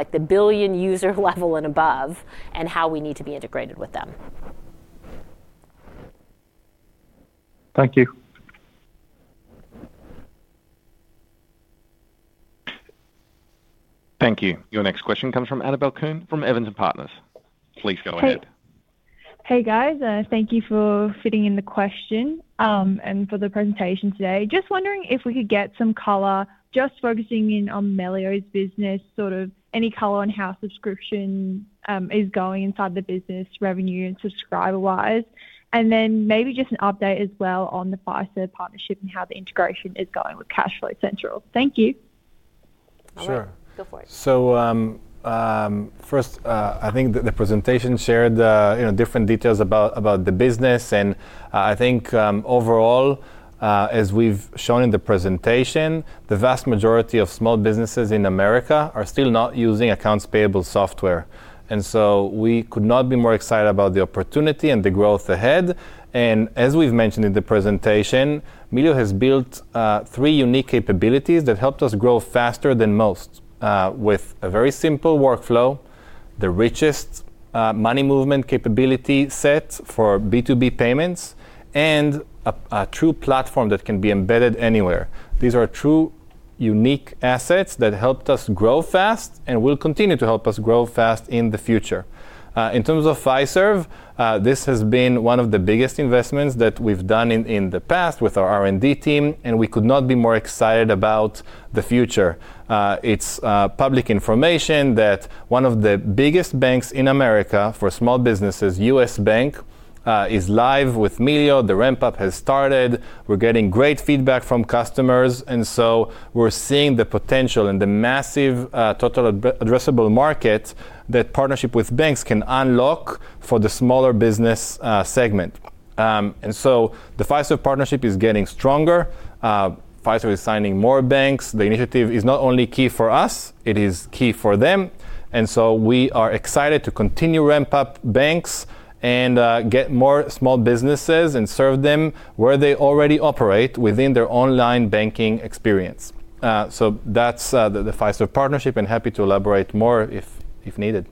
at the billion-user level and above, and how we need to be integrated with them. Thank you. Thank you. Your next question comes from Annabel Khun from Evans & Partners. Please go ahead. Hey, guys. Thank you for fitting in the question and for the presentation today. Just wondering if we could get some color just focusing in on Melio's business, sort of any color on how subscription is going inside the business revenue and subscriber-wise. And then maybe just an update as well on the Fiserv partnership and how the integration is going with CashFlow Central. Thank you. Sure. So first, I think the presentation shared different details about the business. And I think overall, as we've shown in the presentation, the vast majority of small businesses in America are still not using accounts payable software. And so we could not be more excited about the opportunity and the growth ahead. And as we've mentioned in the presentation, Melio has built three unique capabilities that helped us grow faster than most with a very simple workflow, the richest money movement capability set for B2B payments, and a true platform that can be embedded anywhere. These are true unique assets that helped us grow fast and will continue to help us grow fast in the future. In terms of payments, this has been one of the biggest investments that we've done in the past with our R&D team. And we could not be more excited about the future. It's public information that one of the biggest banks in America for small businesses, U.S. Bank, is live with Melio. The ramp-up has started. We're getting great feedback from customers. And so we're seeing the potential and the massive total addressable market that partnership with banks can unlock for the smaller business segment. And so the Fiserv partnership is getting stronger. Fiserv is signing more banks. The initiative is not only key for us. It is key for them. And so we are excited to continue ramp-up banks and get more small businesses and serve them where they already operate within their online banking experience. So that's the Fiserv partnership. And happy to elaborate more if needed.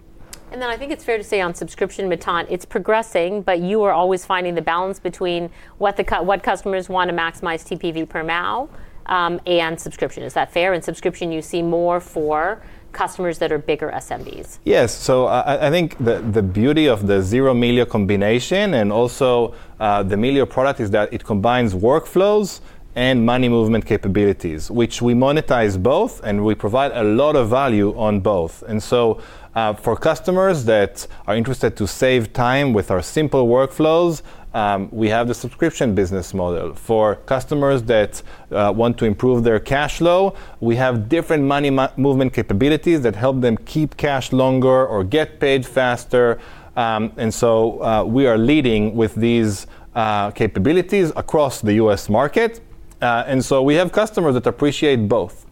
Then I think it's fair to say on subscription, Matan, it's progressing, but you are always finding the balance between what customers want to maximize TPV per month and subscription. Is that fair? And subscription, you see more for customers that are bigger SMBs. Yes. So I think the beauty of the Xero Melio combination and also the Melio product is that it combines workflows and money movement capabilities, which we monetize both, and we provide a lot of value on both. And so for customers that are interested to save time with our simple workflows, we have the subscription business model. For customers that want to improve their cash flow, we have different money movement capabilities that help them keep cash longer or get paid faster. And so we are leading with these capabilities across the U.S. market. And so we have customers that appreciate both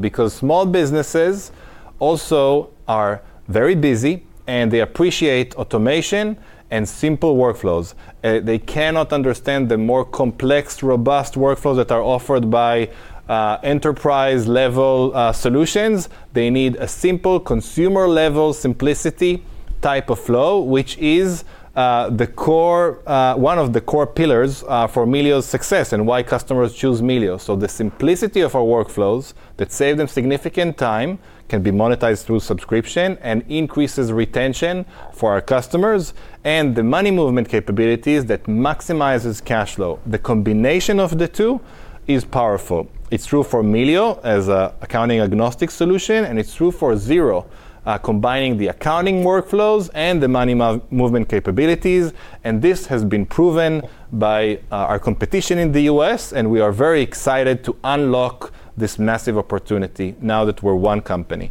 because small businesses also are very busy, and they appreciate automation and simple workflows. They cannot understand the more complex, robust workflows that are offered by enterprise-level solutions. They need a simple consumer-level simplicity type of flow, which is one of the core pillars for Melio's success and why customers choose Melio. So the simplicity of our workflows that save them significant time can be monetized through subscription and increases retention for our customers and the money movement capabilities that maximize cash flow. The combination of the two is powerful. It's true for Melio as an accounting agnostic solution. It's true for Xero, combining the accounting workflows and the money movement capabilities. This has been proven by our competition in the U.S. We are very excited to unlock this massive opportunity now that we're one company.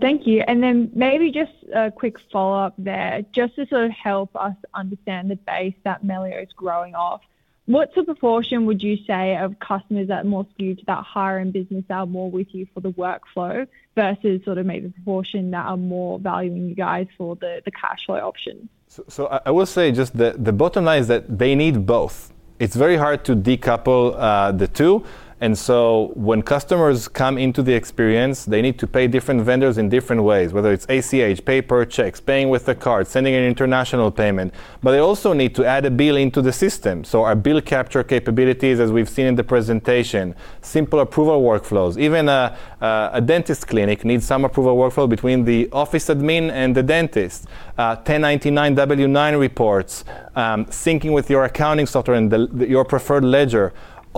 Thank you. Then maybe just a quick follow-up there. Just to sort of help us understand the base that Melio is growing off, what sort of proportion would you say of customers that are more skewed to that higher-end business are more with you for the workflow versus sort of maybe a proportion that are more valuing you guys for the cash flow options? So I will say just the bottom line is that they need both. It's very hard to decouple the two. And so when customers come into the experience, they need to pay different vendors in different ways, whether it's ACH, paper, checks, paying with the card, sending an international payment. But they also need to add a bill into the system. So our bill capture capabilities, as we've seen in the presentation, simple approval workflows, even a dentist clinic needs some approval workflow between the office admin and the dentist, 1099 W-9 reports, syncing with your accounting software and your preferred ledger.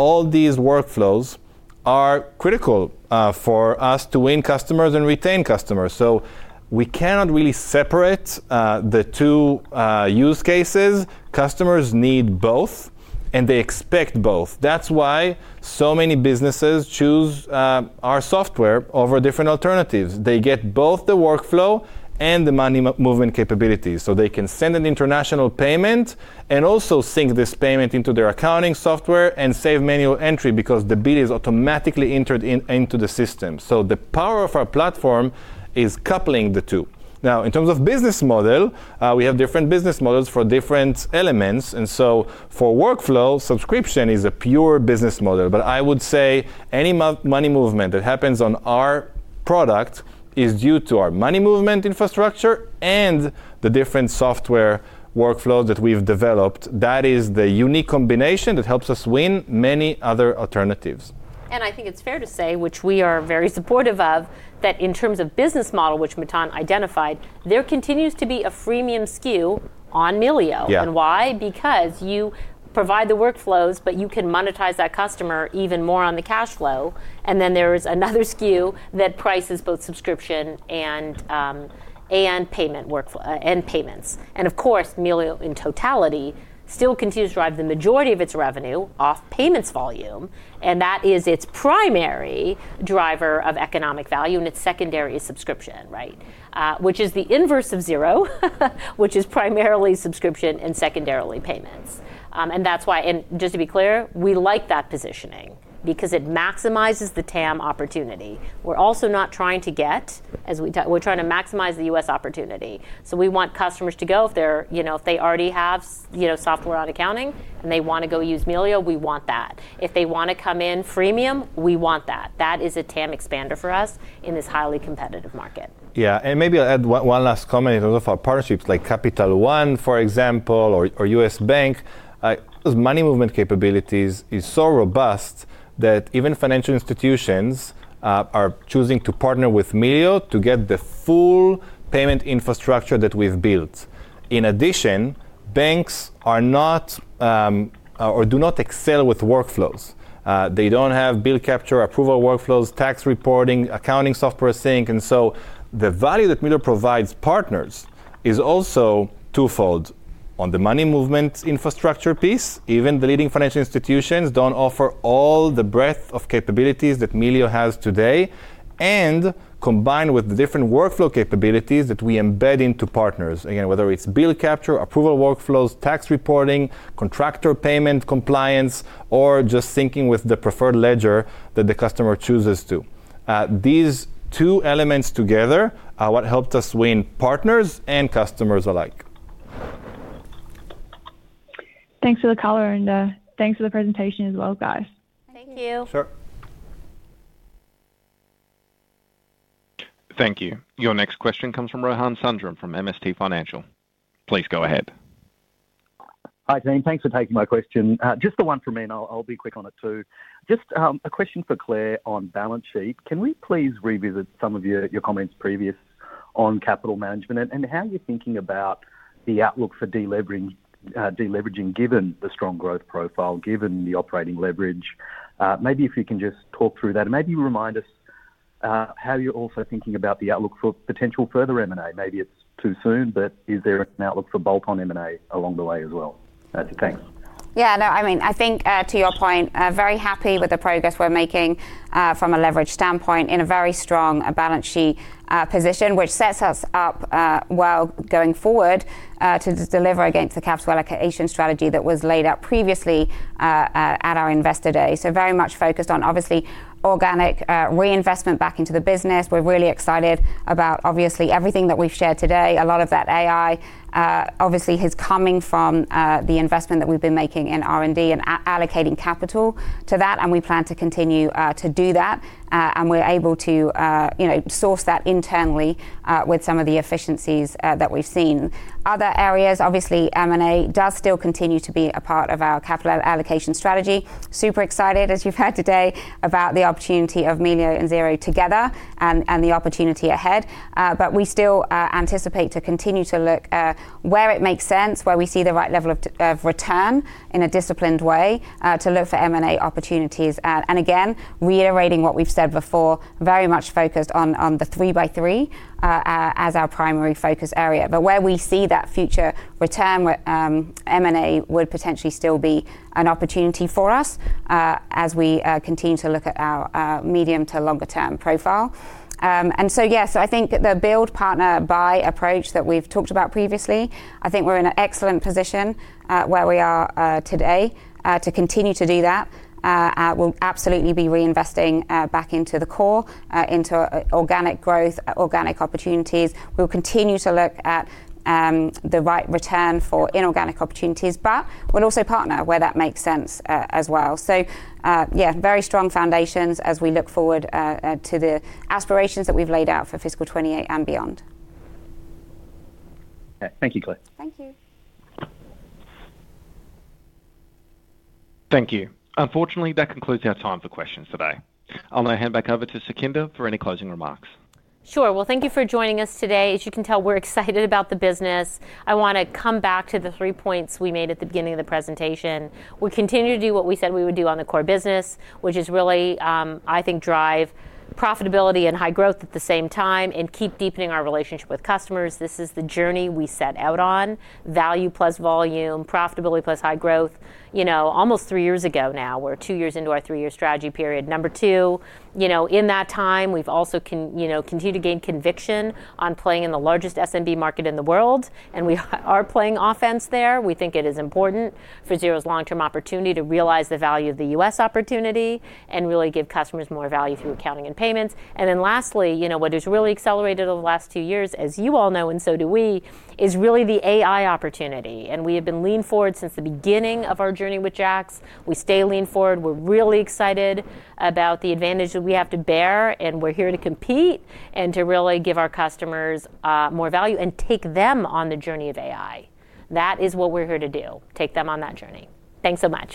All these workflows are critical for us to win customers and retain customers. So we cannot really separate the two use cases. Customers need both, and they expect both. That's why so many businesses choose our software over different alternatives. They get both the workflow and the money movement capabilities. So they can send an international payment and also sync this payment into their accounting software and save manual entry because the bill is automatically entered into the system. So the power of our platform is coupling the two. Now, in terms of business model, we have different business models for different elements. And so for workflow, subscription is a pure business model. But I would say any money movement that happens on our product is due to our money movement infrastructure and the different software workflows that we've developed. That is the unique combination that helps us win many other alternatives. And I think it's fair to say, which we are very supportive of, that in terms of business model, which Matan identified, there continues to be a freemium SKU on Melio. And why? Because you provide the workflows, but you can monetize that customer even more on the cash flow. And then there is another SKU that prices both subscription and payments and payments. And of course, Melio, in totality, still continues to drive the majority of its revenue off payments volume. And that is its primary driver of economic value. And its secondary is subscription, right, which is the inverse of Xero, which is primarily subscription and secondarily payments. And just to be clear, we like that positioning because it maximizes the TAM opportunity. We're also not trying to get as we're trying to maximize the U.S. opportunity. We want customers to go if they already have software on accounting and they want to go use Melio, we want that. If they want to come in freemium, we want that. That is a TAM expander for us in this highly competitive market. Yeah. Maybe I'll add one last comment in terms of our partnerships, like Capital One, for example, or U.S. Bank. Money movement capabilities is so robust that even financial institutions are choosing to partner with Melio to get the full payment infrastructure that we've built. In addition, banks are not or do not excel with workflows. They don't have bill capture, approval workflows, tax reporting, accounting software sync. So the value that Melio provides partners is also twofold on the money movement infrastructure piece. Even the leading financial institutions don't offer all the breadth of capabilities that Melio has today. Combined with the different workflow capabilities that we embed into partners, again, whether it's bill capture, approval workflows, tax reporting, contractor payment compliance, or just syncing with the preferred ledger that the customer chooses to, these two elements together are what helped us win partners and customers alike. Thanks for the color. Thanks for the presentation as well, guys. Thank you. Sure. Thank you. Your next question comes from Rohan Sundram from MST Financial. Please go ahead. Hi, Jane. Thanks for taking my question. Just the one from me, and I'll be quick on it too. Just a question for Claire on balance sheet. Can we please revisit some of your comments previous on capital management and how you're thinking about the outlook for deleveraging given the strong growth profile, given the operating leverage? Maybe if you can just talk through that. And maybe you remind us how you're also thinking about the outlook for potential further M&A. Maybe it's too soon, but is there an outlook for bolt-on M&A along the way as well? Thanks. Yeah. No, I mean, I think to your point, very happy with the progress we're making from a leverage standpoint in a very strong balance sheet position, which sets us up well going forward to deliver against the Capital Allocation strategy that was laid out previously at our investor day. So very much focused on, obviously, organic reinvestment back into the business. We're really excited about, obviously, everything that we've shared today. A lot of that AI, obviously, is coming from the investment that we've been making in R&D and allocating capital to that. And we plan to continue to do that. And we're able to source that internally with some of the efficiencies that we've seen. Other areas, obviously, M&A does still continue to be a part of our capital allocation strategy. Super excited, as you've heard today, about the opportunity of Melio and Xero together and the opportunity ahead. But we still anticipate to continue to look at where it makes sense, where we see the right level of return in a disciplined way to look for M&A opportunities. And again, reiterating what we've said before, very much focused on the 3x3 as our primary focus area, but where we see that future return, where M&A would potentially still be an opportunity for us as we continue to look at our medium to longer-term profile. And so yeah, so I think the build partner buy approach that we've talked about previously, I think we're in an excellent position where we are today to continue to do that. We'll absolutely be reinvesting back into the core, into organic growth, organic opportunities. We'll continue to look at the right return for inorganic opportunities, but we'll also partner where that makes sense as well. Yeah, very strong foundations as we look forward to the aspirations that we've laid out for fiscal 2028 and beyond. Thank you, Claire. Thank you. Thank you. Unfortunately, that concludes our time for questions today. I'll now hand back over to Sukhinder for any closing remarks. Sure. Well, thank you for joining us today. As you can tell, we're excited about the business. I want to come back to the 3 points we made at the beginning of the presentation. We continue to do what we said we would do on the core business, which is really, I think, drive profitability and high growth at the same time and keep deepening our relationship with customers. This is the journey we set out on: value plus volume, profitability plus high growth. Almost 3 years ago now. We're 2 years into our 3-year strategy period. Number 2, in that time, we've also continued to gain conviction on playing in the largest SMB market in the world. And we are playing offense there. We think it is important for Xero's long-term opportunity to realize the value of the U.S. opportunity and really give customers more value through accounting and payments. And then lastly, what has really accelerated over the last two years, as you all know and so do we, is really the AI opportunity. And we have been leaning forward since the beginning of our journey with JAX. We stay leaning forward. We're really excited about the advantage that we have to bear. And we're here to compete and to really give our customers more value and take them on the journey of AI. That is what we're here to do, take them on that journey. Thanks so much.